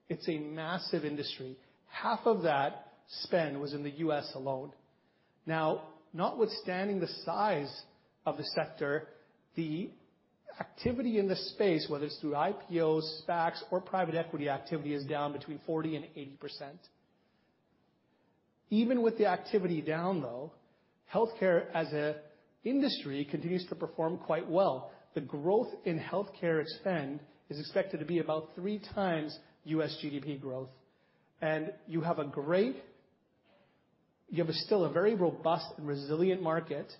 It's a massive industry. Half of that spend was in the U.S. alone. Now, notwithstanding the size of the sector, the activity in the space, whether it's through IPOs, SPACs or private equity activity, is down between 40% and 80%. Even with the activity down though, healthcare as a industry continues to perform quite well. The growth in healthcare spend is expected to be about three times U.S. GDP growth. You have still a very robust and resilient market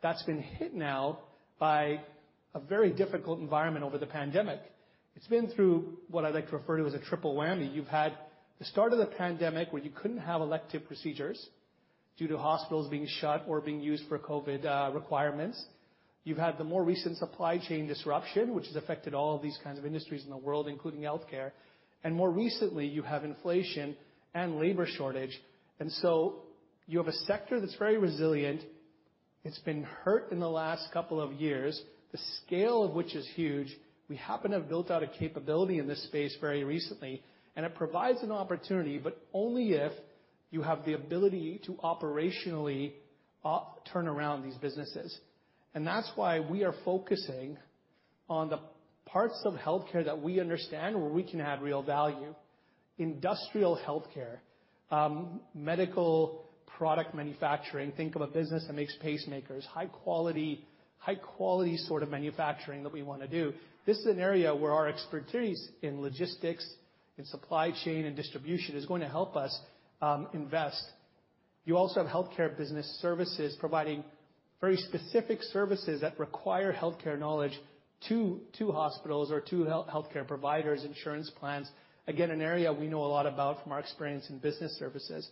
that's been hit now by a very difficult environment over the pandemic. It's been through what I like to refer to as a triple whammy. You've had the start of the pandemic where you couldn't have elective procedures due to hospitals being shut or being used for COVID requirements. You've had the more recent supply chain disruption, which has affected all of these kinds of industries in the world, including healthcare. More recently you have inflation and labor shortage. You have a sector that's very resilient. It's been hurt in the last couple of years, the scale of which is huge. We happen to have built out a capability in this space very recently, and it provides an opportunity, but only if you have the ability to operationally turn around these businesses. That's why we are focusing on the parts of healthcare that we understand where we can add real value. Industrial healthcare, medical product manufacturing. Think of a business that makes pacemakers. High quality sort of manufacturing that we wanna do. This is an area where our expertise in logistics and supply chain and distribution is going to help us invest. You also have healthcare business services providing very specific services that require healthcare knowledge to hospitals or to healthcare providers, insurance plans. Again, an area we know a lot about from our experience in business services.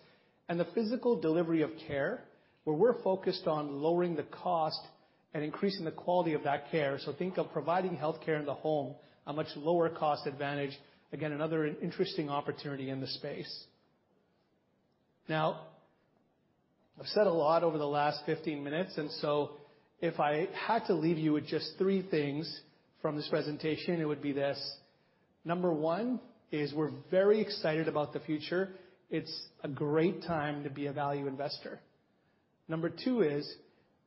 The physical delivery of care, where we're focused on lowering the cost and increasing the quality of that care. Think of providing healthcare in the home, a much lower cost advantage. Again, another interesting opportunity in this space. Now, I've said a lot over the last 15 minutes, if I had to leave you with just three things from this presentation, it would be this. Number one is we're very excited about the future. It's a great time to be a value investor. Number two is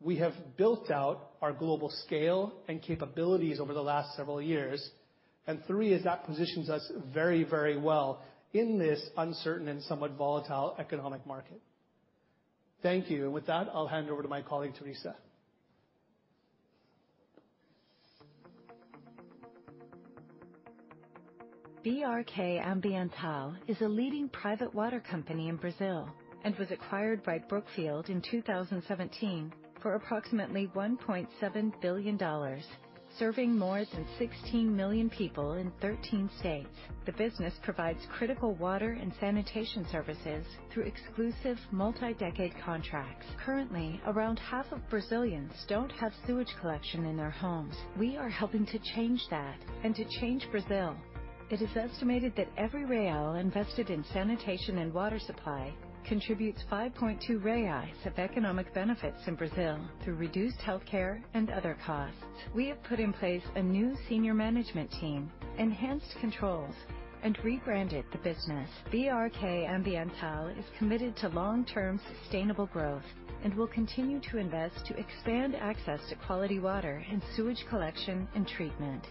we have built out our global scale and capabilities over the last several years. Three is that positions us very, very well in this uncertain and somewhat volatile economic market. Thank you. With that, I'll hand over to my colleague, Teresa. BRK Ambiental is a leading private water company in Brazil and was acquired by Brookfield in 2017 for approximately $1.7 billion, serving more than 16 million people in 13 states. The business provides critical water and sanitation services through exclusive multi-decade contracts. Currently, around half of Brazilians don't have sewage collection in their homes. We are helping to change that and to change Brazil. It is estimated that every real invested in sanitation and water supply contributes 5.2 reais of economic benefits in Brazil through reduced healthcare and other costs. We have put in place a new senior management team, enhanced controls and rebranded the business. BRK Ambiental is committed to long-term sustainable growth and will continue to invest to expand access to quality water and sewage collection and treatment.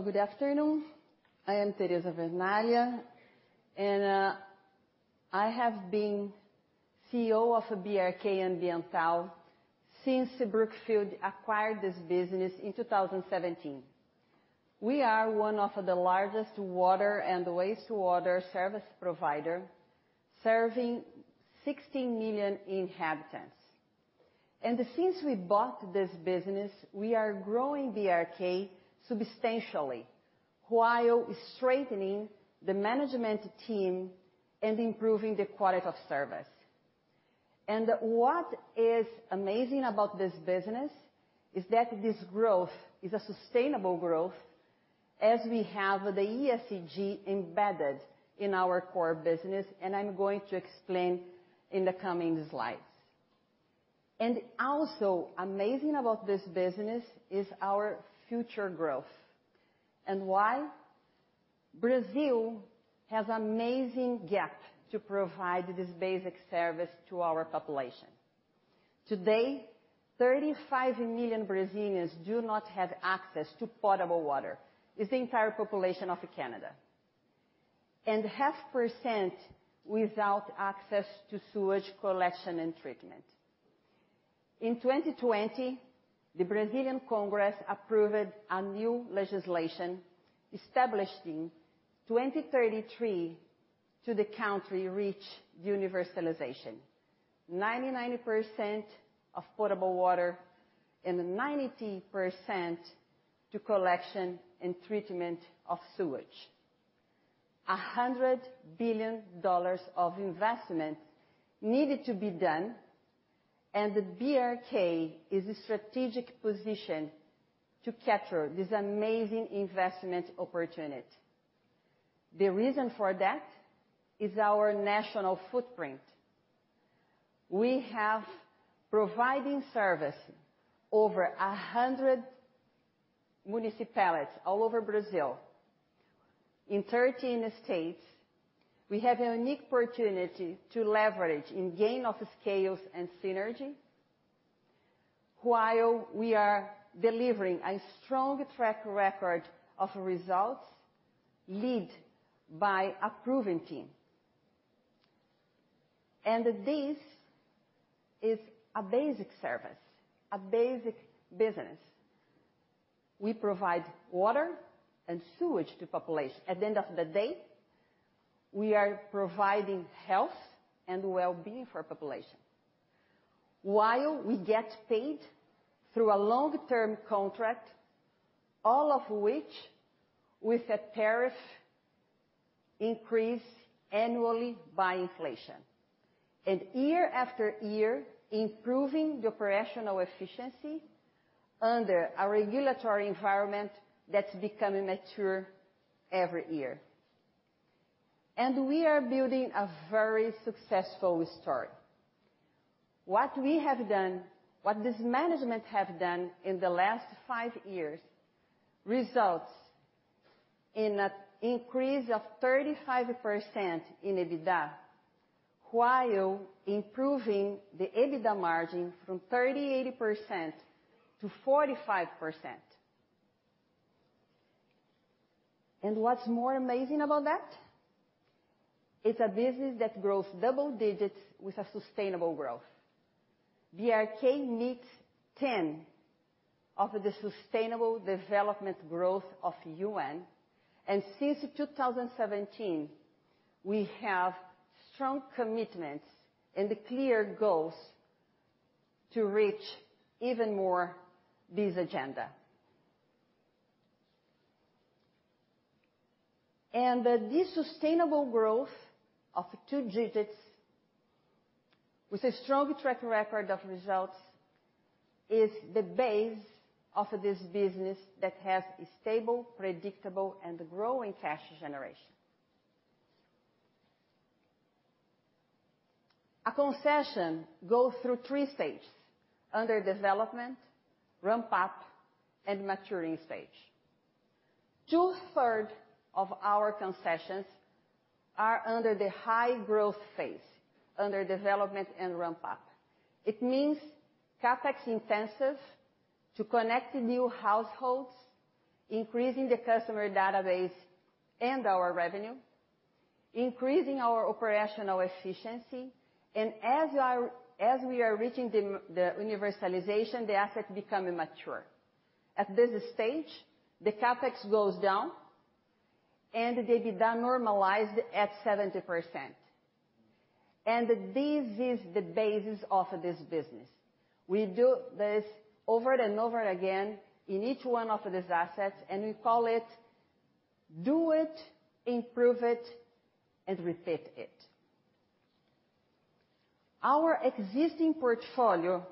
Good afternoon. I am Teresa Vernaglia, and I have been CEO of BRK Ambiental since Brookfield acquired this business in 2017. We are one of the largest water and wastewater service provider serving 16 million inhabitants. Since we bought this business, we are growing BRK substantially while strengthening the management team and improving the quality of service. What is amazing about this business is that this growth is a sustainable growth as we have the ESG embedded in our core business, and I'm going to explain in the coming slides. Also amazing about this business is our future growth. Why? Brazil has a massive gap to provide this basic service to our population. Today, 35 million Brazilians do not have access to potable water. It's the entire population of Canada. 50% without access to sewage collection and treatment. In 2020, the Brazilian Congress approved a new legislation establishing 2033 to the country reach universalization. 99% of potable water and 90% to collection and treatment of sewage. $100 billion of investment needed to be done, and the BRK is in a strategic position to capture this amazing investment opportunity. The reason for that is our national footprint. We have providing service over 100 municipalities all over Brazil. In 13 states, we have a unique opportunity to leverage and gain economies of scale and synergy, while we are delivering a strong track record of results led by a proven team. This is a basic service, a basic business. We provide water and sewage to population. At the end of the day, we are providing health and well-being for population. While we get paid through a long-term contract, all of which with a tariff increase annually by inflation. Year after year, improving the operational efficiency under a regulatory environment that's becoming mature every year. We are building a very successful story. What we have done, what this management have done in the last five years, results in an increase of 35% in EBITDA while improving the EBITDA margin from 38%-45%. What's more amazing about that? It's a business that grows double digits with a sustainable growth. BRK meets 10 of the Sustainable Development Goals of UN. Since 2017, we have strong commitments and clear goals to reach even more this agenda. This sustainable growth of two digits with a strong track record of results is the base of this business that has a stable, predictable, and growing cash generation. A concession goes through three stages, under development, ramp up, and maturing stage. 2/3 of our concessions are under the high growth phase, under development and ramp up. It means CapEx intensive to connect new households, increasing the customer database and our revenue, increasing our operational efficiency. As we are reaching the universalization, the assets become mature. At this stage, the CapEx goes down and the EBITDA normalize at 70%. This is the basis of this business. We do this over and over again in each one of these assets, and we call it, do it, improve it and repeat it. Our existing portfolio.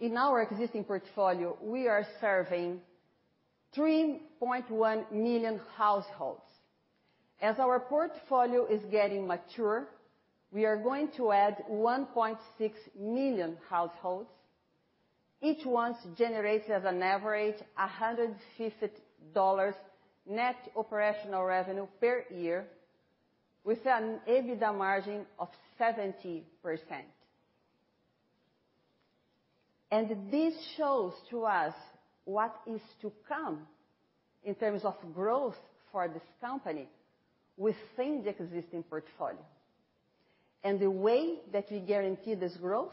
In our existing portfolio, we are serving 3.1 million households. As our portfolio is getting mature, we are going to add 1.6 million households, each one generates on average, $150 net operational revenue per year with an EBITDA margin of 70%. This shows to us what is to come in terms of growth for this company within the existing portfolio. The way that we guarantee this growth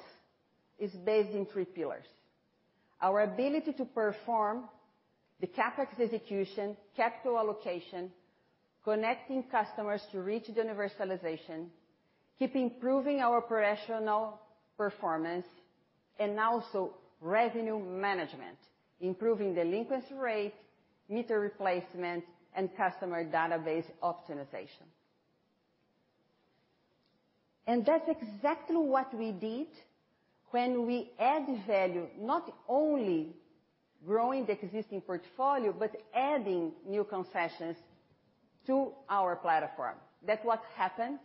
is based in three pillars. Our ability to perform the CapEx execution, capital allocation, connecting customers to reach universalization, keep improving our professional performance, and also revenue management, improving delinquency rate, meter replacement, and customer database optimization. That's exactly what we did when we add value, not only growing the existing portfolio, but adding new concessions to our platform. That's what happened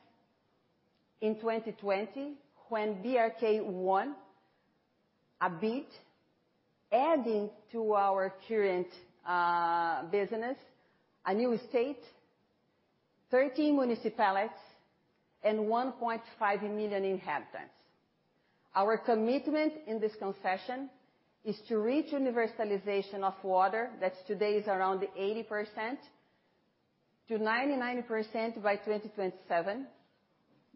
in 2020 when BRK won a bid, adding to our current business a new state, 13 municipalities, and 1.5 million inhabitants. Our commitment in this concession is to reach universalization of water that today is around 80%-99% by 2027,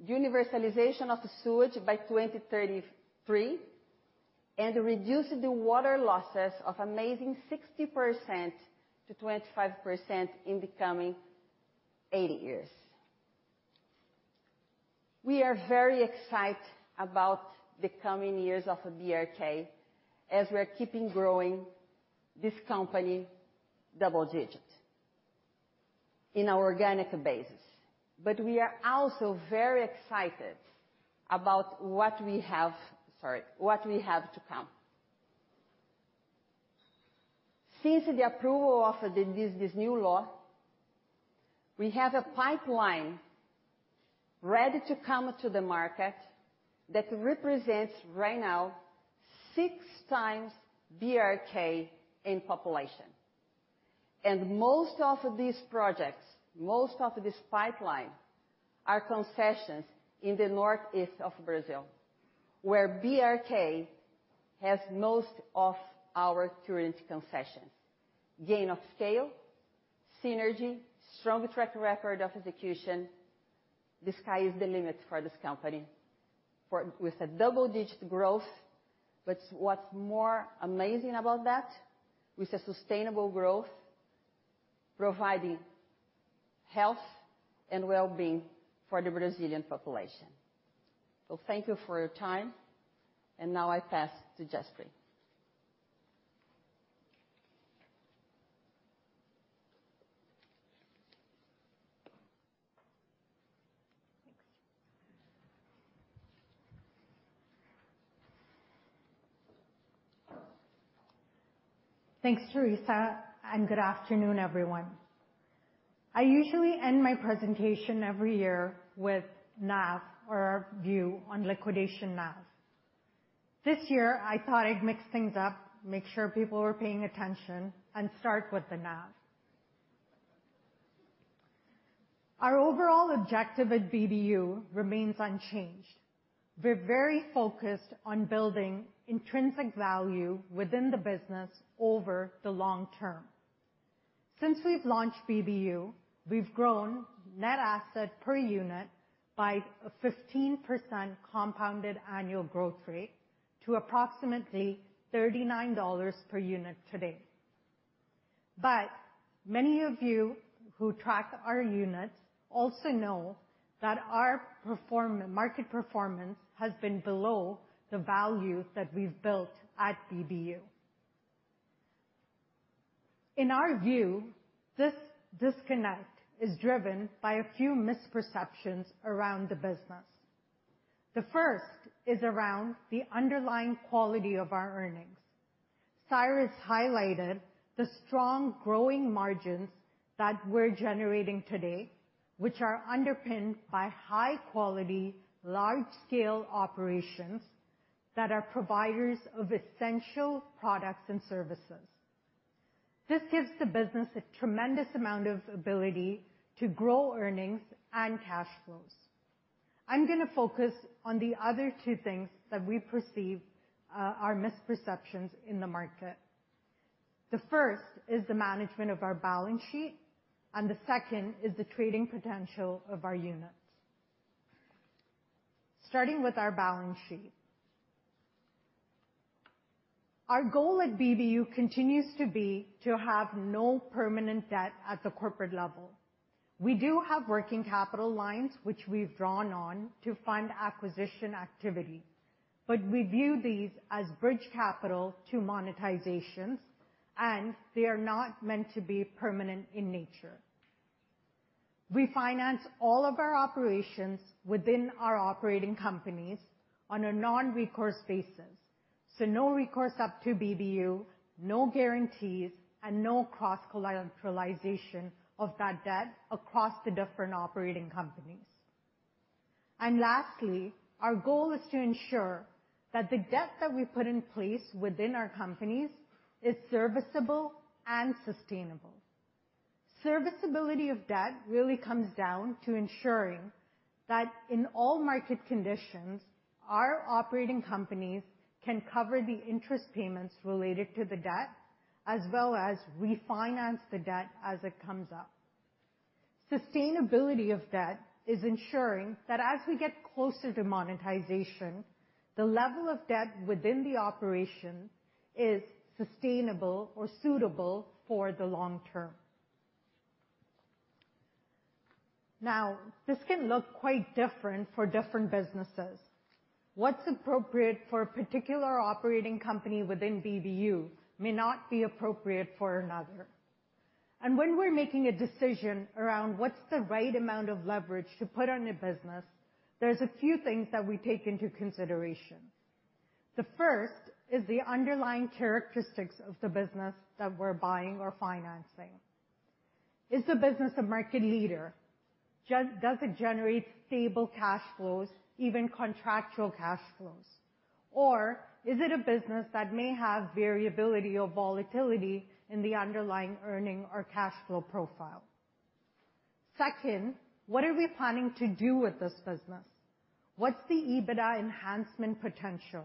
universalization of the sewage by 2033, and reduce the water losses of amazing 60%-25% in the coming 80 years. We are very excited about the coming years of BRK as we're keeping growing this company double-digit in our organic basis. We are also very excited about what we have to come. Since the approval of this new law, we have a pipeline ready to come to the market that represents right now 6x BRK in population. Most of these projects, most of this pipeline, are concessions in the northeast of Brazil, where BRK has most of our current concessions. Gain of scale, synergy, strong track record of execution. The sky is the limit for this company. With a double-digit growth. But what's more amazing about that, with a sustainable growth, providing health and well-being for the Brazilian population. Thank you for your time, and now I pass to Jaspreet. Thanks. Thanks, Teresa, and good afternoon, everyone. I usually end my presentation every year with NAV or our view on liquidation NAV. This year, I thought I'd mix things up, make sure people are paying attention, and start with the NAV. Our overall objective at BBU remains unchanged. We're very focused on building intrinsic value within the business over the long term. Since we've launched BBU, we've grown net asset per unit by a 15% compounded annual growth rate to approximately $39 per unit today. Many of you who track our units also know that our market performance has been below the value that we've built at BBU. In our view, this disconnect is driven by a few misperceptions around the business. The first is around the underlying quality of our earnings. Cyrus highlighted the strong growing margins that we're generating today, which are underpinned by high quality, large scale operations that are providers of essential products and services. This gives the business a tremendous amount of ability to grow earnings and cash flows. I'm gonna focus on the other two things that we perceive are misperceptions in the market. The first is the management of our balance sheet, and the second is the trading potential of our units. Starting with our balance sheet. Our goal at BBU continues to be to have no permanent debt at the corporate level. We do have working capital lines which we've drawn on to fund acquisition activity, but we view these as bridge capital to monetizations, and they are not meant to be permanent in nature. We finance all of our operations within our operating companies on a non-recourse basis, so no recourse up to BBU, no guarantees, and no cross-collateralization of that debt across the different operating companies. Lastly, our goal is to ensure that the debt that we put in place within our companies is serviceable and sustainable. Serviceability of debt really comes down to ensuring that in all market conditions, our operating companies can cover the interest payments related to the debt. As well as refinance the debt as it comes up. Sustainability of debt is ensuring that as we get closer to monetization, the level of debt within the operation is sustainable or suitable for the long term. Now, this can look quite different for different businesses. What's appropriate for a particular operating company within BBU may not be appropriate for another. When we're making a decision around what's the right amount of leverage to put on your business, there's a few things that we take into consideration. The first is the underlying characteristics of the business that we're buying or financing. Is the business a market leader? Does it generate stable cash flows, even contractual cash flows? Or is it a business that may have variability or volatility in the underlying earnings or cash flow profile? Second, what are we planning to do with this business? What's the EBITDA enhancement potential?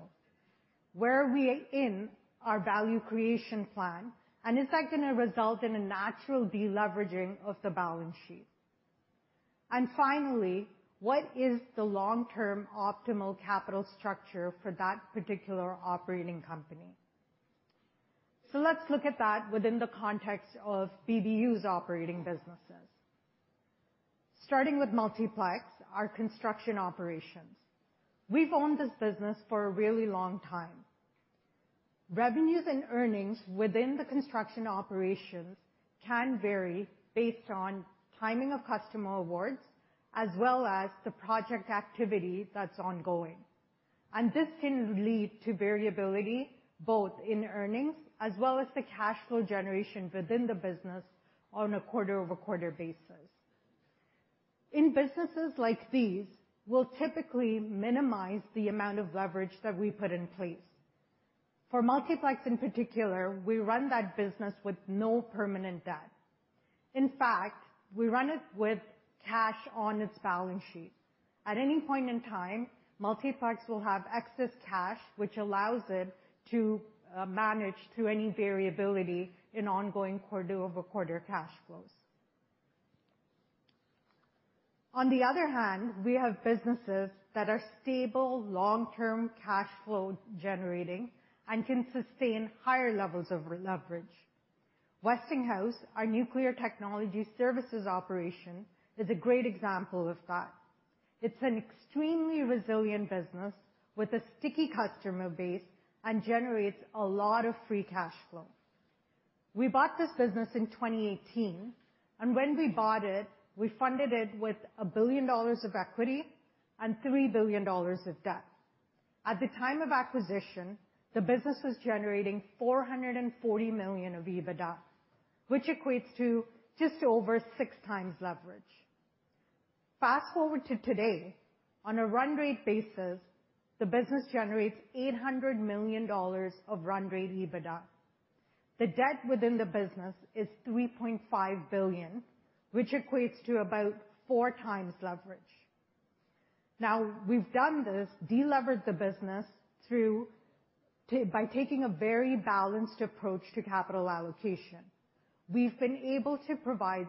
Where are we in our value creation plan, and is that gonna result in a natural deleveraging of the balance sheet? Finally, what is the long-term optimal capital structure for that particular operating company? Let's look at that within the context of BBU's operating businesses. Starting with Multiplex, our construction operations. We've owned this business for a really long time. Revenues and earnings within the construction operations can vary based on timing of customer awards, as well as the project activity that's ongoing. This can lead to variability, both in earnings as well as the cash flow generation within the business on a quarter-over-quarter basis. In businesses like these, we'll typically minimize the amount of leverage that we put in place. For Multiplex, in particular, we run that business with no permanent debt. In fact, we run it with cash on its balance sheet. At any point in time, Multiplex will have excess cash, which allows it to manage through any variability in ongoing quarter-over-quarter cash flows. On the other hand, we have businesses that are stable, long-term cash flow generating and can sustain higher levels of re-leverage. Westinghouse, our nuclear technology services operation, is a great example of that. It's an extremely resilient business with a sticky customer base and generates a lot of free cash flow. We bought this business in 2018, and when we bought it, we funded it with $1 billion of equity and $3 billion of debt. At the time of acquisition, the business was generating $440 million of EBITDA, which equates to just over 6x leverage. Fast-forward to today, on a run rate basis, the business generates $800 million of run rate EBITDA. The debt within the business is $3.5 billion, which equates to about 4x leverage. Now, we've done this, delevered the business by taking a very balanced approach to capital allocation. We've been able to provide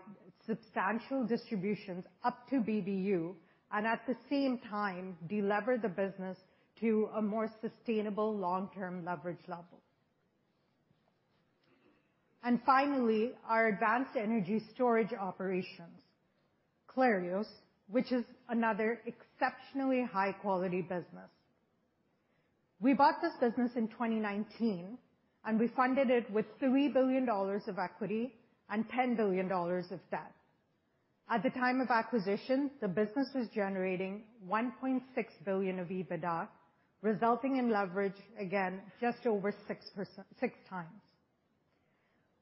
substantial distributions up to BBU and at the same time, delever the business to a more sustainable long-term leverage level. Finally, our advanced energy storage operations, Clarios, which is another exceptionally high-quality business. We bought this business in 2019, and we funded it with $3 billion of equity and $10 billion of debt. At the time of acquisition, the business was generating $1.6 billion of EBITDA, resulting in leverage, again, just over 6x.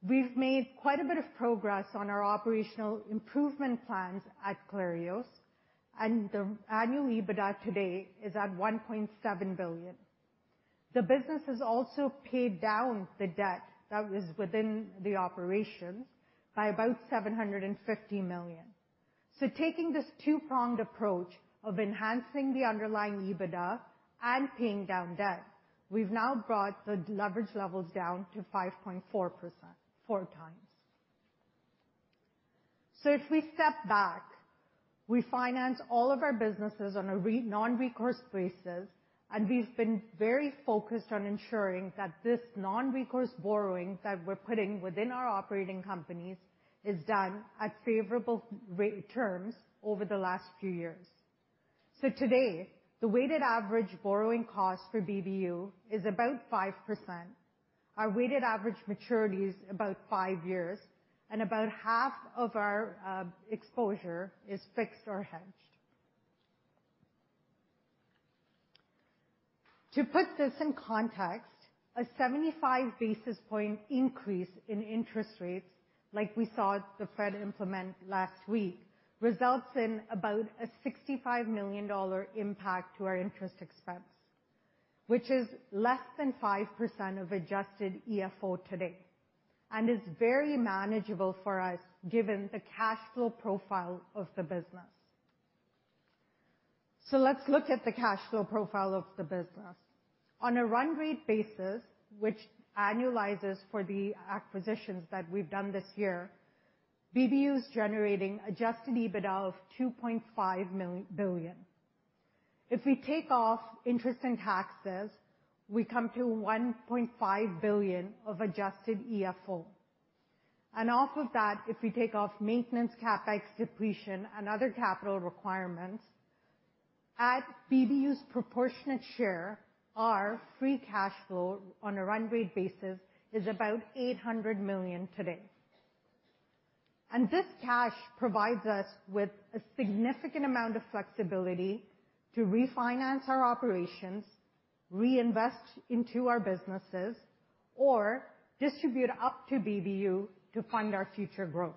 We've made quite a bit of progress on our operational improvement plans at Clarios, and the annual EBITDA today is at $1.7 billion. The business has also paid down the debt that was within the operations by about $750 million. Taking this two-pronged approach of enhancing the underlying EBITDA and paying down debt, we've now brought the leverage levels down to 5.4%, 4x. If we step back, we finance all of our businesses on a non-recourse basis, and we've been very focused on ensuring that this non-recourse borrowing that we're putting within our operating companies is done at favorable terms over the last few years. Today, the weighted average borrowing cost for BBU is about 5%. Our weighted average maturity is about five years, and about half of our exposure is fixed or hedged. To put this in context, a 75 basis point increase in interest rates, like we saw the Fed implement last week, results in about a $65 million impact to our interest expense, which is less than 5% of adjusted EFO today, and is very manageable for us given the cash flow profile of the business. Let's look at the cash flow profile of the business. On a run rate basis, which annualizes for the acquisitions that we've done this year, BBU is generating Adjusted EBITDA of $2.5 billion. If we take off interest and taxes, we come to $1.5 billion of adjusted EFO. Off of that, if we take off maintenance, CapEx, depletion, and other capital requirements, at BBU's proportionate share, our free cash flow on a run rate basis is about $800 million today. This cash provides us with a significant amount of flexibility to refinance our operations, reinvest into our businesses, or distribute up to BBU to fund our future growth.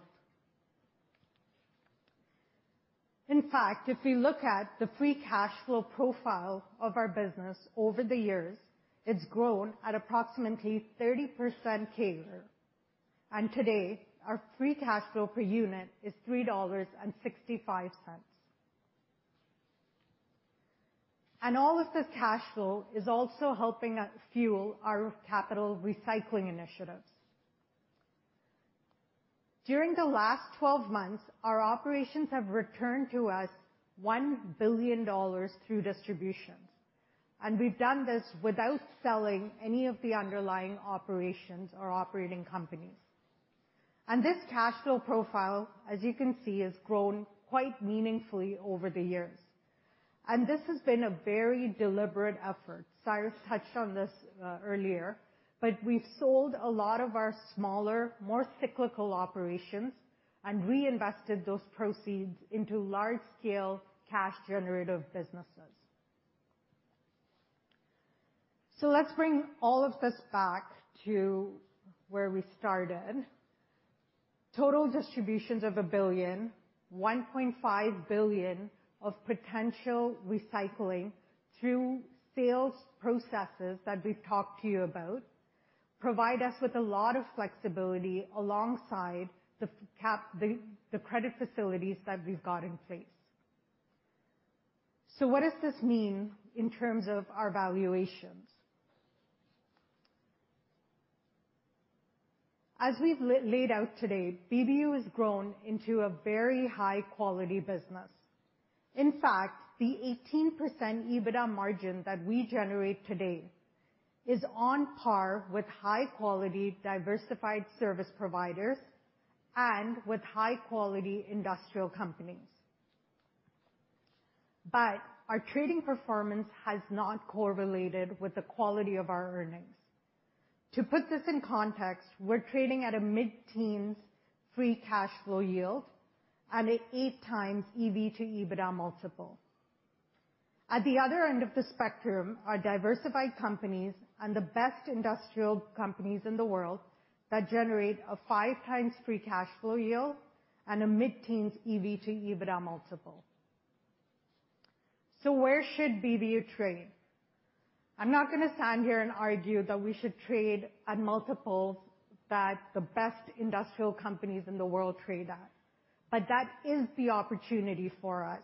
In fact, if we look at the free cash flow profile of our business over the years, it's grown at approximately 30% CAGR. Today, our free cash flow per unit is $3.65. All of this cash flow is also helping us fuel our capital recycling initiatives. During the last 12 months, our operations have returned to us $1 billion through distributions, and we've done this without selling any of the underlying operations or operating companies. This cash flow profile, as you can see, has grown quite meaningfully over the years. This has been a very deliberate effort. Cyrus touched on this earlier, but we've sold a lot of our smaller, more cyclical operations and reinvested those proceeds into large-scale cash generative businesses. Let's bring all of this back to where we started. Total distributions of $1 billion, $1.5 billion of potential recycling through sales processes that we've talked to you about provide us with a lot of flexibility alongside the credit facilities that we've got in place. What does this mean in terms of our valuations? As we've laid out today, BBU has grown into a very high-quality business. In fact, the 18% EBITDA margin that we generate today is on par with high-quality diversified service providers and with high-quality industrial companies. But our trading performance has not correlated with the quality of our earnings. To put this in context, we're trading at a mid-teens free cash flow yield and at 8x EV/EBITDA multiple. At the other end of the spectrum are diversified companies and the best industrial companies in the world that generate a 5x free cash flow yield and a mid-teens EV/EBITDA multiple. Where should BBU trade? I'm not gonna stand here and argue that we should trade at multiples that the best industrial companies in the world trade at, but that is the opportunity for us.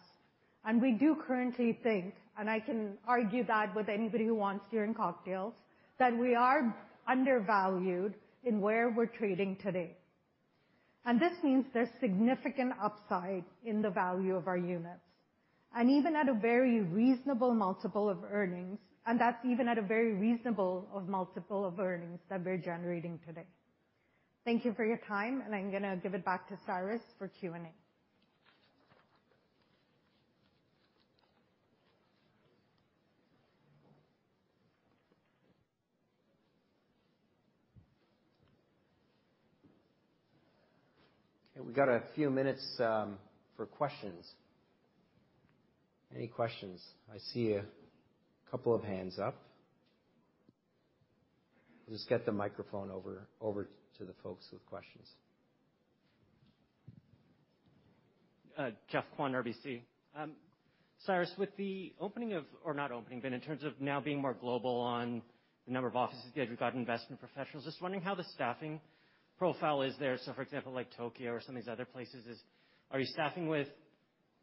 We do currently think, and I can argue that with anybody who wants during cocktails, that we are undervalued in where we're trading today. This means there's significant upside in the value of our units. Even at a very reasonable multiple of earnings that we're generating today. Thank you for your time, and I'm gonna give it back to Cyrus for Q&A. Okay. We got a few minutes for questions. Any questions? I see a couple of hands up. I'll just get the microphone over to the folks with questions. Geoff Kwan, RBC. Cyrus, in terms of now being more global on the number of offices that you've got investment professionals, just wondering how the staffing profile is there. For example, like Tokyo or some of these other places, are you staffing with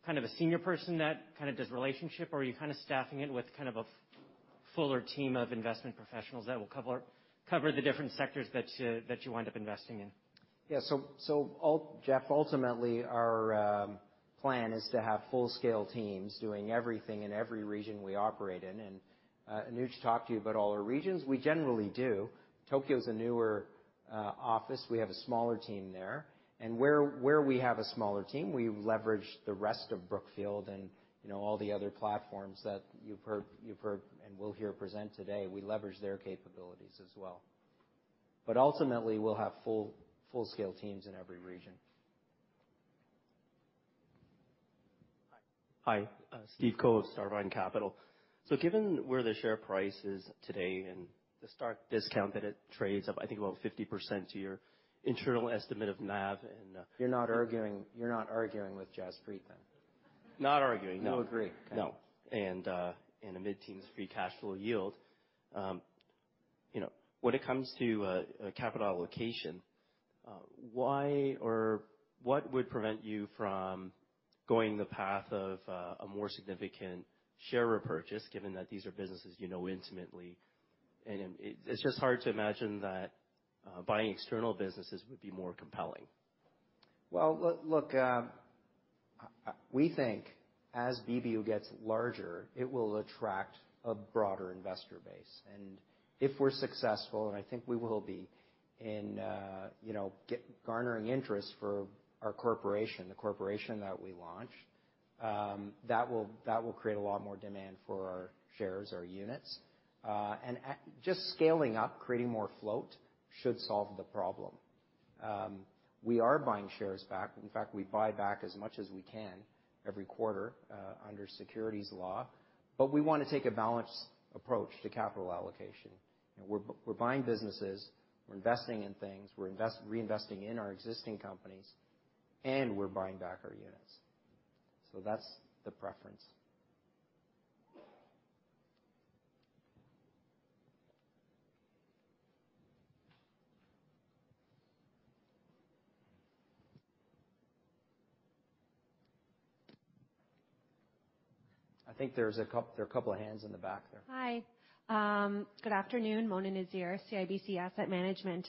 kind of a senior person that kind of does relationship, or are you kind of staffing it with kind of a fuller team of investment professionals that will cover the different sectors that you wind up investing in? Geoff, ultimately, our plan is to have full-scale teams doing everything in every region we operate in. Anuj talked to you about all our regions. We generally do. Tokyo is a newer office. We have a smaller team there. Where we have a smaller team, we leverage the rest of Brookfield and, you know, all the other platforms that you've heard and will hear presented today. We leverage their capabilities as well. Ultimately, we'll have full-scale teams in every region. Steve Ko of Starvine Capital. Given where the share price is today and the stark discount that it trades at, I think about 50% to your internal estimate of NAV and You're not arguing with Jaspreet then? Not arguing, no. You agree? Okay. No. A mid-teens free cash flow yield. You know, when it comes to capital allocation, why or what would prevent you from going the path of a more significant share repurchase, given that these are businesses you know intimately? It's just hard to imagine that buying external businesses would be more compelling. Well, look, we think as BBU gets larger, it will attract a broader investor base. If we're successful, and I think we will be, in you know, garnering interest for our corporation, the corporation that we launch, that will create a lot more demand for our shares or units. Just scaling up, creating more float should solve the problem. We are buying shares back. In fact, we buy back as much as we can every quarter, under securities law, but we wanna take a balanced approach to capital allocation. We're buying businesses, we're investing in things, we're reinvesting in our existing companies, and we're buying back our units. That's the preference. I think there are a couple of hands in the back there. Hi. Good afternoon. Mona Nazir, CIBC Asset Management.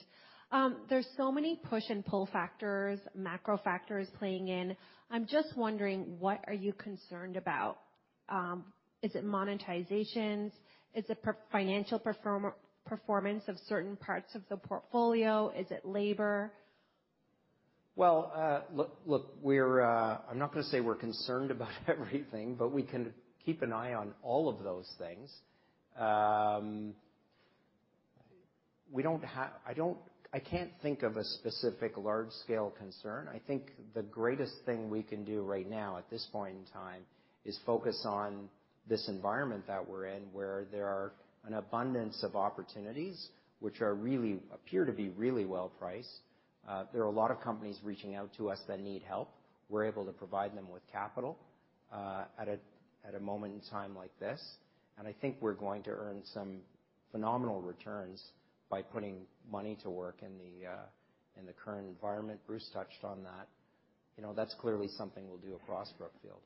There's so many push and pull factors, macro factors playing in. I'm just wondering, what are you concerned about? Is it monetizations? Is it financial performance of certain parts of the portfolio? Is it labor? Well, look, we're. I'm not gonna say we're concerned about everything, but we can keep an eye on all of those things. I can't think of a specific large scale concern. I think the greatest thing we can do right now at this point in time is focus on this environment that we're in, where there are an abundance of opportunities which appear to be really well priced. There are a lot of companies reaching out to us that need help. We're able to provide them with capital at a moment in time like this. I think we're going to earn some phenomenal returns by putting money to work in the current environment. Bruce touched on that. You know, that's clearly something we'll do across Brookfield.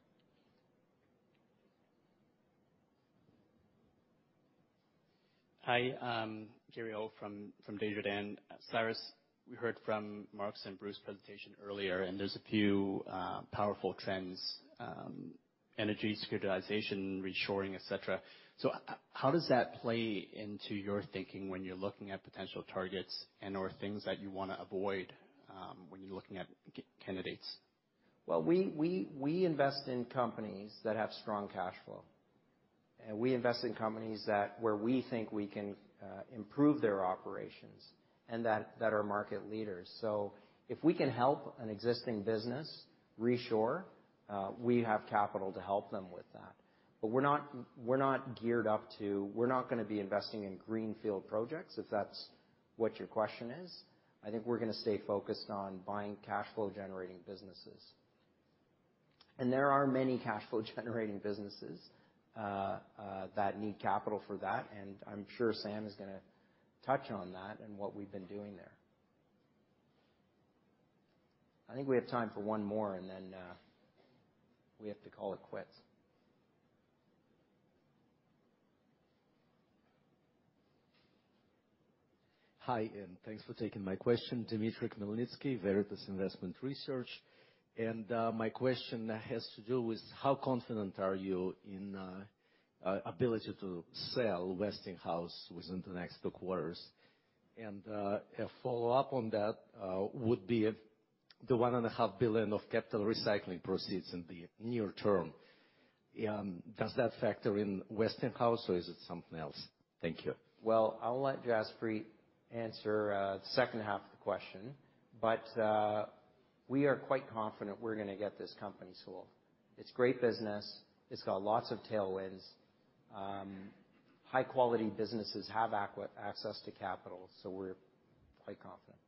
Hi. I'm Gary Ho from Desjardins. Cyrus, we heard from Mark's and Bruce's presentation earlier, and there's a few powerful trends, energy, securitization, reshoring, et cetera. How does that play into your thinking when you're looking at potential targets and/or things that you wanna avoid, when you're looking at candidates? Well, we invest in companies that have strong cash flow. We invest in companies where we think we can improve their operations and that are market leaders. If we can help an existing business reshore, we have capital to help them with that. We're not gonna be investing in greenfield projects if that's what your question is. I think we're gonna stay focused on buying cash flow generating businesses. There are many cash flow generating businesses that need capital for that, and I'm sure Sam is gonna touch on that and what we've been doing there. I think we have time for one more, and then we have to call it quits. Hi, thanks for taking my question. Dimitry Khmelnitsky, Veritas Investment Research. My question has to do with how confident are you in ability to sell Westinghouse within the next two quarters? A follow-up on that would be if the $1.5 billion of capital recycling proceeds in the near term does that factor in Westinghouse, or is it something else? Thank you. Well, I'll let Jaspreet answer the second half of the question, but we are quite confident we're gonna get this company sold. It's great business. It's got lots of tailwinds. High quality businesses have access to capital, so we're quite confident.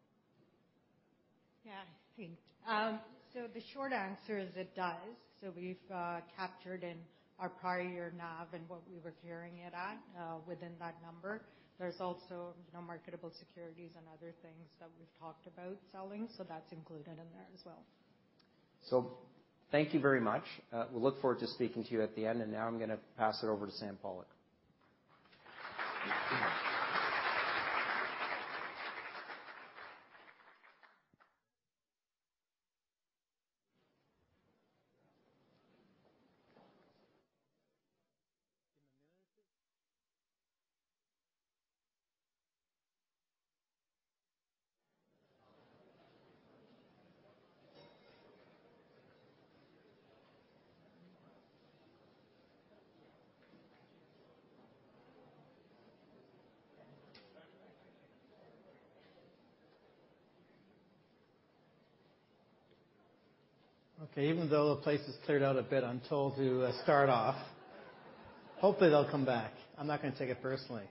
Yeah. Thanks. The short answer is it does. We've captured in our prior year NAV and what we were carrying it at, within that number. There's also non-marketable securities and other things that we've talked about selling, so that's included in there as well. Thank you very much. We look forward to speaking to you at the end. Now I'm gonna pass it over to Sam Pollock. Okay, even though the place has cleared out a bit, I'm told to start off. Hopefully, they'll come back. I'm not gonna take it personally.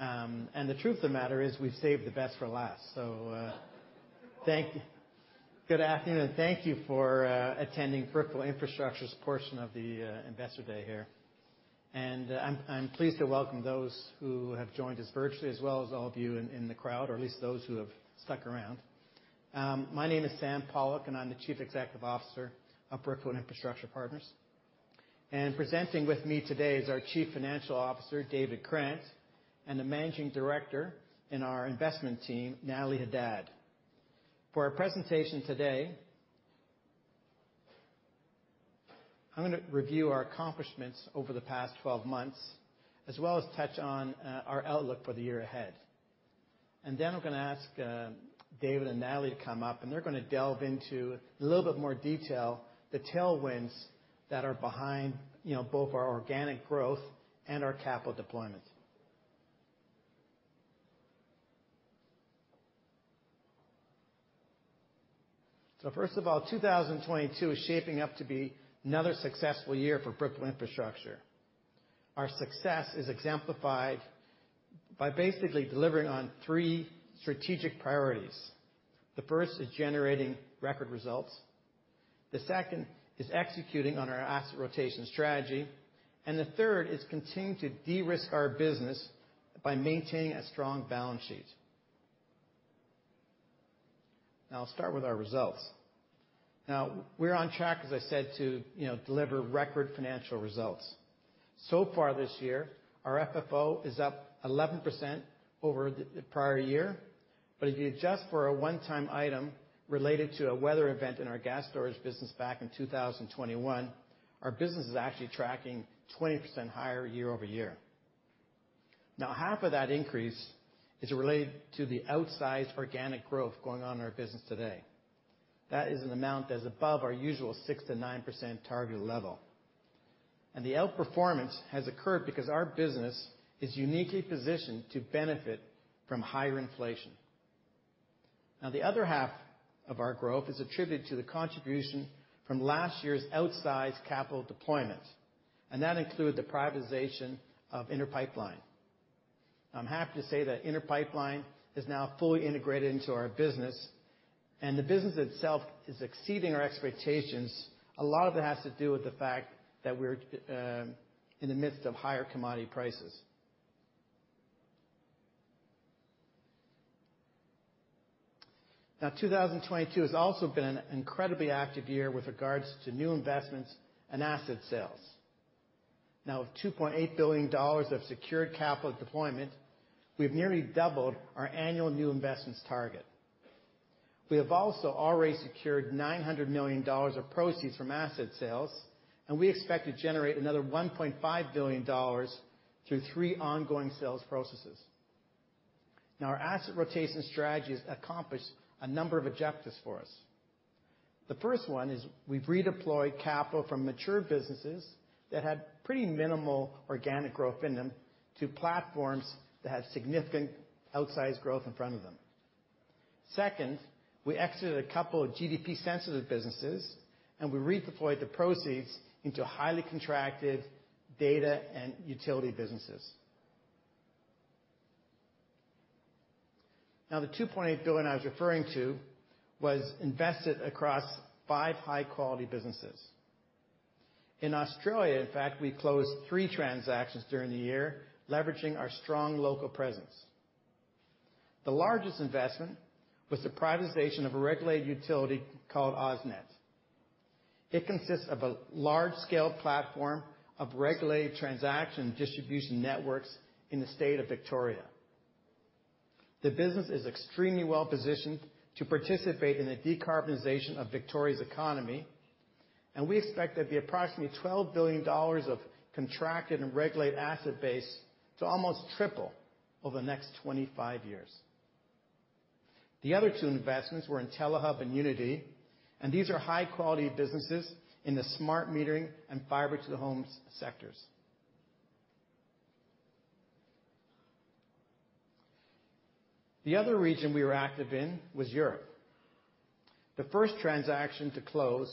The truth of the matter is we've saved the best for last. Thank you. Good afternoon, and thank you for attending Brookfield Infrastructure's portion of the Investor Day here. I'm pleased to welcome those who have joined us virtually, as well as all of you in the crowd, or at least those who have stuck around. My name is Sam Pollock, and I'm the Chief Executive Officer of Brookfield Infrastructure Partners. Presenting with me today is our Chief Financial Officer, David Krant, and the Managing Director in our investment team, Natalie Hadad. For our presentation today, I'm gonna review our accomplishments over the past 12 months as well as touch on our outlook for the year ahead. Then I'm gonna ask David and Natalie to come up, and they're gonna delve into a little bit more detail the tailwinds that are behind, you know, both our organic growth and our capital deployment. First of all, 2022 is shaping up to be another successful year for Brookfield Infrastructure. Our success is exemplified by basically delivering on three strategic priorities. The first is generating record results. The second is executing on our asset rotation strategy. The third is continuing to de-risk our business by maintaining a strong balance sheet. Now, I'll start with our results. Now, we're on track, as I said, to, you know, deliver record financial results. Far this year, our FFO is up 11% over the prior year. If you adjust for a one-time item related to a weather event in our gas storage business back in 2021, our business is actually tracking 20% higher year-over-year. Now, half of that increase is related to the outsized organic growth going on in our business today. That is an amount that is above our usual 6%-9% target level. The outperformance has occurred because our business is uniquely positioned to benefit from higher inflation. Now, the other half of our growth is attributed to the contribution from last year's outsized capital deployment, and that includes the privatization of Inter Pipeline. I'm happy to say that Inter Pipeline is now fully integrated into our business, and the business itself is exceeding our expectations. A lot of it has to do with the fact that we're in the midst of higher commodity prices. Now, 2022 has also been an incredibly active year with regards to new investments and asset sales. Now, with $2.8 billion of secured capital deployment, we've nearly doubled our annual new investments target. We have also already secured $900 million of proceeds from asset sales, and we expect to generate another $1.5 billion through three ongoing sales processes. Now, our asset rotation strategy has accomplished a number of objectives for us. The first one is we've redeployed capital from mature businesses that had pretty minimal organic growth in them to platforms that have significant outsized growth in front of them. Second, we exited a couple of GDP sensitive businesses, and we redeployed the proceeds into highly contracted data and utility businesses. Now, the 2.8 billion I was referring to was invested across five high-quality businesses. In Australia, in fact, we closed three transactions during the year, leveraging our strong local presence. The largest investment was the privatization of a regulated utility called AusNet. It consists of a large-scale platform of regulated transmission distribution networks in the state of Victoria. The business is extremely well-positioned to participate in the decarbonization of Victoria's economy, and we expect there'll be approximately $12 billion of contracted and regulated asset base to almost triple over the next 25 years. The other two investments were in Intellihub and Uniti, and these are high-quality businesses in the smart metering and fiber to the homes sectors. The other region we were active in was Europe. The first transaction to close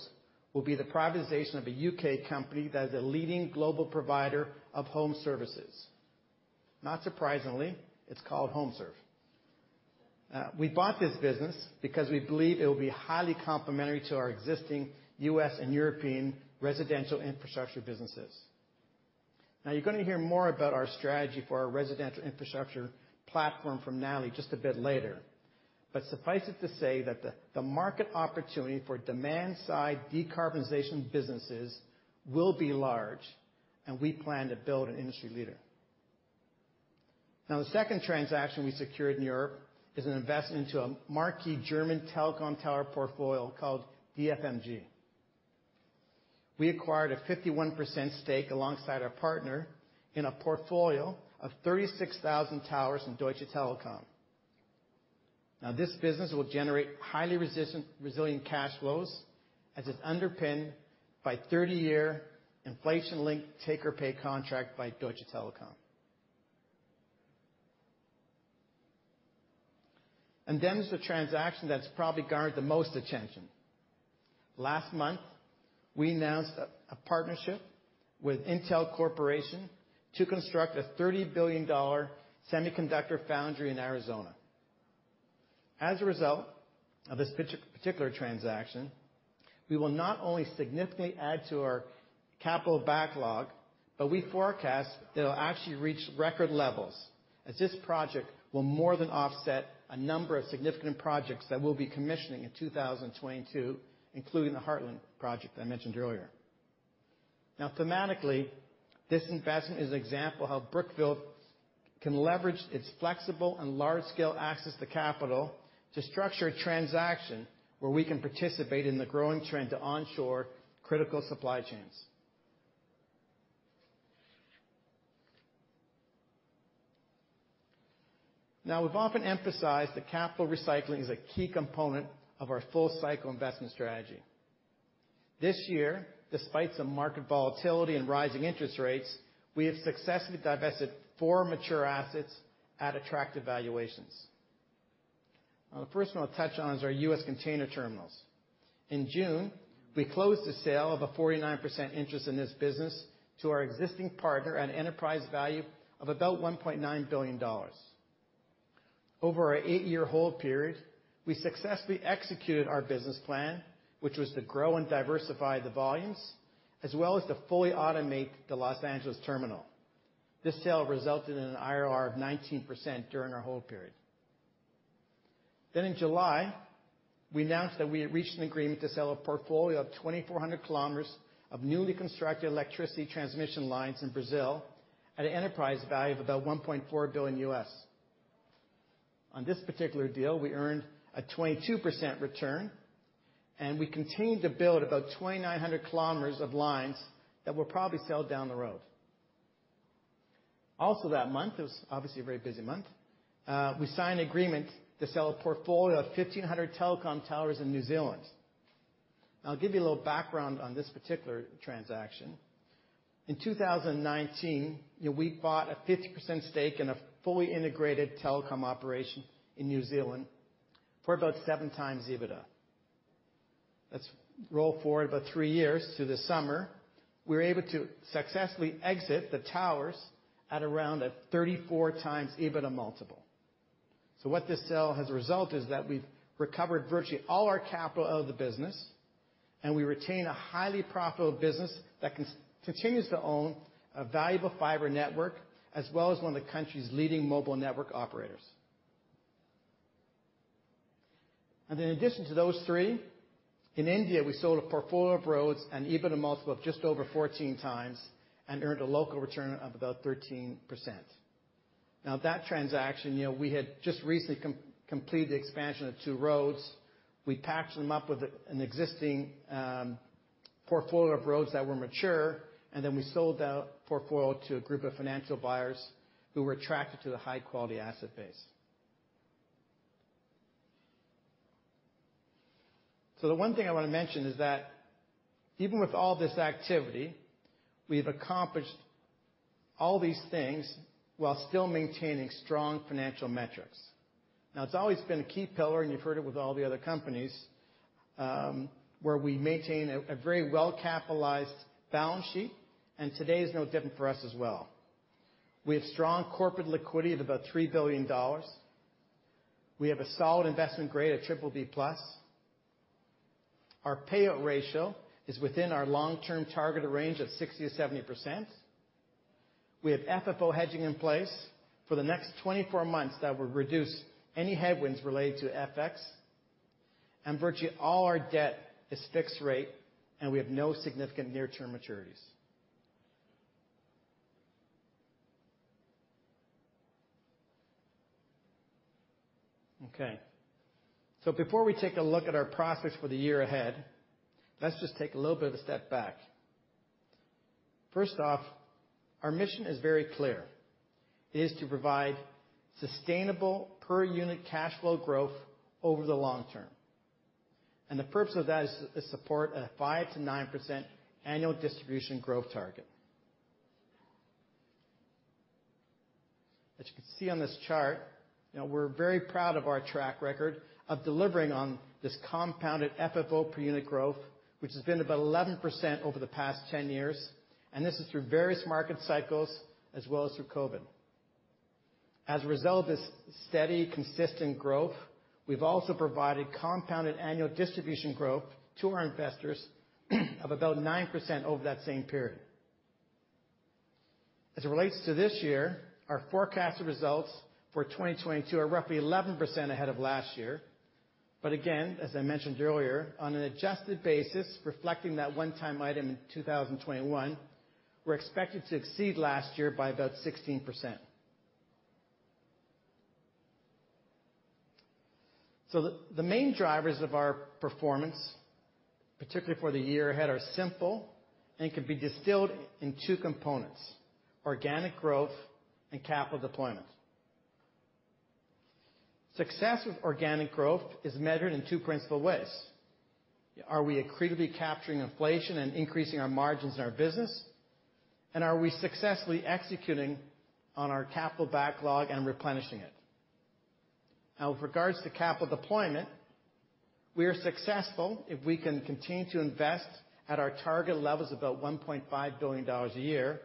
will be the privatization of a U.K. company that is a leading global provider of home services. Not surprisingly, it's called HomeServe. We bought this business because we believe it will be highly complementary to our existing U.S. and European residential infrastructure businesses. You're gonna hear more about our strategy for our residential infrastructure platform from Natalie just a bit later. Suffice it to say that the market opportunity for demand-side decarbonization businesses will be large, and we plan to build an industry leader. The second transaction we secured in Europe is an investment into a marquee German telecom tower portfolio called DFMG. We acquired a 51% stake alongside our partner in a portfolio of 36,000 towers in Deutsche Telekom. Now, this business will generate highly resilient cash flows, as it's underpinned by 30-year inflation-linked take-or-pay contract by Deutsche Telekom. Then there's the transaction that's probably garnered the most attention. Last month, we announced a partnership with Intel Corporation to construct a $30 billion semiconductor foundry in Arizona. As a result of this particular transaction, we will not only significantly add to our capital backlog, but we forecast that it'll actually reach record levels, as this project will more than offset a number of significant projects that we'll be commissioning in 2022, including the Heartland project I mentioned earlier. Now thematically, this investment is an example how Brookfield can leverage its flexible and large-scale access to capital to structure a transaction where we can participate in the growing trend to onshore critical supply chains. Now we've often emphasized that capital recycling is a key component of our full-cycle investment strategy. This year, despite some market volatility and rising interest rates, we have successfully divested four mature assets at attractive valuations. Now, the first one I'll touch on is our U.S. container terminals. In June, we closed the sale of a 49% interest in this business to our existing partner at an enterprise value of about $1.9 billion. Over our eight-year hold period, we successfully executed our business plan, which was to grow and diversify the volumes, as well as to fully automate the Los Angeles terminal. This sale resulted in an IRR of 19% during our hold period. In July, we announced that we had reached an agreement to sell a portfolio of 2,400 km of newly constructed electricity transmission lines in Brazil at an enterprise value of about $1.4 billion. On this particular deal, we earned a 22% return, and we continue to build about 2,900 km of lines that will probably sell down the road. Also that month, it was obviously a very busy month, we signed an agreement to sell a portfolio of 1,500 telecom towers in New Zealand. I'll give you a little background on this particular transaction. In 2019, you know, we bought a 50% stake in a fully integrated telecom operation in New Zealand for about 7x EBITDA. Let's roll forward about three years to this summer. We were able to successfully exit the towers at around a 34x EBITDA multiple. What this sale has resulted is that we've recovered virtually all our capital out of the business, and we retain a highly profitable business that continues to own a valuable fiber network, as well as one of the country's leading mobile network operators. In addition to those three, in India, we sold a portfolio of roads and EBITDA multiple of just over 14x and earned a local return of about 13%. Now that transaction, you know, we had just recently completed the expansion of two roads. We packed them up with an existing portfolio of roads that were mature, and then we sold that portfolio to a group of financial buyers who were attracted to the high-quality asset base. The one thing I wanna mention is that even with all this activity, we've accomplished all these things while still maintaining strong financial metrics. Now, it's always been a key pillar, and you've heard it with all the other companies, where we maintain a very well-capitalized balance sheet, and today is no different for us as well. We have strong corporate liquidity of about $3 billion. We have a solid investment grade, BBB+. Our payout ratio is within our long-term targeted range of 60%-70%. We have FFO hedging in place for the next 24 months that will reduce any headwinds related to FX. Virtually all our debt is fixed rate, and we have no significant near-term maturities. Okay. Before we take a look at our process for the year ahead, let's just take a little bit of a step back. First off, our mission is very clear to provide sustainable per unit cash flow growth over the long term. The purpose of that is to support a 5%-9% annual distribution growth target. As you can see on this chart, you know, we're very proud of our track record of delivering on this compounded FFO per unit growth, which has been about 11% over the past 10 years, and this is through various market cycles as well as through COVID. As a result of this steady, consistent growth, we've also provided compounded annual distribution growth to our investors of about 9% over that same period. As it relates to this year, our forecasted results for 2022 are roughly 11% ahead of last year. Again, as I mentioned earlier, on an adjusted basis, reflecting that one-time item in 2021, we're expected to exceed last year by about 16%. The main drivers of our performance, particularly for the year ahead, are simple and can be distilled in two components, organic growth and capital deployment. Success with organic growth is measured in two principal ways. Are we accretively capturing inflation and increasing our margins in our business? Are we successfully executing on our capital backlog and replenishing it? Now, with regards to capital deployment, we are successful if we can continue to invest at our target levels about $1.5 billion a year,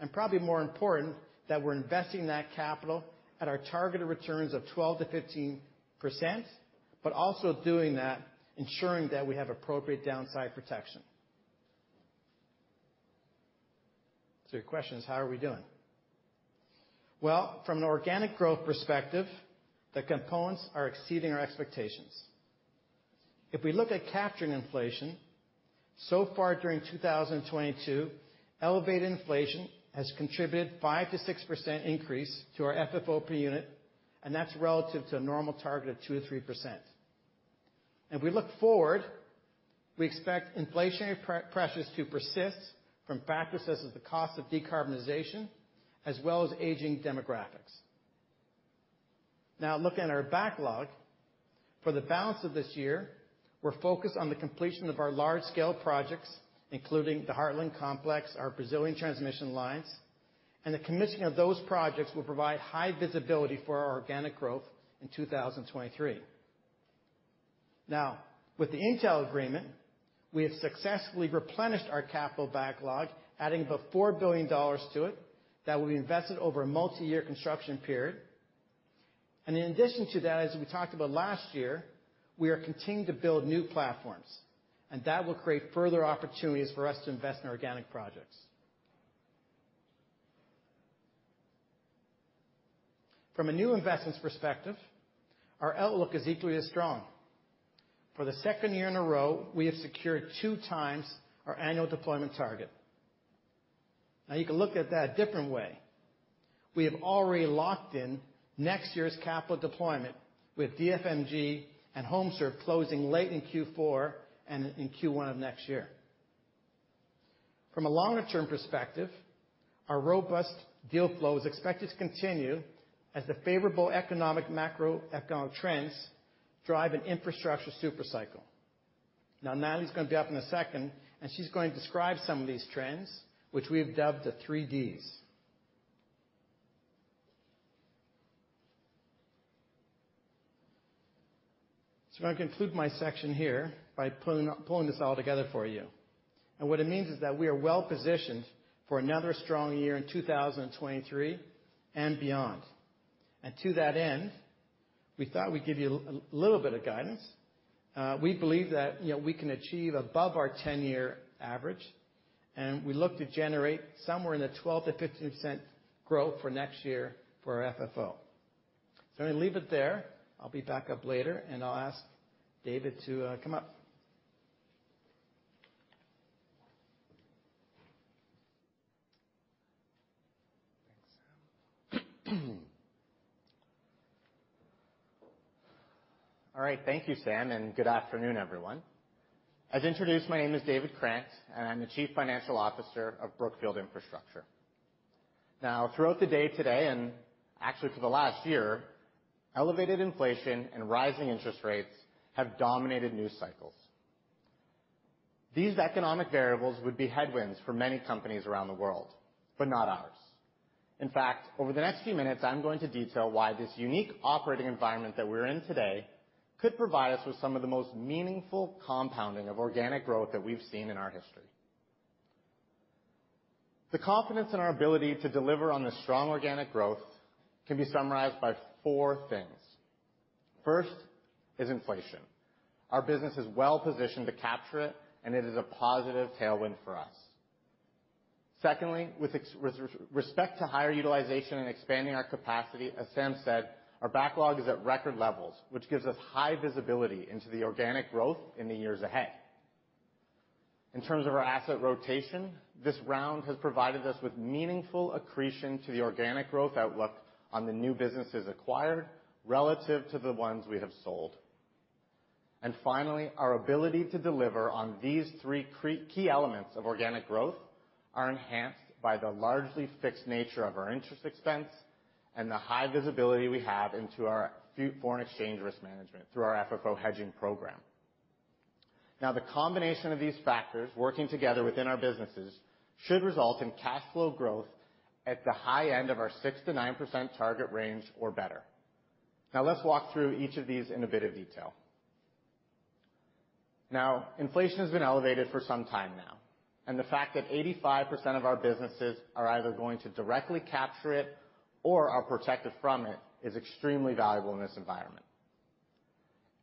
and probably more important, that we're investing that capital at our targeted returns of 12%-15%, but also doing that, ensuring that we have appropriate downside protection. Your question is, how are we doing? Well, from an organic growth perspective, the components are exceeding our expectations. If we look at capturing inflation, so far during 2022, elevated inflation has contributed 5%-6% increase to our FFO per unit, and that's relative to a normal target of 2%-3%. If we look forward, we expect inflationary pressures to persist from factors such as the cost of decarbonization as well as aging demographics. Now looking at our backlog, for the balance of this year, we're focused on the completion of our large-scale projects, including the Heartland Complex, our Brazilian transmission lines, and the commissioning of those projects will provide high visibility for our organic growth in 2023. Now, with the Intel agreement, we have successfully replenished our capital backlog, adding about $4 billion to it that will be invested over a multi-year construction period. In addition to that, as we talked about last year, we are continuing to build new platforms, and that will create further opportunities for us to invest in organic projects. From a new investments perspective, our outlook is equally as strong. For the second year in a row, we have secured two times our annual deployment target. Now you can look at that a different way. We have already locked in next year's capital deployment with DFMG and HomeServe closing late in Q4 and in Q1 of next year. From a longer-term perspective, our robust deal flow is expected to continue as the favorable macroeconomic trends drive an infrastructure super cycle. Now, Natalie's gonna be up in a second, and she's going to describe some of these trends, which we've dubbed the three Ds. I'm gonna conclude my section here by pulling this all together for you. What it means is that we are well-positioned for another strong year in 2023 and beyond. To that end, we thought we'd give you a little bit of guidance. We believe that, you know, we can achieve above our 10-year average, and we look to generate somewhere in the 12%-15% growth for next year for our FFO. I'm gonna leave it there. I'll be back up later, and I'll ask David to come up. Thanks, Sam. All right. Thank you, Sam, and good afternoon, everyone. As introduced, my name is David Krant, and I'm the Chief Financial Officer of Brookfield Infrastructure. Now, throughout the day today, and actually for the last year, elevated inflation and rising interest rates have dominated news cycles. These economic variables would be headwinds for many companies around the world, but not ours. In fact, over the next few minutes, I'm going to detail why this unique operating environment that we're in today could provide us with some of the most meaningful compounding of organic growth that we've seen in our history. The confidence in our ability to deliver on this strong organic growth can be summarized by four things. First is inflation. Our business is well-positioned to capture it, and it is a positive tailwind for us. Secondly, with respect to higher utilization and expanding our capacity, as Sam said, our backlog is at record levels, which gives us high visibility into the organic growth in the years ahead. In terms of our asset rotation, this round has provided us with meaningful accretion to the organic growth outlook on the new businesses acquired relative to the ones we have sold. Finally, our ability to deliver on these three key elements of organic growth are enhanced by the largely fixed nature of our interest expense and the high visibility we have into our foreign exchange risk management through our FFO hedging program. Now, the combination of these factors working together within our businesses should result in cash flow growth at the high end of our 6%-9% target range or better. Now let's walk through each of these in a bit of detail. Now, inflation has been elevated for some time now, and the fact that 85% of our businesses are either going to directly capture it or are protected from it is extremely valuable in this environment.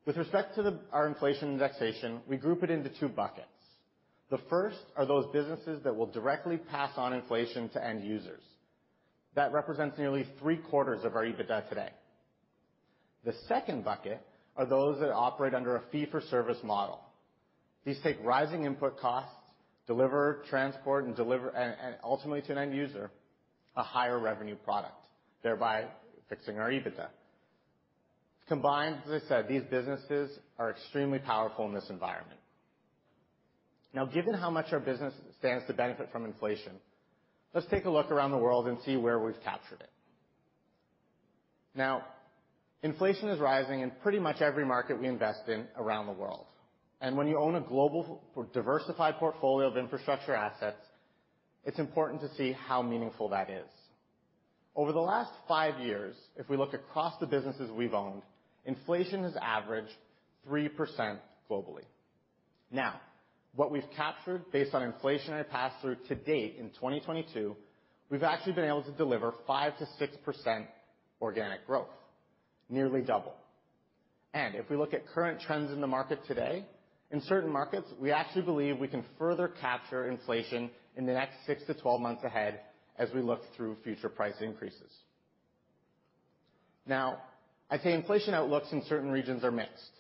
With respect to our inflation indexation, we group it into two buckets. The first are those businesses that will directly pass on inflation to end users. That represents nearly three-quarters of our EBITDA today. The second bucket are those that operate under a fee-for-service model. These take rising input costs, deliver, transport, and ultimately to an end user a higher revenue product, thereby fixing our EBITDA. Combined, as I said, these businesses are extremely powerful in this environment. Now, given how much our business stands to benefit from inflation, let's take a look around the world and see where we've captured it. Now, inflation is rising in pretty much every market we invest in around the world. When you own a global diversified portfolio of infrastructure assets. It's important to see how meaningful that is. Over the last five years, if we look across the businesses we've owned, inflation has averaged 3% globally. Now, what we've captured based on inflationary passthrough to date in 2022, we've actually been able to deliver 5%-6% organic growth, nearly double. If we look at current trends in the market today, in certain markets, we actually believe we can further capture inflation in the next six to 12 months ahead as we look through future price increases. Now, I'd say inflation outlooks in certain regions are mixed,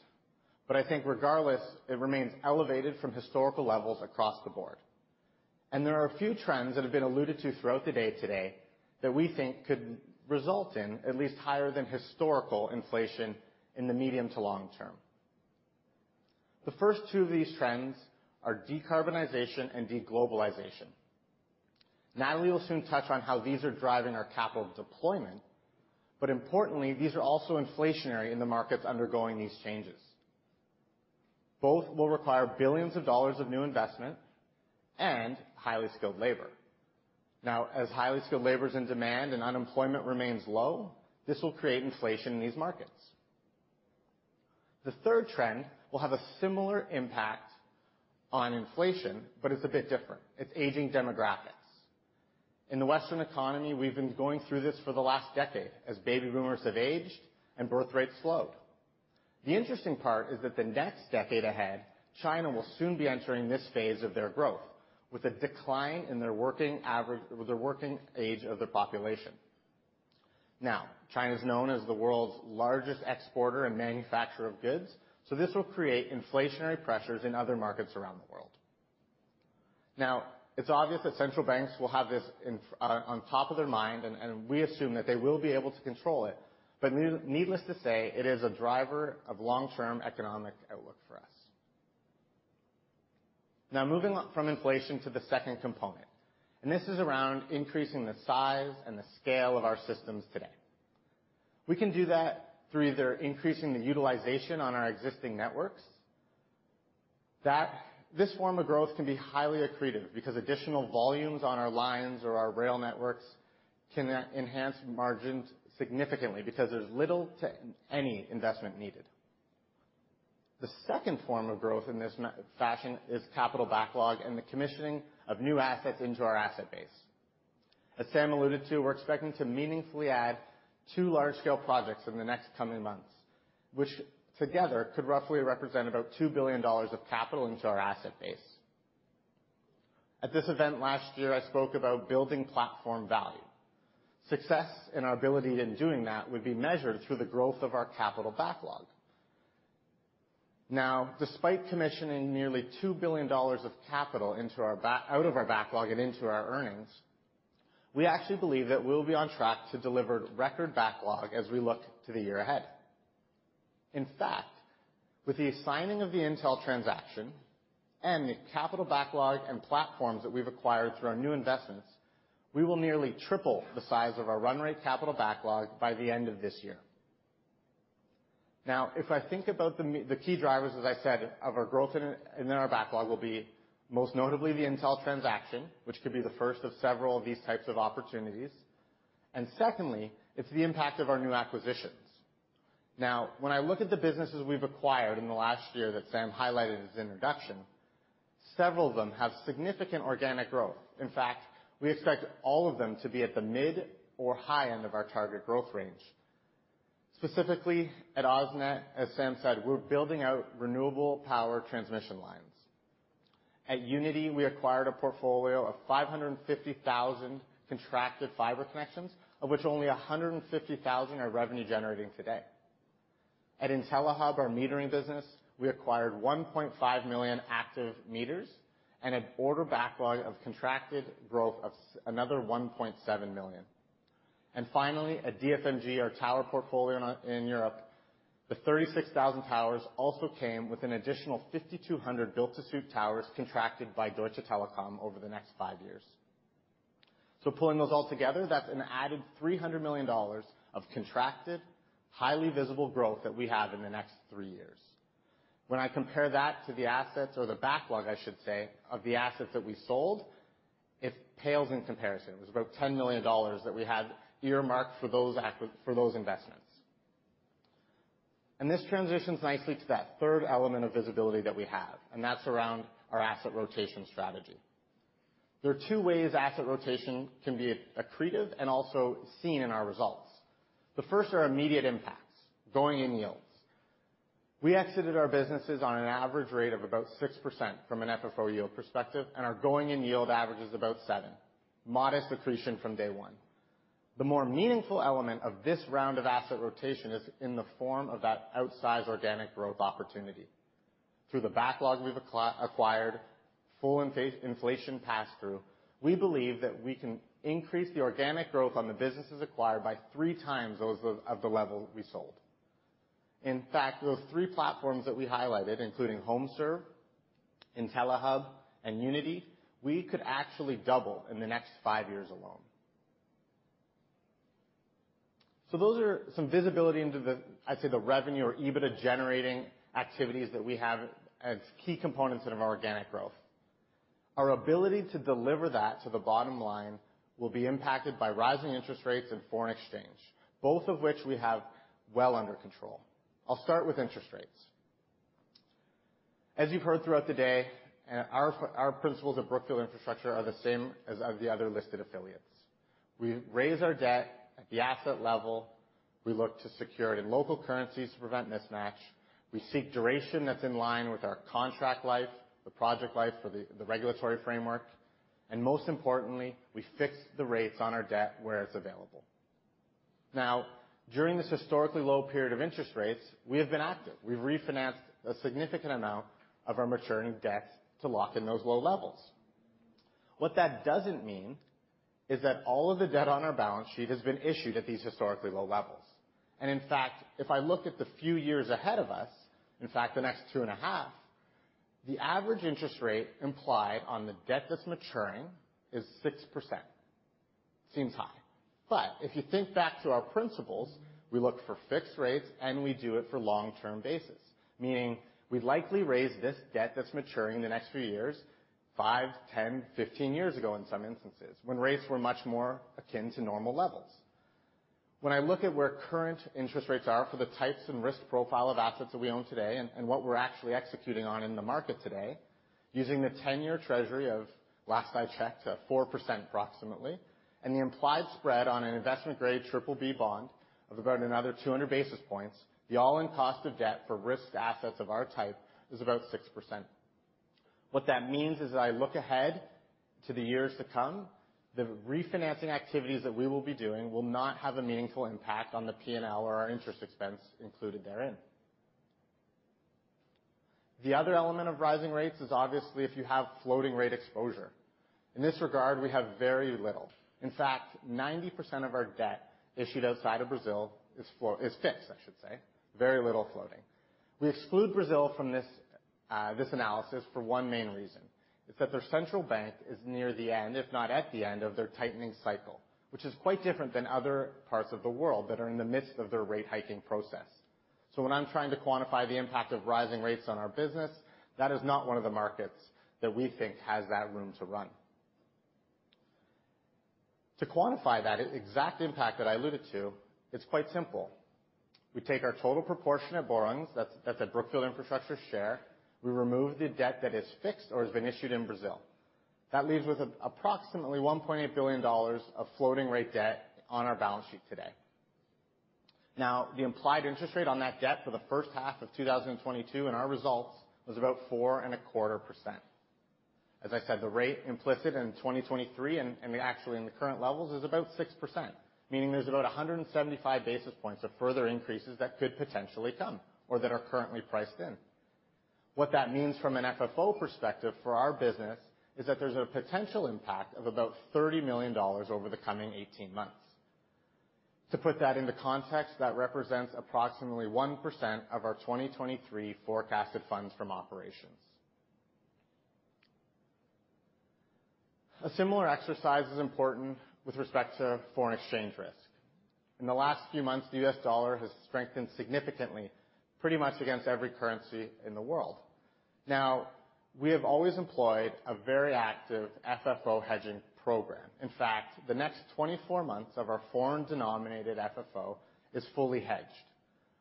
but I think regardless, it remains elevated from historical levels across the board. There are a few trends that have been alluded to throughout the day today that we think could result in at least higher than historical inflation in the medium to long term. The first two of these trends are decarbonization and deglobalization. Natalie will soon touch on how these are driving our capital deployment. Importantly, these are also inflationary in the markets undergoing these changes. Both will require billions of dollars of new investment and highly skilled labor. Now, as highly skilled labor is in demand and unemployment remains low, this will create inflation in these markets. The third trend will have a similar impact on inflation, but it's a bit different. It's aging demographics. In the Western economy, we've been going through this for the last decade as baby boomers have aged and birth rates slowed. The interesting part is that the next decade ahead, China will soon be entering this phase of their growth with a decline in their working age of their population. Now, China is known as the world's largest exporter and manufacturer of goods, so this will create inflationary pressures in other markets around the world. Now, it's obvious that central banks will have this in, on top of their mind, and we assume that they will be able to control it. Needless to say, it is a driver of long-term economic outlook for us. Now, moving on from inflation to the second component, and this is around increasing the size and the scale of our systems today. We can do that through either increasing the utilization on our existing networks. This form of growth can be highly accretive because additional volumes on our lines or our rail networks can enhance margins significantly because there's little to any investment needed. The second form of growth in this fashion is capital backlog and the commissioning of new assets into our asset base. As Sam alluded to, we're expecting to meaningfully add two large-scale projects in the next coming months, which together could roughly represent about $2 billion of capital into our asset base. At this event last year, I spoke about building platform value. Success in our ability in doing that would be measured through the growth of our capital backlog. Now, despite commissioning nearly $2 billion of capital out of our backlog and into our earnings, we actually believe that we'll be on track to deliver record backlog as we look to the year ahead. In fact, with the assigning of the Intel transaction and the capital backlog and platforms that we've acquired through our new investments, we will nearly triple the size of our run rate capital backlog by the end of this year. Now, if I think about the key drivers, as I said, of our growth in our backlog will be most notably the Intel transaction, which could be the first of several of these types of opportunities. Secondly, it's the impact of our new acquisitions. Now, when I look at the businesses we've acquired in the last year that Sam highlighted in his introduction, several of them have significant organic growth. In fact, we expect all of them to be at the mid or high end of our target growth range. Specifically at AusNet, as Sam said, we're building out renewable power transmission lines. At Uniti, we acquired a portfolio of 550,000 contracted fiber connections, of which only 150,000 are revenue generating today. At Intellihub, our metering business, we acquired 1.5 million active meters and an order backlog of contracted growth of another 1.7 million. Finally, at DFMG, our tower portfolio in Europe, the 36,000 towers also came with an additional 5,200 built-to-suit towers contracted by Deutsche Telekom over the next five years. Pulling those all together, that's an added $300 million of contracted, highly visible growth that we have in the next three years. When I compare that to the assets or the backlog, I should say, of the assets that we sold, it pales in comparison. It was about $10 million that we had earmarked for those investments. This transitions nicely to that third element of visibility that we have, and that's around our asset rotation strategy. There are two ways asset rotation can be accretive and also seen in our results. The first are immediate impacts, going in yields. We exited our businesses on an average rate of about 6% from an FFO yield perspective, and our going in yield average is about 7%, modest accretion from day one. The more meaningful element of this round of asset rotation is in the form of that outsized organic growth opportunity. Through the backlog we've acquired, full inflation pass-through, we believe that we can increase the organic growth on the businesses acquired by three times those of the level we sold. In fact, those three platforms that we highlighted, including HomeServe, Intellihub, and Uniti, we could actually double in the next five years alone. Those are some visibility into the, I'd say, the revenue or EBITDA-generating activities that we have as key components of our organic growth. Our ability to deliver that to the bottom line will be impacted by rising interest rates and foreign exchange, both of which we have well under control. I'll start with interest rates. As you've heard throughout the day, our principles at Brookfield Infrastructure are the same as the other listed affiliates. We raise our debt at the asset level. We look to security in local currencies to prevent mismatch. We seek duration that's in line with our contract life, the project life for the regulatory framework, and most importantly, we fix the rates on our debt where it's available. Now, during this historically low period of interest rates, we have been active. We've refinanced a significant amount of our maturing debt to lock in those low levels. What that doesn't mean is that all of the debt on our balance sheet has been issued at these historically low levels. In fact, if I look at the few years ahead of us, in fact, the next 2.5 years, the average interest rate implied on the debt that's maturing is 6%. Seems high. If you think back to our principles, we look for fixed rates, and we do it for long-term basis. Meaning, we likely raise this debt that's maturing in the next few years, five, 10, 15 years ago in some instances, when rates were much more akin to normal levels. When I look at where current interest rates are for the types and risk profile of assets that we own today and what we're actually executing on in the market today, using the 10-year Treasury of, last I checked, 4% approximately, and the implied spread on an investment-grade BBB bond of about another 200 basis points, the all-in cost of debt for risked assets of our type is about 6%. What that means is, as I look ahead to the years to come, the refinancing activities that we will be doing will not have a meaningful impact on the P&L or our interest expense included therein. The other element of rising rates is obviously if you have floating rate exposure. In this regard, we have very little. In fact, 90% of our debt issued outside of Brazil is fixed, I should say. Very little floating. We exclude Brazil from this analysis for one main reason. It's that their central bank is near the end, if not at the end of their tightening cycle, which is quite different than other parts of the world that are in the midst of their rate hiking process. When I'm trying to quantify the impact of rising rates on our business, that is not one of the markets that we think has that room to run. To quantify that exact impact that I alluded to, it's quite simple. We take our total proportion of borrowings, that's a Brookfield Infrastructure share. We remove the debt that is fixed or has been issued in Brazil. That leaves us approximately $1.8 billion of floating rate debt on our balance sheet today. Now, the implied interest rate on that debt for the first half of 2022 in our results was about 4.25%. As I said, the rate implicit in 2023 and actually in the current levels is about 6%, meaning there's about 175 basis points of further increases that could potentially come or that are currently priced in. What that means from an FFO perspective for our business is that there's a potential impact of about $30 million over the coming 18 months. To put that into context, that represents approximately 1% of our 2023 forecasted funds from operations. A similar exercise is important with respect to foreign exchange risk. In the last few months, the U.S. Dollar has strengthened significantly, pretty much against every currency in the world. Now, we have always employed a very active FFO hedging program. In fact, the next 24 months of our foreign-denominated FFO is fully hedged.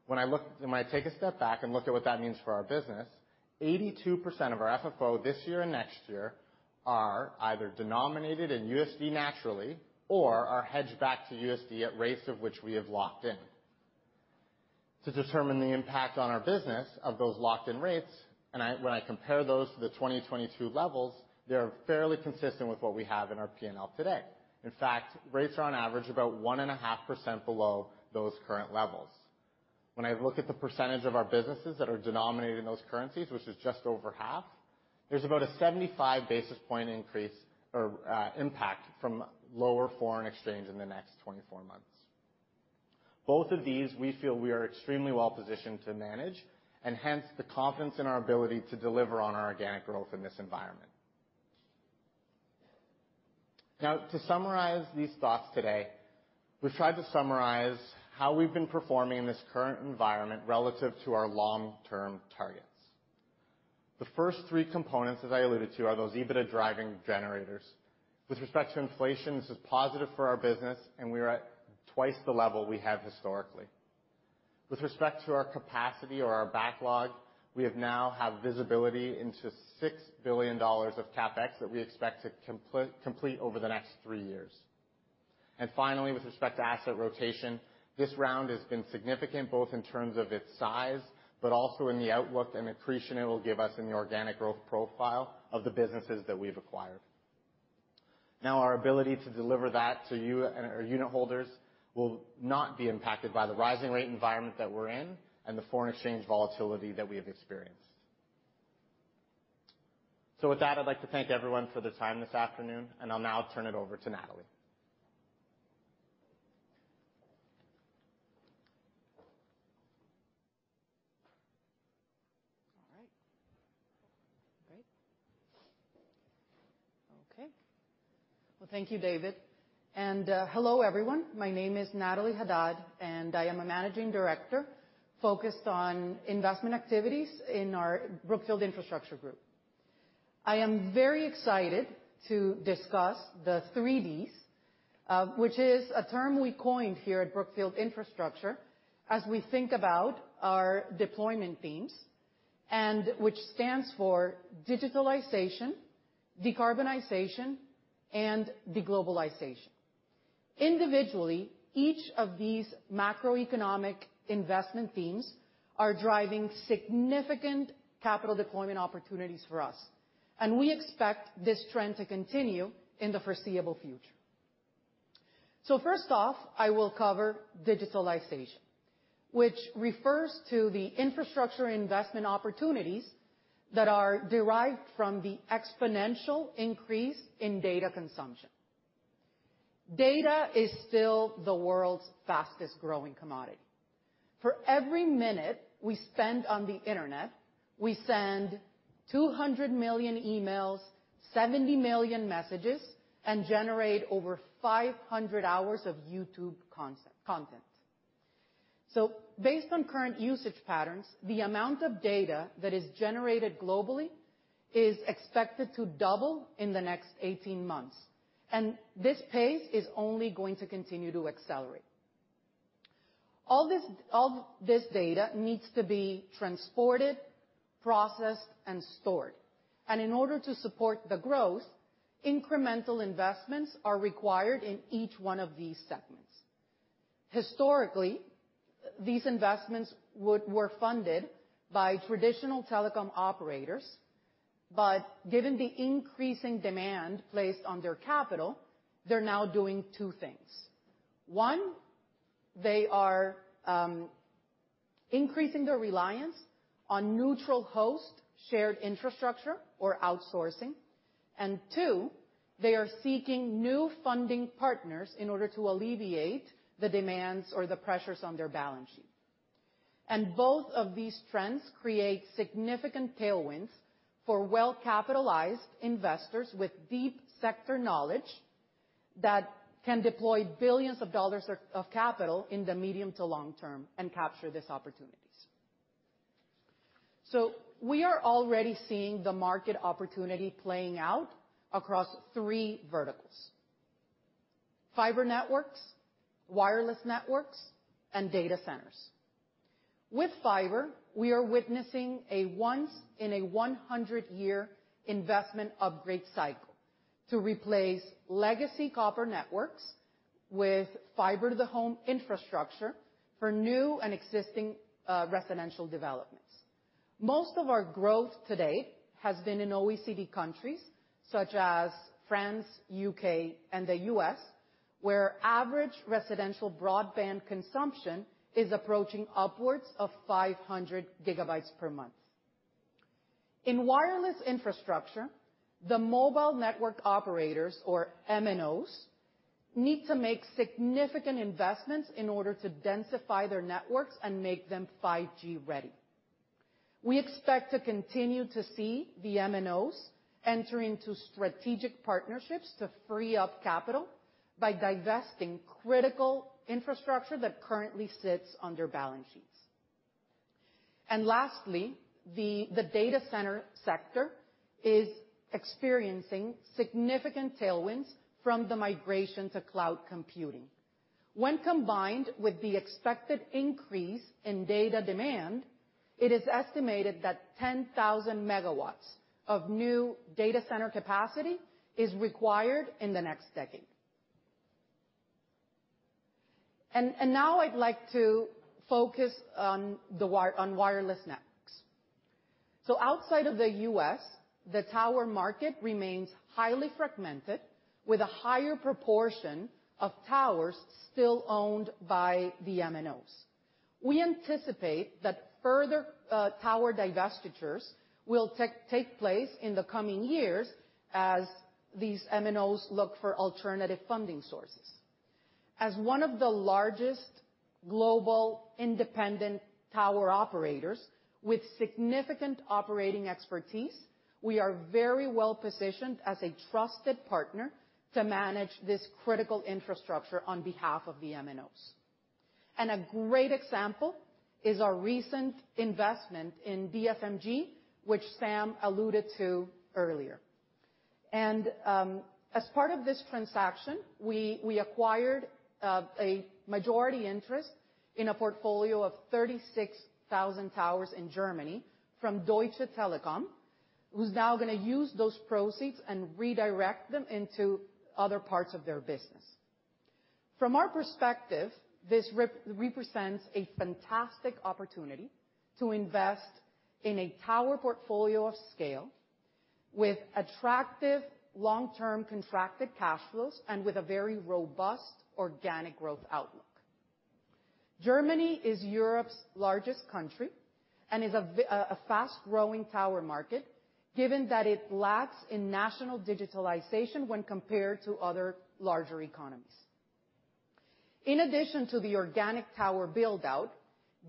When I take a step back and look at what that means for our business, 82% of our FFO this year and next year are either denominated in USD naturally or are hedged back to USD at rates of which we have locked in. To determine the impact on our business of those locked-in rates, when I compare those to the 2022 levels, they are fairly consistent with what we have in our P&L today. In fact, rates are on average about 1.5% below those current levels. When I look at the percentage of our businesses that are denominated in those currencies, which is just over half, there's about a 75 basis points increase or impact from lower foreign exchange in the next 24 months. Both of these, we feel we are extremely well-positioned to manage, and hence the confidence in our ability to deliver on our organic growth in this environment. Now, to summarize these thoughts today, we've tried to summarize how we've been performing in this current environment relative to our long-term targets. The first three components, as I alluded to, are those EBITDA driving generators. With respect to inflation, this is positive for our business, and we are at twice the level we have historically. With respect to our capacity or our backlog, we now have visibility into $6 billion of CapEx that we expect to complete over the next three years. Finally, with respect to asset rotation, this round has been significant, both in terms of its size, but also in the outlook and accretion it will give us in the organic growth profile of the businesses that we've acquired. Now, our ability to deliver that to you and our unit holders will not be impacted by the rising rate environment that we're in and the foreign exchange volatility that we have experienced. With that, I'd like to thank everyone for their time this afternoon, and I'll now turn it over to Natalie. Okay. Well, thank you, David. Hello, everyone. My name is Natalie Hadad, and I am a managing director focused on investment activities in our Brookfield Infrastructure Group. I am very excited to discuss the three Ds, which is a term we coined here at Brookfield Infrastructure as we think about our deployment themes, and which stands for digitalization, decarbonization, and deglobalization. Individually, each of these macroeconomic investment themes are driving significant capital deployment opportunities for us, and we expect this trend to continue in the foreseeable future. First off, I will cover digitalization, which refers to the infrastructure investment opportunities that are derived from the exponential increase in data consumption. Data is still the world's fastest-growing commodity. For every minute we spend on the Internet, we send 200 million emails, 70 million messages, and generate over 500 hours of YouTube content. Based on current usage patterns, the amount of data that is generated globally is expected to double in the next 18 months, and this pace is only going to continue to accelerate. All this data needs to be transported, processed, and stored, and in order to support the growth, incremental investments are required in each one of these segments. Historically, these investments were funded by traditional telecom operators, but given the increasing demand placed on their capital, they're now doing two things. One, they are increasing their reliance on neutral host shared infrastructure or outsourcing. Two, they are seeking new funding partners in order to alleviate the demands or the pressures on their balance sheet. Both of these trends create significant tailwinds for well-capitalized investors with deep sector knowledge that can deploy billions of dollars of capital in the medium to long term and capture these opportunities. We are already seeing the market opportunity playing out across three verticals, fiber networks, wireless networks, and data centers. With fiber, we are witnessing a once-in-a-100-year investment upgrade cycle to replace legacy copper networks with fiber to the home infrastructure for new and existing residential developments. Most of our growth to date has been in OECD countries such as France, U.K., and the U.S., where average residential broadband consumption is approaching upwards of 500 GB per month. In wireless infrastructure, the mobile network operators, or MNOs, need to make significant investments in order to densify their networks and make them 5G ready. We expect to continue to see the MNOs enter into strategic partnerships to free up capital by divesting critical infrastructure that currently sits on their balance sheets. Lastly, the data center sector is experiencing significant tailwinds from the migration to cloud computing. When combined with the expected increase in data demand, it is estimated that 10,000 MW of new data center capacity is required in the next decade. Now I'd like to focus on wireless networks. Outside of the U.S., the tower market remains highly fragmented with a higher proportion of towers still owned by the MNOs. We anticipate that further tower divestitures will take place in the coming years as these MNOs look for alternative funding sources. As one of the largest global independent tower operators with significant operating expertise, we are very well positioned as a trusted partner to manage this critical infrastructure on behalf of the MNOs. A great example is our recent investment in DFMG, which Sam alluded to earlier. As part of this transaction, we acquired a majority interest in a portfolio of 36,000 towers in Germany from Deutsche Telekom, who's now gonna use those proceeds and redirect them into other parts of their business. From our perspective, this represents a fantastic opportunity to invest in a tower portfolio of scale with attractive long-term contracted cash flows and with a very robust organic growth outlook. Germany is Europe's largest country and is a fast-growing tower market, given that it lags in national digitalization when compared to other larger economies. In addition to the organic tower build out,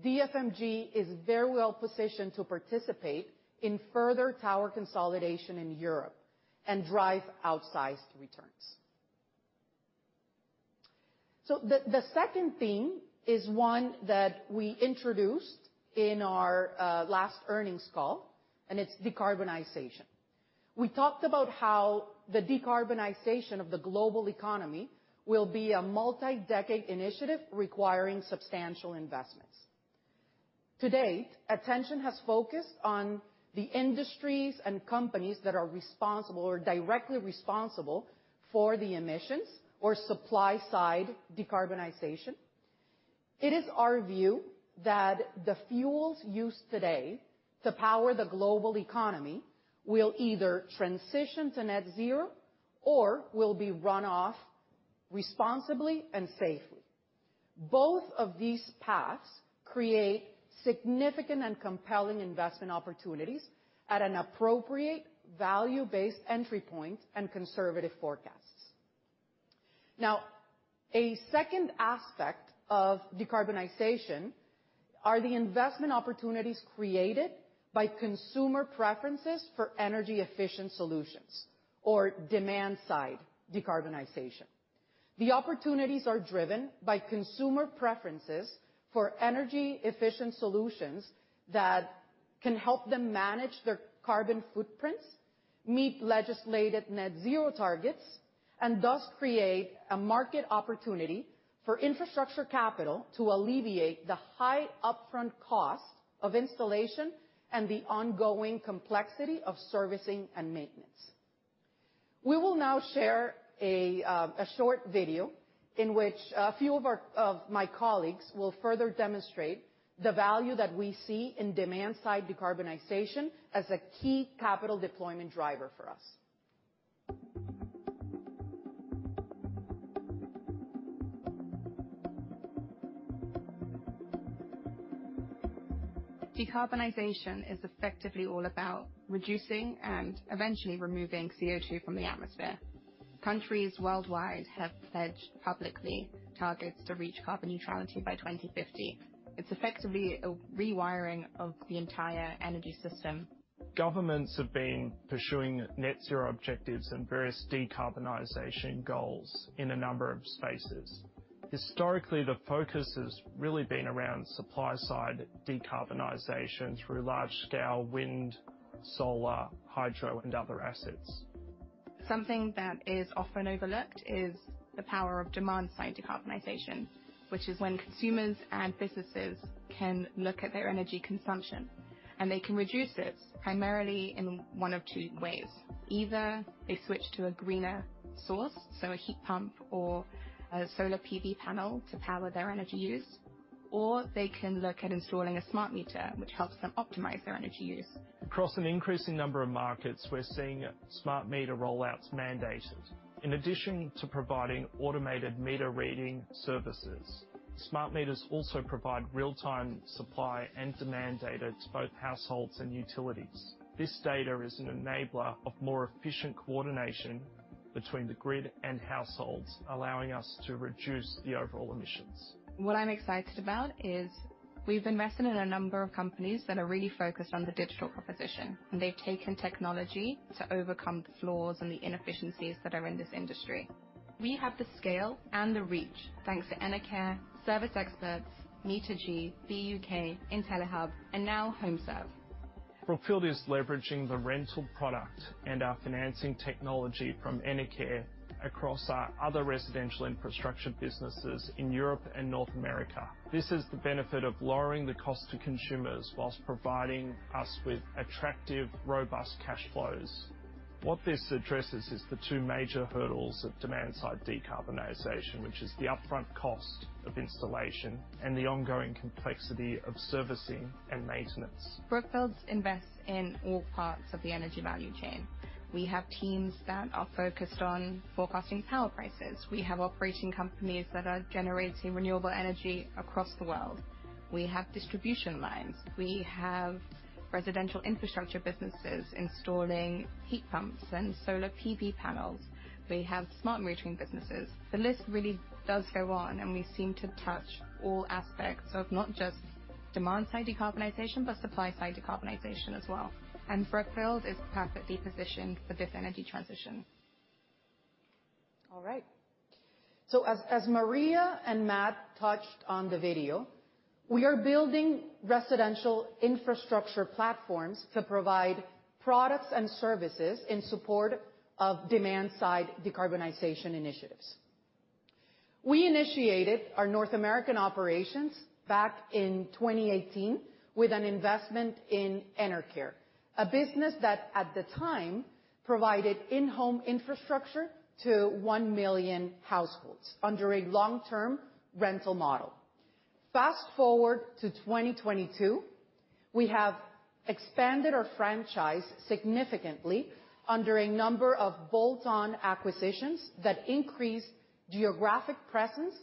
DFMG is very well positioned to participate in further tower consolidation in Europe and drive outsized returns. The second theme is one that we introduced in our last earnings call, and it's decarbonization. We talked about how the decarbonization of the global economy will be a multi-decade initiative requiring substantial investments. Today, attention has focused on the industries and companies that are responsible or directly responsible for the emissions or supply side decarbonization. It is our view that the fuels used today to power the global economy will either transition to net zero or will be run off responsibly and safely. Both of these paths create significant and compelling investment opportunities at an appropriate value-based entry point and conservative forecasts. Now, a second aspect of decarbonization are the investment opportunities created by consumer preferences for energy-efficient solutions or demand-side decarbonization. The opportunities are driven by consumer preferences for energy-efficient solutions that can help them manage their carbon footprints, meet legislated net zero targets, and thus create a market opportunity for infrastructure capital to alleviate the high upfront cost of installation and the ongoing complexity of servicing and maintenance. We will now share a short video in which a few of my colleagues will further demonstrate the value that we see in demand-side decarbonization as a key capital deployment driver for us. Decarbonization is effectively all about reducing and eventually removing CO2 from the atmosphere. Countries worldwide have pledged publicly targets to reach carbon neutrality by 2050. It's effectively a rewiring of the entire energy system. Governments have been pursuing net zero objectives and various decarbonization goals in a number of spaces. Historically, the focus has really been around supply side decarbonization through large scale wind, solar, hydro, and other assets. Something that is often overlooked is the power of demand side decarbonization, which is when consumers and businesses can look at their energy consumption, and they can reduce it primarily in one of two ways. Either they switch to a greener source, so a heat pump or a solar PV panel to power their energy use, or they can look at installing a smart meter, which helps them optimize their energy use. Across an increasing number of markets, we're seeing smart meter rollouts mandated. In addition to providing automated meter reading services, smart meters also provide real-time supply and demand data to both households and utilities. This data is an enabler of more efficient coordination between the grid and households, allowing us to reduce the overall emissions. What I'm excited about is we've invested in a number of companies that are really focused on the digital proposition, and they've taken technology to overcome the flaws and the inefficiencies that are in this industry. We have the scale and the reach thanks to Enercare, Service Experts, Metergy, Buk, Intellihub, and now HomeServe. Brookfield is leveraging the rental product and our financing technology from Enercare across our other residential infrastructure businesses in Europe and North America. This is the benefit of lowering the cost to consumers while providing us with attractive, robust cash flows. What this addresses is the two major hurdles of demand side decarbonization, which is the upfront cost of installation and the ongoing complexity of servicing and maintenance. Brookfield invests in all parts of the energy value chain. We have teams that are focused on forecasting power prices. We have operating companies that are generating renewable energy across the world. We have distribution lines. We have residential infrastructure businesses installing heat pumps and solar PV panels. We have smart metering businesses. The list really does go on, and we seem to touch all aspects of not just demand side decarbonization, but supply side decarbonization as well. Brookfield is perfectly positioned for this energy transition. All right. As Maria and Matt touched on the video, we are building residential infrastructure platforms to provide products and services in support of demand side decarbonization initiatives. We initiated our North American operations back in 2018 with an investment in Enercare, a business that at the time provided in-home infrastructure to 1 million households under a long-term rental model. Fast-forward to 2022, we have expanded our franchise significantly under a number of bolt-on acquisitions that increase geographic presence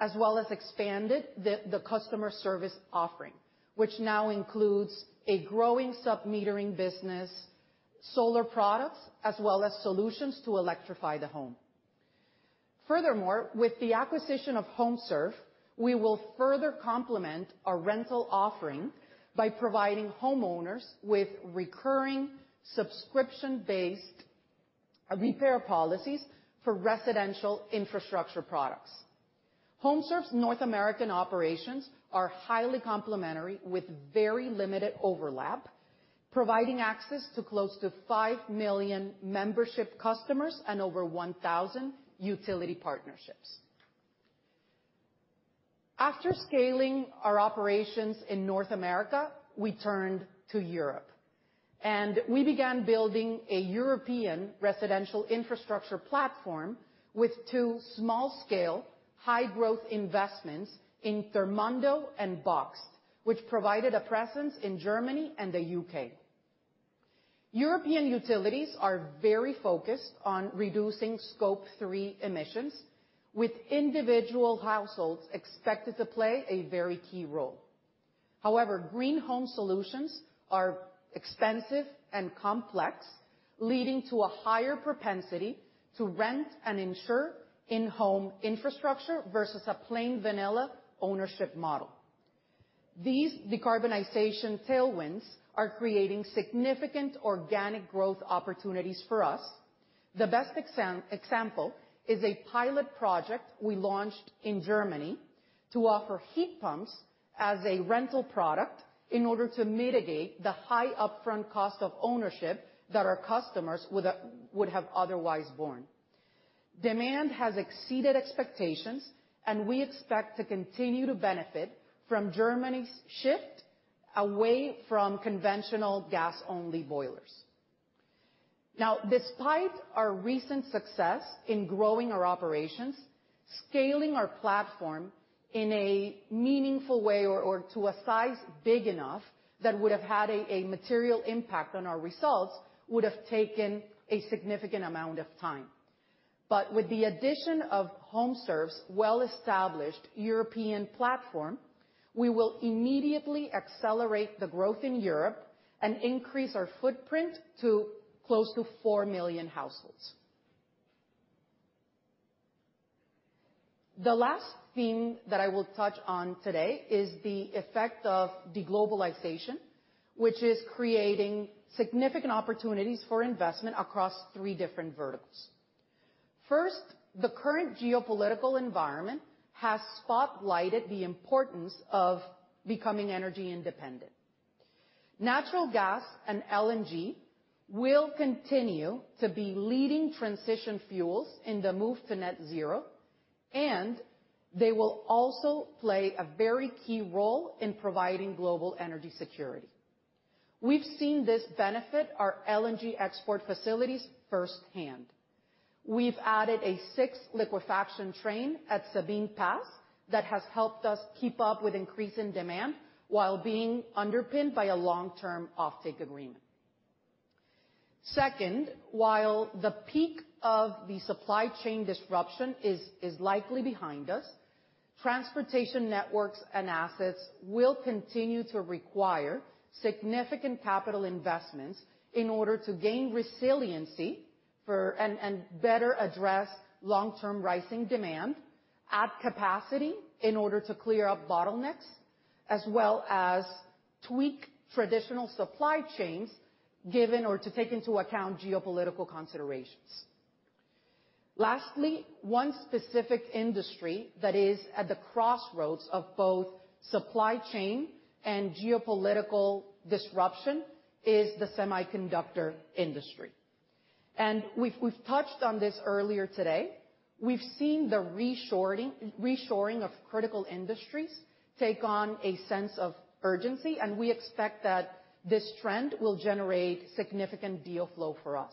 as well as expanded the customer service offering, which now includes a growing sub-metering business, solar products, as well as solutions to electrify the home. Furthermore, with the acquisition of HomeServe, we will further complement our rental offering by providing homeowners with recurring subscription-based repair policies for residential infrastructure products. HomeServe's North American operations are highly complementary with very limited overlap, providing access to close to 5 million membership customers and over 1,000 utility partnerships. After scaling our operations in North America, we turned to Europe, and we began building a European residential infrastructure platform with two small scale, high growth investments in Thermondo and BOXT, which provided a presence in Germany and the U.K. European utilities are very focused on reducing Scope 3 emissions, with individual households expected to play a very key role. However, green home solutions are expensive and complex, leading to a higher propensity to rent and insure in-home infrastructure versus a plain vanilla ownership model. These decarbonization tailwinds are creating significant organic growth opportunities for us. The best example is a pilot project we launched in Germany to offer heat pumps as a rental product in order to mitigate the high upfront cost of ownership that our customers would have otherwise borne. Demand has exceeded expectations, and we expect to continue to benefit from Germany's shift away from conventional gas-only boilers. Now, despite our recent success in growing our operations, scaling our platform in a meaningful way or to a size big enough that would have had a material impact on our results would have taken a significant amount of time. With the addition of HomeServe's well-established European platform, we will immediately accelerate the growth in Europe and increase our footprint to close to 4 million households. The last theme that I will touch on today is the effect of deglobalization, which is creating significant opportunities for investment across three different verticals. First, the current geopolitical environment has spotlighted the importance of becoming energy independent. Natural gas and LNG will continue to be leading transition fuels in the move to net zero, and they will also play a very key role in providing global energy security. We've seen this benefit our LNG export facilities firsthand. We've added a sixth liquefaction train at Sabine Pass that has helped us keep up with increase in demand while being underpinned by a long-term offtake agreement. Second, while the peak of the supply chain disruption is likely behind us, transportation networks and assets will continue to require significant capital investments in order to gain resiliency for. Better address long-term rising demand, add capacity in order to clear up bottlenecks, as well as tweak traditional supply chains given or to take into account geopolitical considerations. Lastly, one specific industry that is at the crossroads of both supply chain and geopolitical disruption is the semiconductor industry. We've touched on this earlier today. We've seen the reshoring of critical industries take on a sense of urgency, and we expect that this trend will generate significant deal flow for us.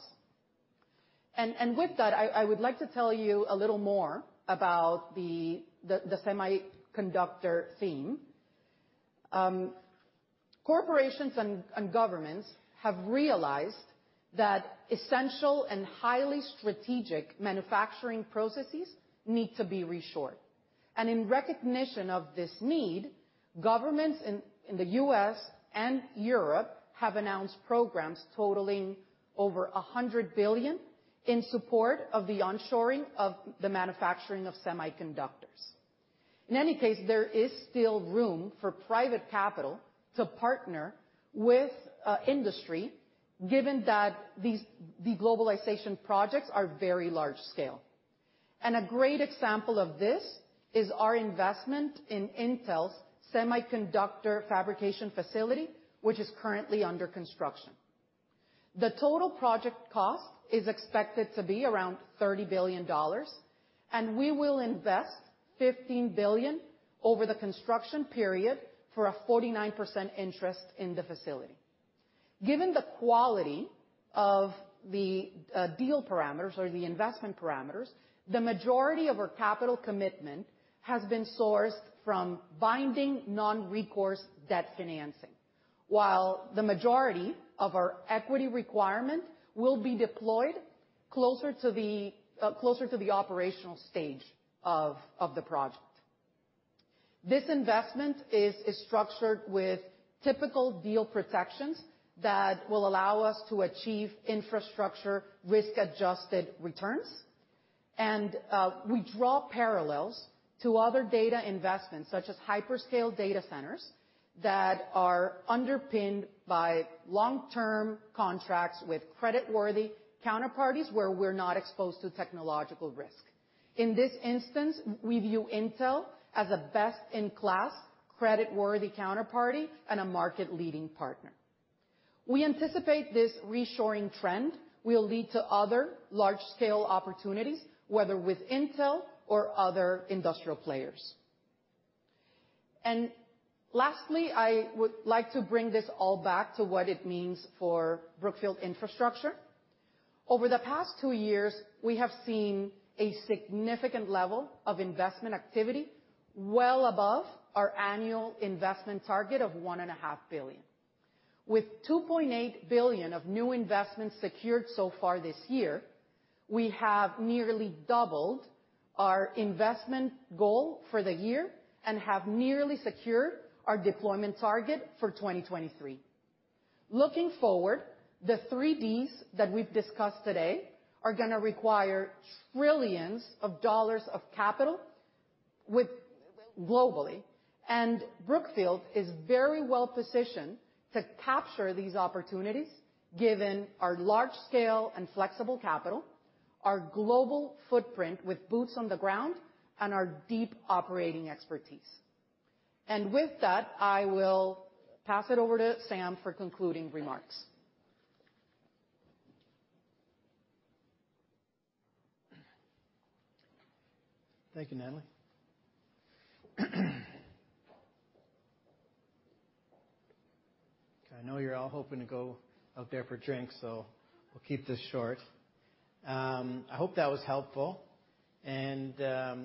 With that, I would like to tell you a little more about the semiconductor theme. Corporations and governments have realized that essential and highly strategic manufacturing processes need to be reshored. In recognition of this need, governments in the U.S. And Europe have announced programs totaling over $100 billion in support of the onshoring of the manufacturing of semiconductors. In any case, there is still room for private capital to partner with industry given that these deglobalization projects are very large scale. A great example of this is our investment in Intel's semiconductor fabrication facility, which is currently under construction. The total project cost is expected to be around $30 billion, and we will invest $15 billion over the construction period for a 49% interest in the facility. Given the quality of the deal parameters or the investment parameters, the majority of our capital commitment has been sourced from binding non-recourse debt financing, while the majority of our equity requirement will be deployed closer to the operational stage of the project. This investment is structured with typical deal protections that will allow us to achieve infrastructure risk-adjusted returns. We draw parallels to other data investments such as hyperscale data centers that are underpinned by long-term contracts with creditworthy counterparties where we're not exposed to technological risk. In this instance, we view Intel as a best-in-class creditworthy counterparty and a market-leading partner. We anticipate this reshoring trend will lead to other large-scale opportunities, whether with Intel or other industrial players. Lastly, I would like to bring this all back to what it means for Brookfield Infrastructure. Over the past two years, we have seen a significant level of investment activity well above our annual investment target of $1.5 billion. With $2.8 billion of new investments secured so far this year, we have nearly doubled our investment goal for the year and have nearly secured our deployment target for 2023. Looking forward, the three Ds that we've discussed today are gonna require trillions of dollars of capital globally, and Brookfield is very well positioned to capture these opportunities given our large scale and flexible capital, our global footprint with boots on the ground, and our deep operating expertise. With that, I will pass it over to Sam for concluding remarks. Thank you, Natalie. I know you're all hoping to go out there for drinks, so we'll keep this short. I hope that was helpful. I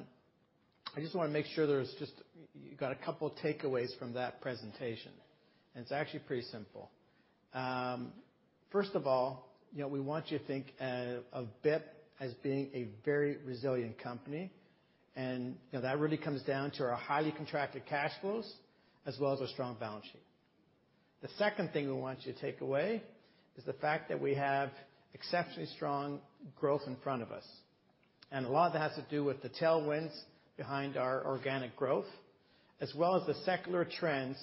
just wanna make sure you got a couple of takeaways from that presentation, and it's actually pretty simple. First of all, you know, we want you to think of BIP as being a very resilient company, and, you know, that really comes down to our highly contracted cash flows as well as our strong balance sheet. The second thing we want you to take away is the fact that we have exceptionally strong growth in front of us, and a lot of that has to do with the tailwinds behind our organic growth, as well as the secular trends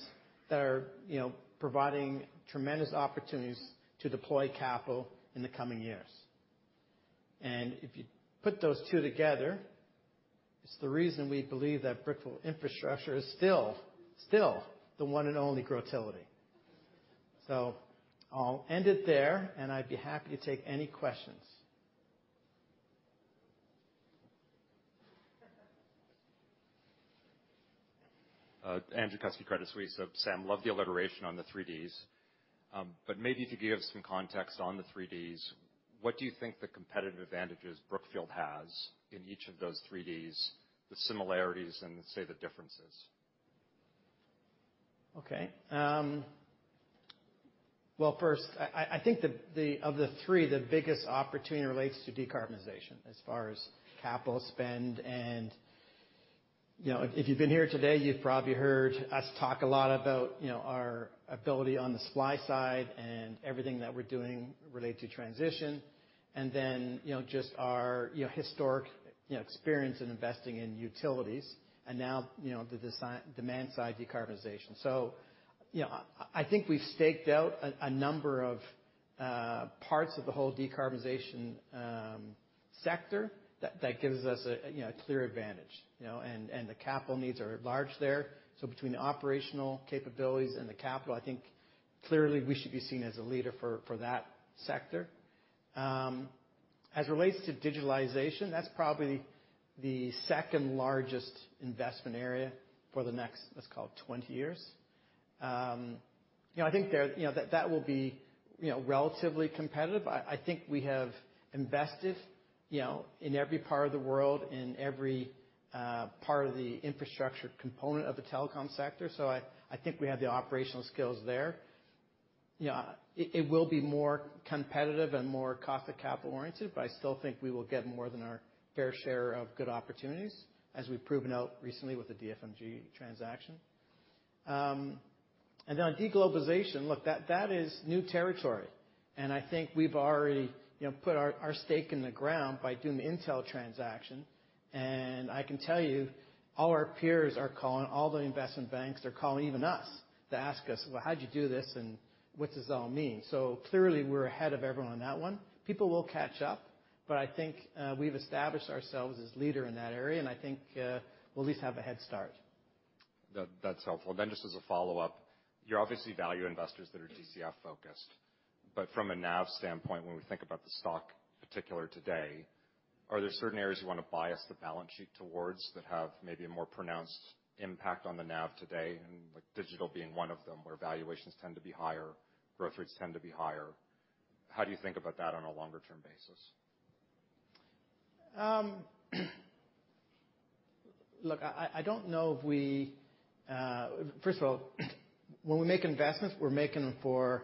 that are, you know, providing tremendous opportunities to deploy capital in the coming years. If you put those two together, it's the reason we believe that Brookfield Infrastructure is still the one and only Growtility. I'll end it there, and I'd be happy to take any questions. Andrew Kuske, Credit Suisse. Sam, love the alliteration on the three Ds. Maybe if you give some context on the three Ds, what do you think the competitive advantages Brookfield has in each of those three Ds, the similarities and, say, the differences? Okay. Well, first, I think of the three, the biggest opportunity relates to decarbonization as far as capital spend. You know, if you've been here today, you've probably heard us talk a lot about, you know, our ability on the supply side and everything that we're doing related to transition, and then, you know, just our, you know, historic, you know, experience in investing in utilities and now, you know, the demand-side decarbonization. You know, I think we've staked out a number of parts of the whole decarbonization sector that gives us a clear advantage, you know, and the capital needs are large there. Between the operational capabilities and the capital, I think clearly we should be seen as a leader for that sector. As it relates to digitalization, that's probably the second largest investment area for the next, let's call it 20 years. You know, I think that will be relatively competitive. I think we have invested, you know, in every part of the world, in every part of the infrastructure component of the telecom sector. I think we have the operational skills there. You know, it will be more competitive and more cost of capital oriented, but I still think we will get more than our fair share of good opportunities, as we've proven out recently with the DFMG transaction. On deglobalization, look, that is new territory. I think we've already, you know, put our stake in the ground by doing the Intel transaction. I can tell you, all our peers are calling, all the investment banks are calling even us to ask us, "Well, how'd you do this, and what does this all mean?" Clearly, we're ahead of everyone on that one. People will catch up, but I think, we've established ourselves as leader in that area, and I think, we'll at least have a head start. That's helpful. Just as a follow-up, you obviously are value investors that are DCF focused. From a NAV standpoint, when we think about the stock particularly today, are there certain areas you want to bias the balance sheet towards that have maybe a more pronounced impact on the NAV today and like digital being one of them, where valuations tend to be higher, growth rates tend to be higher? How do you think about that on a longer term basis? Look, I don't know if we First of all, when we make investments, we're making them for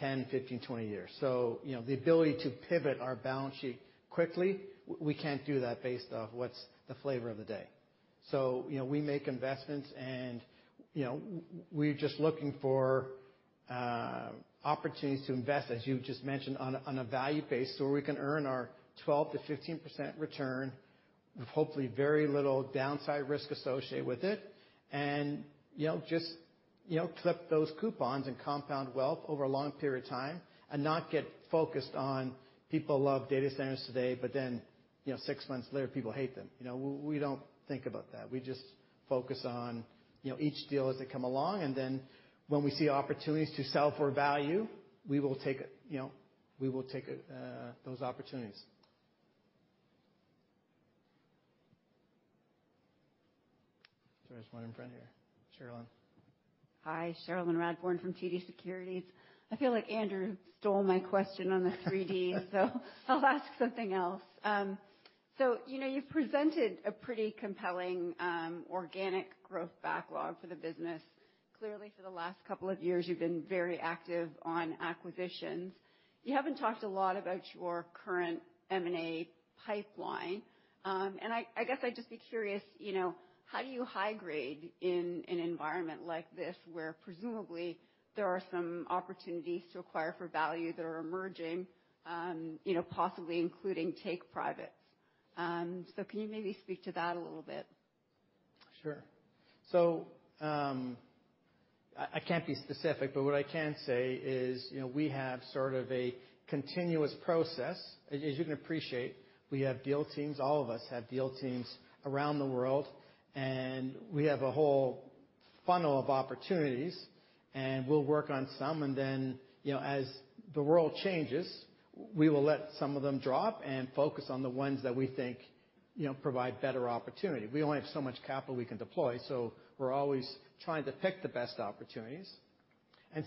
10, 15, 20 years. You know, the ability to pivot our balance sheet quickly, we can't do that based off what's the flavor of the day. You know, we make investments and, you know, we're just looking for opportunities to invest, as you just mentioned, on a value base, so we can earn our 12%-15% return with hopefully very little downside risk associated with it. You know, just, you know, clip those coupons and compound wealth over a long period of time and not get focused on people love data centers today, but then, you know, six months later, people hate them. You know, we don't think about that. We just focus on, you know, each deal as they come along. When we see opportunities to sell for value, we will take, you know, those opportunities. There's one in front here. Cherilyn. Hi, Cherilyn Radbourne from TD Securities. I feel like Andrew stole my question on the three Ds, so I'll ask something else. You know, you've presented a pretty compelling organic growth backlog for the business. Clearly, for the last couple of years, you've been very active on acquisitions. You haven't talked a lot about your current M&A pipeline. I guess I'd just be curious, you know, how do you high grade in an environment like this, where presumably there are some opportunities to acquire for value that are emerging, you know, possibly including take privates. Can you maybe speak to that a little bit? Sure. I can't be specific, but what I can say is, you know, we have sort of a continuous process. As you can appreciate, we have deal teams. All of us have deal teams around the world, and we have a whole funnel of opportunities, and we'll work on some, and then, you know, as the world changes, we will let some of them drop and focus on the ones that we think, you know, provide better opportunity. We only have so much capital we can deploy, so we're always trying to pick the best opportunities.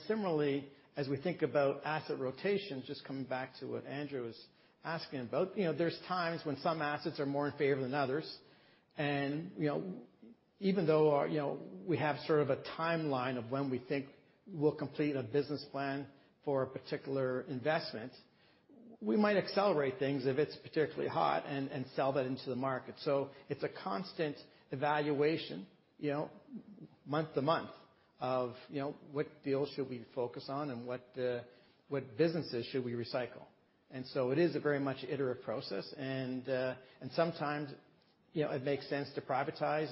Similarly, as we think about asset rotation, just coming back to what Andrew was asking about. You know, there's times when some assets are more in favor than others. You know, even though, you know, we have sort of a timeline of when we think we'll complete a business plan for a particular investment, we might accelerate things if it's particularly hot and sell that into the market. It's a constant evaluation, you know, month to month of, you know, what deals should we focus on and what businesses should we recycle. It is a very much iterative process. Sometimes, you know, it makes sense to privatize.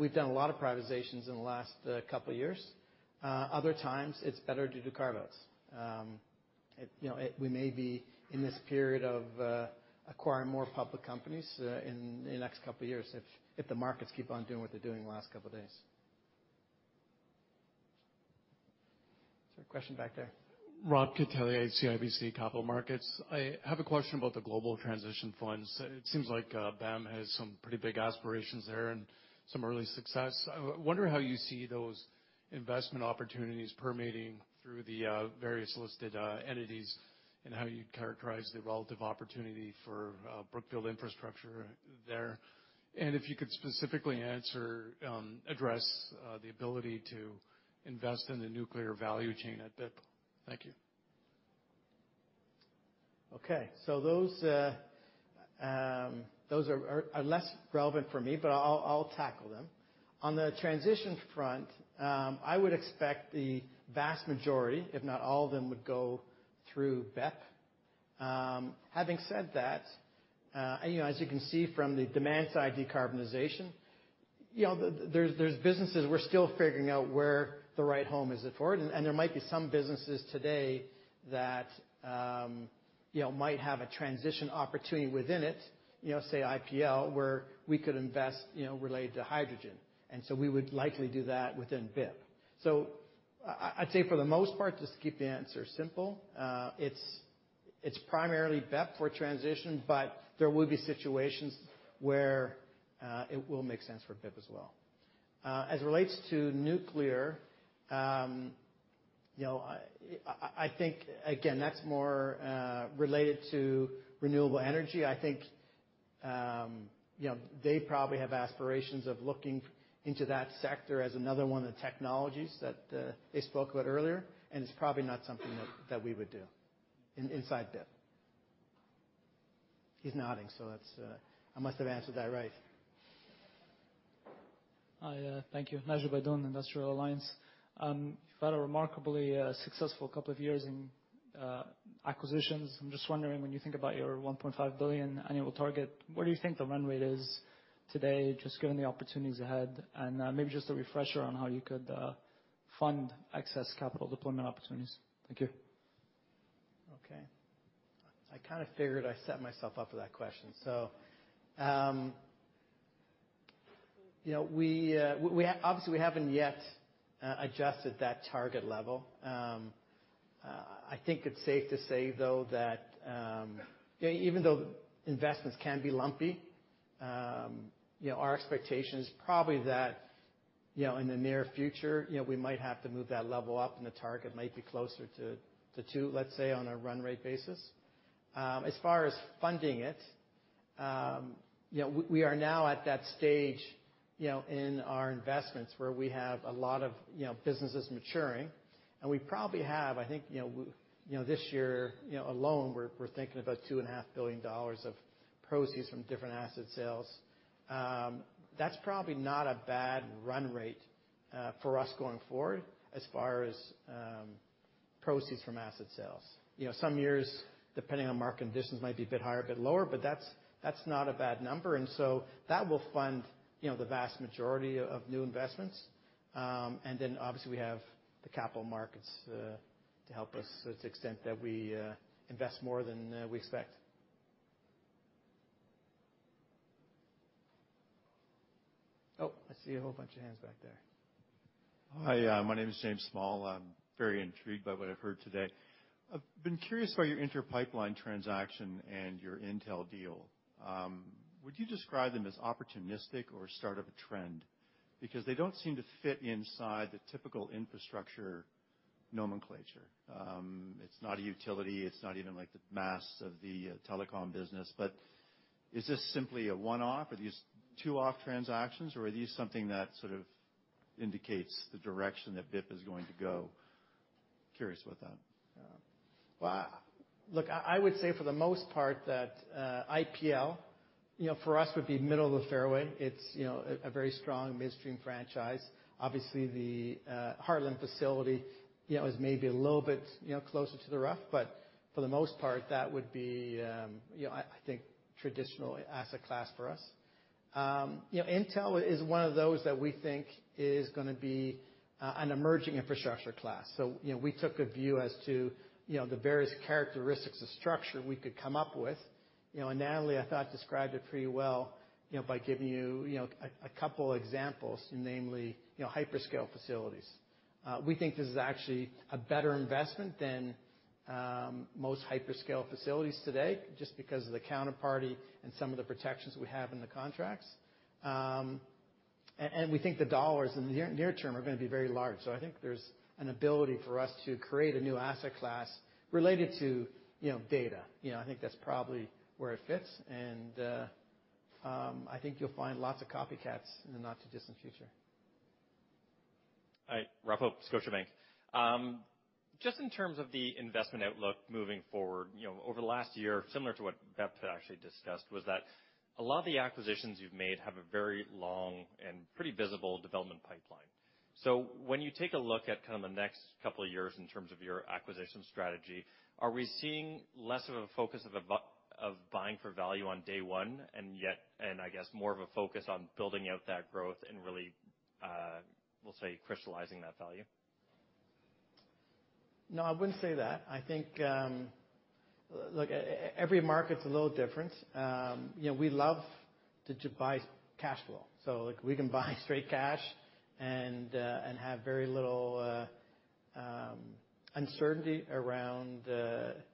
We've done a lot of privatizations in the last couple of years. Other times, it's better to do carve-outs. You know, we may be in this period of acquiring more public companies in the next couple of years if the markets keep on doing what they're doing the last couple of days. Is there a question back there? Rob Catellier, CIBC Capital Markets. I have a question about the global transition funds. It seems like, BAM has some pretty big aspirations there and some early success. I wonder how you see those investment opportunities permeating through the, various listed, entities and how you characterize the relative opportunity for, Brookfield Infrastructure there. If you could specifically address the ability to invest in the nuclear value chain at BIP. Thank you. Okay. So those are less relevant for me, but I'll tackle them. On the transition front, I would expect the vast majority, if not all of them, would go through BEP. Having said that, you know, as you can see from the demand side, decarbonization, you know, there's businesses we're still figuring out where the right home is for it. There might be some businesses today that, you know, might have a transition opportunity within it, you know, say IPL, where we could invest, you know, related to hydrogen. We would likely do that within BIP. I'd say for the most part, just to keep the answer simple, it's primarily BEP for transition, but there will be situations where it will make sense for BIP as well. As it relates to nuclear, you know, I think again, that's more related to renewable energy. I think, you know, they probably have aspirations of looking into that sector as another one of the technologies that they spoke about earlier, and it's probably not something that we would do inside BIP. He's nodding, so that's, I must have answered that right. Hi. Thank you. Naji Baydoun, Industrial Alliance. You've had a remarkably successful couple of years in acquisitions. I'm just wondering, when you think about your $1.5 billion annual target, where do you think the run rate is today, just given the opportunities ahead? Maybe just a refresher on how you could fund excess capital deployment opportunities. Thank you. I kinda figured I set myself up for that question. You know, we obviously haven't yet adjusted that target level. I think it's safe to say, though, that even though investments can be lumpy, you know, our expectation is probably that, you know, in the near future, you know, we might have to move that target level up, and the target might be closer to two, let's say, on a run rate basis. As far as funding it, you know, we are now at that stage, you know, in our investments where we have a lot of, you know, businesses maturing, and we probably have, I think, you know, this year, you know, alone, we're thinking about $2.5 billion of proceeds from different asset sales. That's probably not a bad run rate for us going forward as far as proceeds from asset sales. You know, some years, depending on market conditions, might be a bit higher, a bit lower, but that's not a bad number, and so that will fund, you know, the vast majority of new investments. And then obviously we have the capital markets to help us to the extent that we invest more than we expect. Oh, I see a whole bunch of hands back there. Hi, my name is James Small. I'm very intrigued by what I've heard today. I've been curious about your Inter Pipeline transaction and your Intel deal. Would you describe them as opportunistic or start of a trend? Because they don't seem to fit inside the typical infrastructure nomenclature. It's not a utility. It's not even like the mass of the telecom business. Is this simply a one-off? Are these two-off transactions, or are these something that sort of indicates the direction that BIP is going to go? Curious about that. Well, look, I would say for the most part that IPL, you know, for us would be middle of the fairway. It's, you know, a very strong midstream franchise. Obviously, the Heartland facility, you know, is maybe a little bit, you know, closer to the rough, but for the most part, that would be, you know, I think, traditional asset class for us. You know, Intel is one of those that we think is gonna be an emerging infrastructure class. You know, we took a view as to, you know, the various characteristics of structure we could come up with. You know, Natalie, I thought, described it pretty well, you know, by giving you know, a couple examples, namely, you know, hyperscale facilities. We think this is actually a better investment than most hyperscale facilities today just because of the counterparty and some of the protections we have in the contracts. We think the dollars in the near term are gonna be very large. I think there's an ability for us to create a new asset class related to, you know, data. You know, I think that's probably where it fits and I think you'll find lots of copycats in the not too distant future. Hi. Rob Hope, Scotiabank. Just in terms of the investment outlook moving forward, you know, over the last year, similar to what BEP had actually discussed, was that a lot of the acquisitions you've made have a very long and pretty visible development pipeline. So when you take a look at kind of the next couple of years in terms of your acquisition strategy, are we seeing less of a focus of buying for value on day one, and I guess more of a focus on building out that growth and really, we'll say, crystallizing that value? No, I wouldn't say that. I think, look, every market's a little different. You know, we love to buy cash flow. Like, we can buy straight cash and have very little uncertainty around,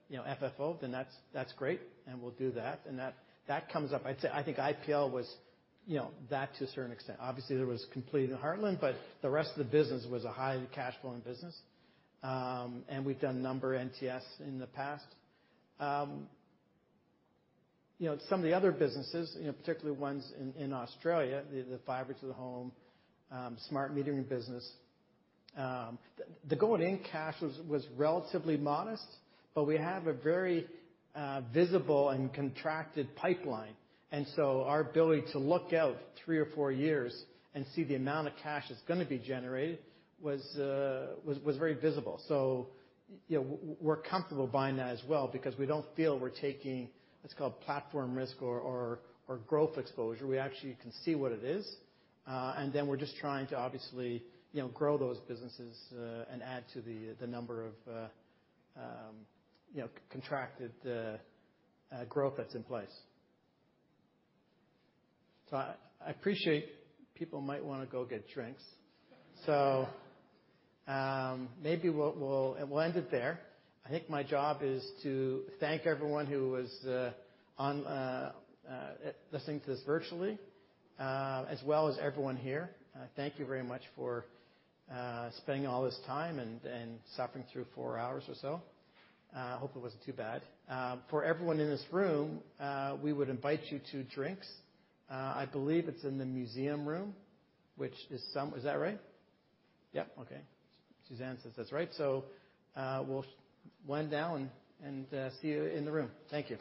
you know, FFO, then that's great, and we'll do that, and that comes up. I'd say I think IPL was, you know, that to a certain extent. Obviously, there was completing Heartland, but the rest of the business was a highly cash flowing business. We've done numerous in the past. You know, some of the other businesses, you know, particularly ones in Australia, the fiber to the home, smart metering business, the going in cash was relatively modest, but we have a very visible and contracted pipeline. Our ability to look out three or four years and see the amount of cash that's gonna be generated was very visible. You know, we're comfortable buying that as well because we don't feel we're taking what's called platform risk or growth exposure. We actually can see what it is, and then we're just trying to obviously, you know, grow those businesses, and add to the number of, you know, contracted growth that's in place. I appreciate people might wanna go get drinks. Maybe we'll end it there. I think my job is to thank everyone who was online listening to this virtually, as well as everyone here. Thank you very much for spending all this time and suffering through four hours or so. I hope it wasn't too bad. For everyone in this room, we would invite you to drinks. I believe it's in the museum room. Is that right? Yeah. Okay. Suzanne says that's right. We'll wind down and see you in the room. Thank you.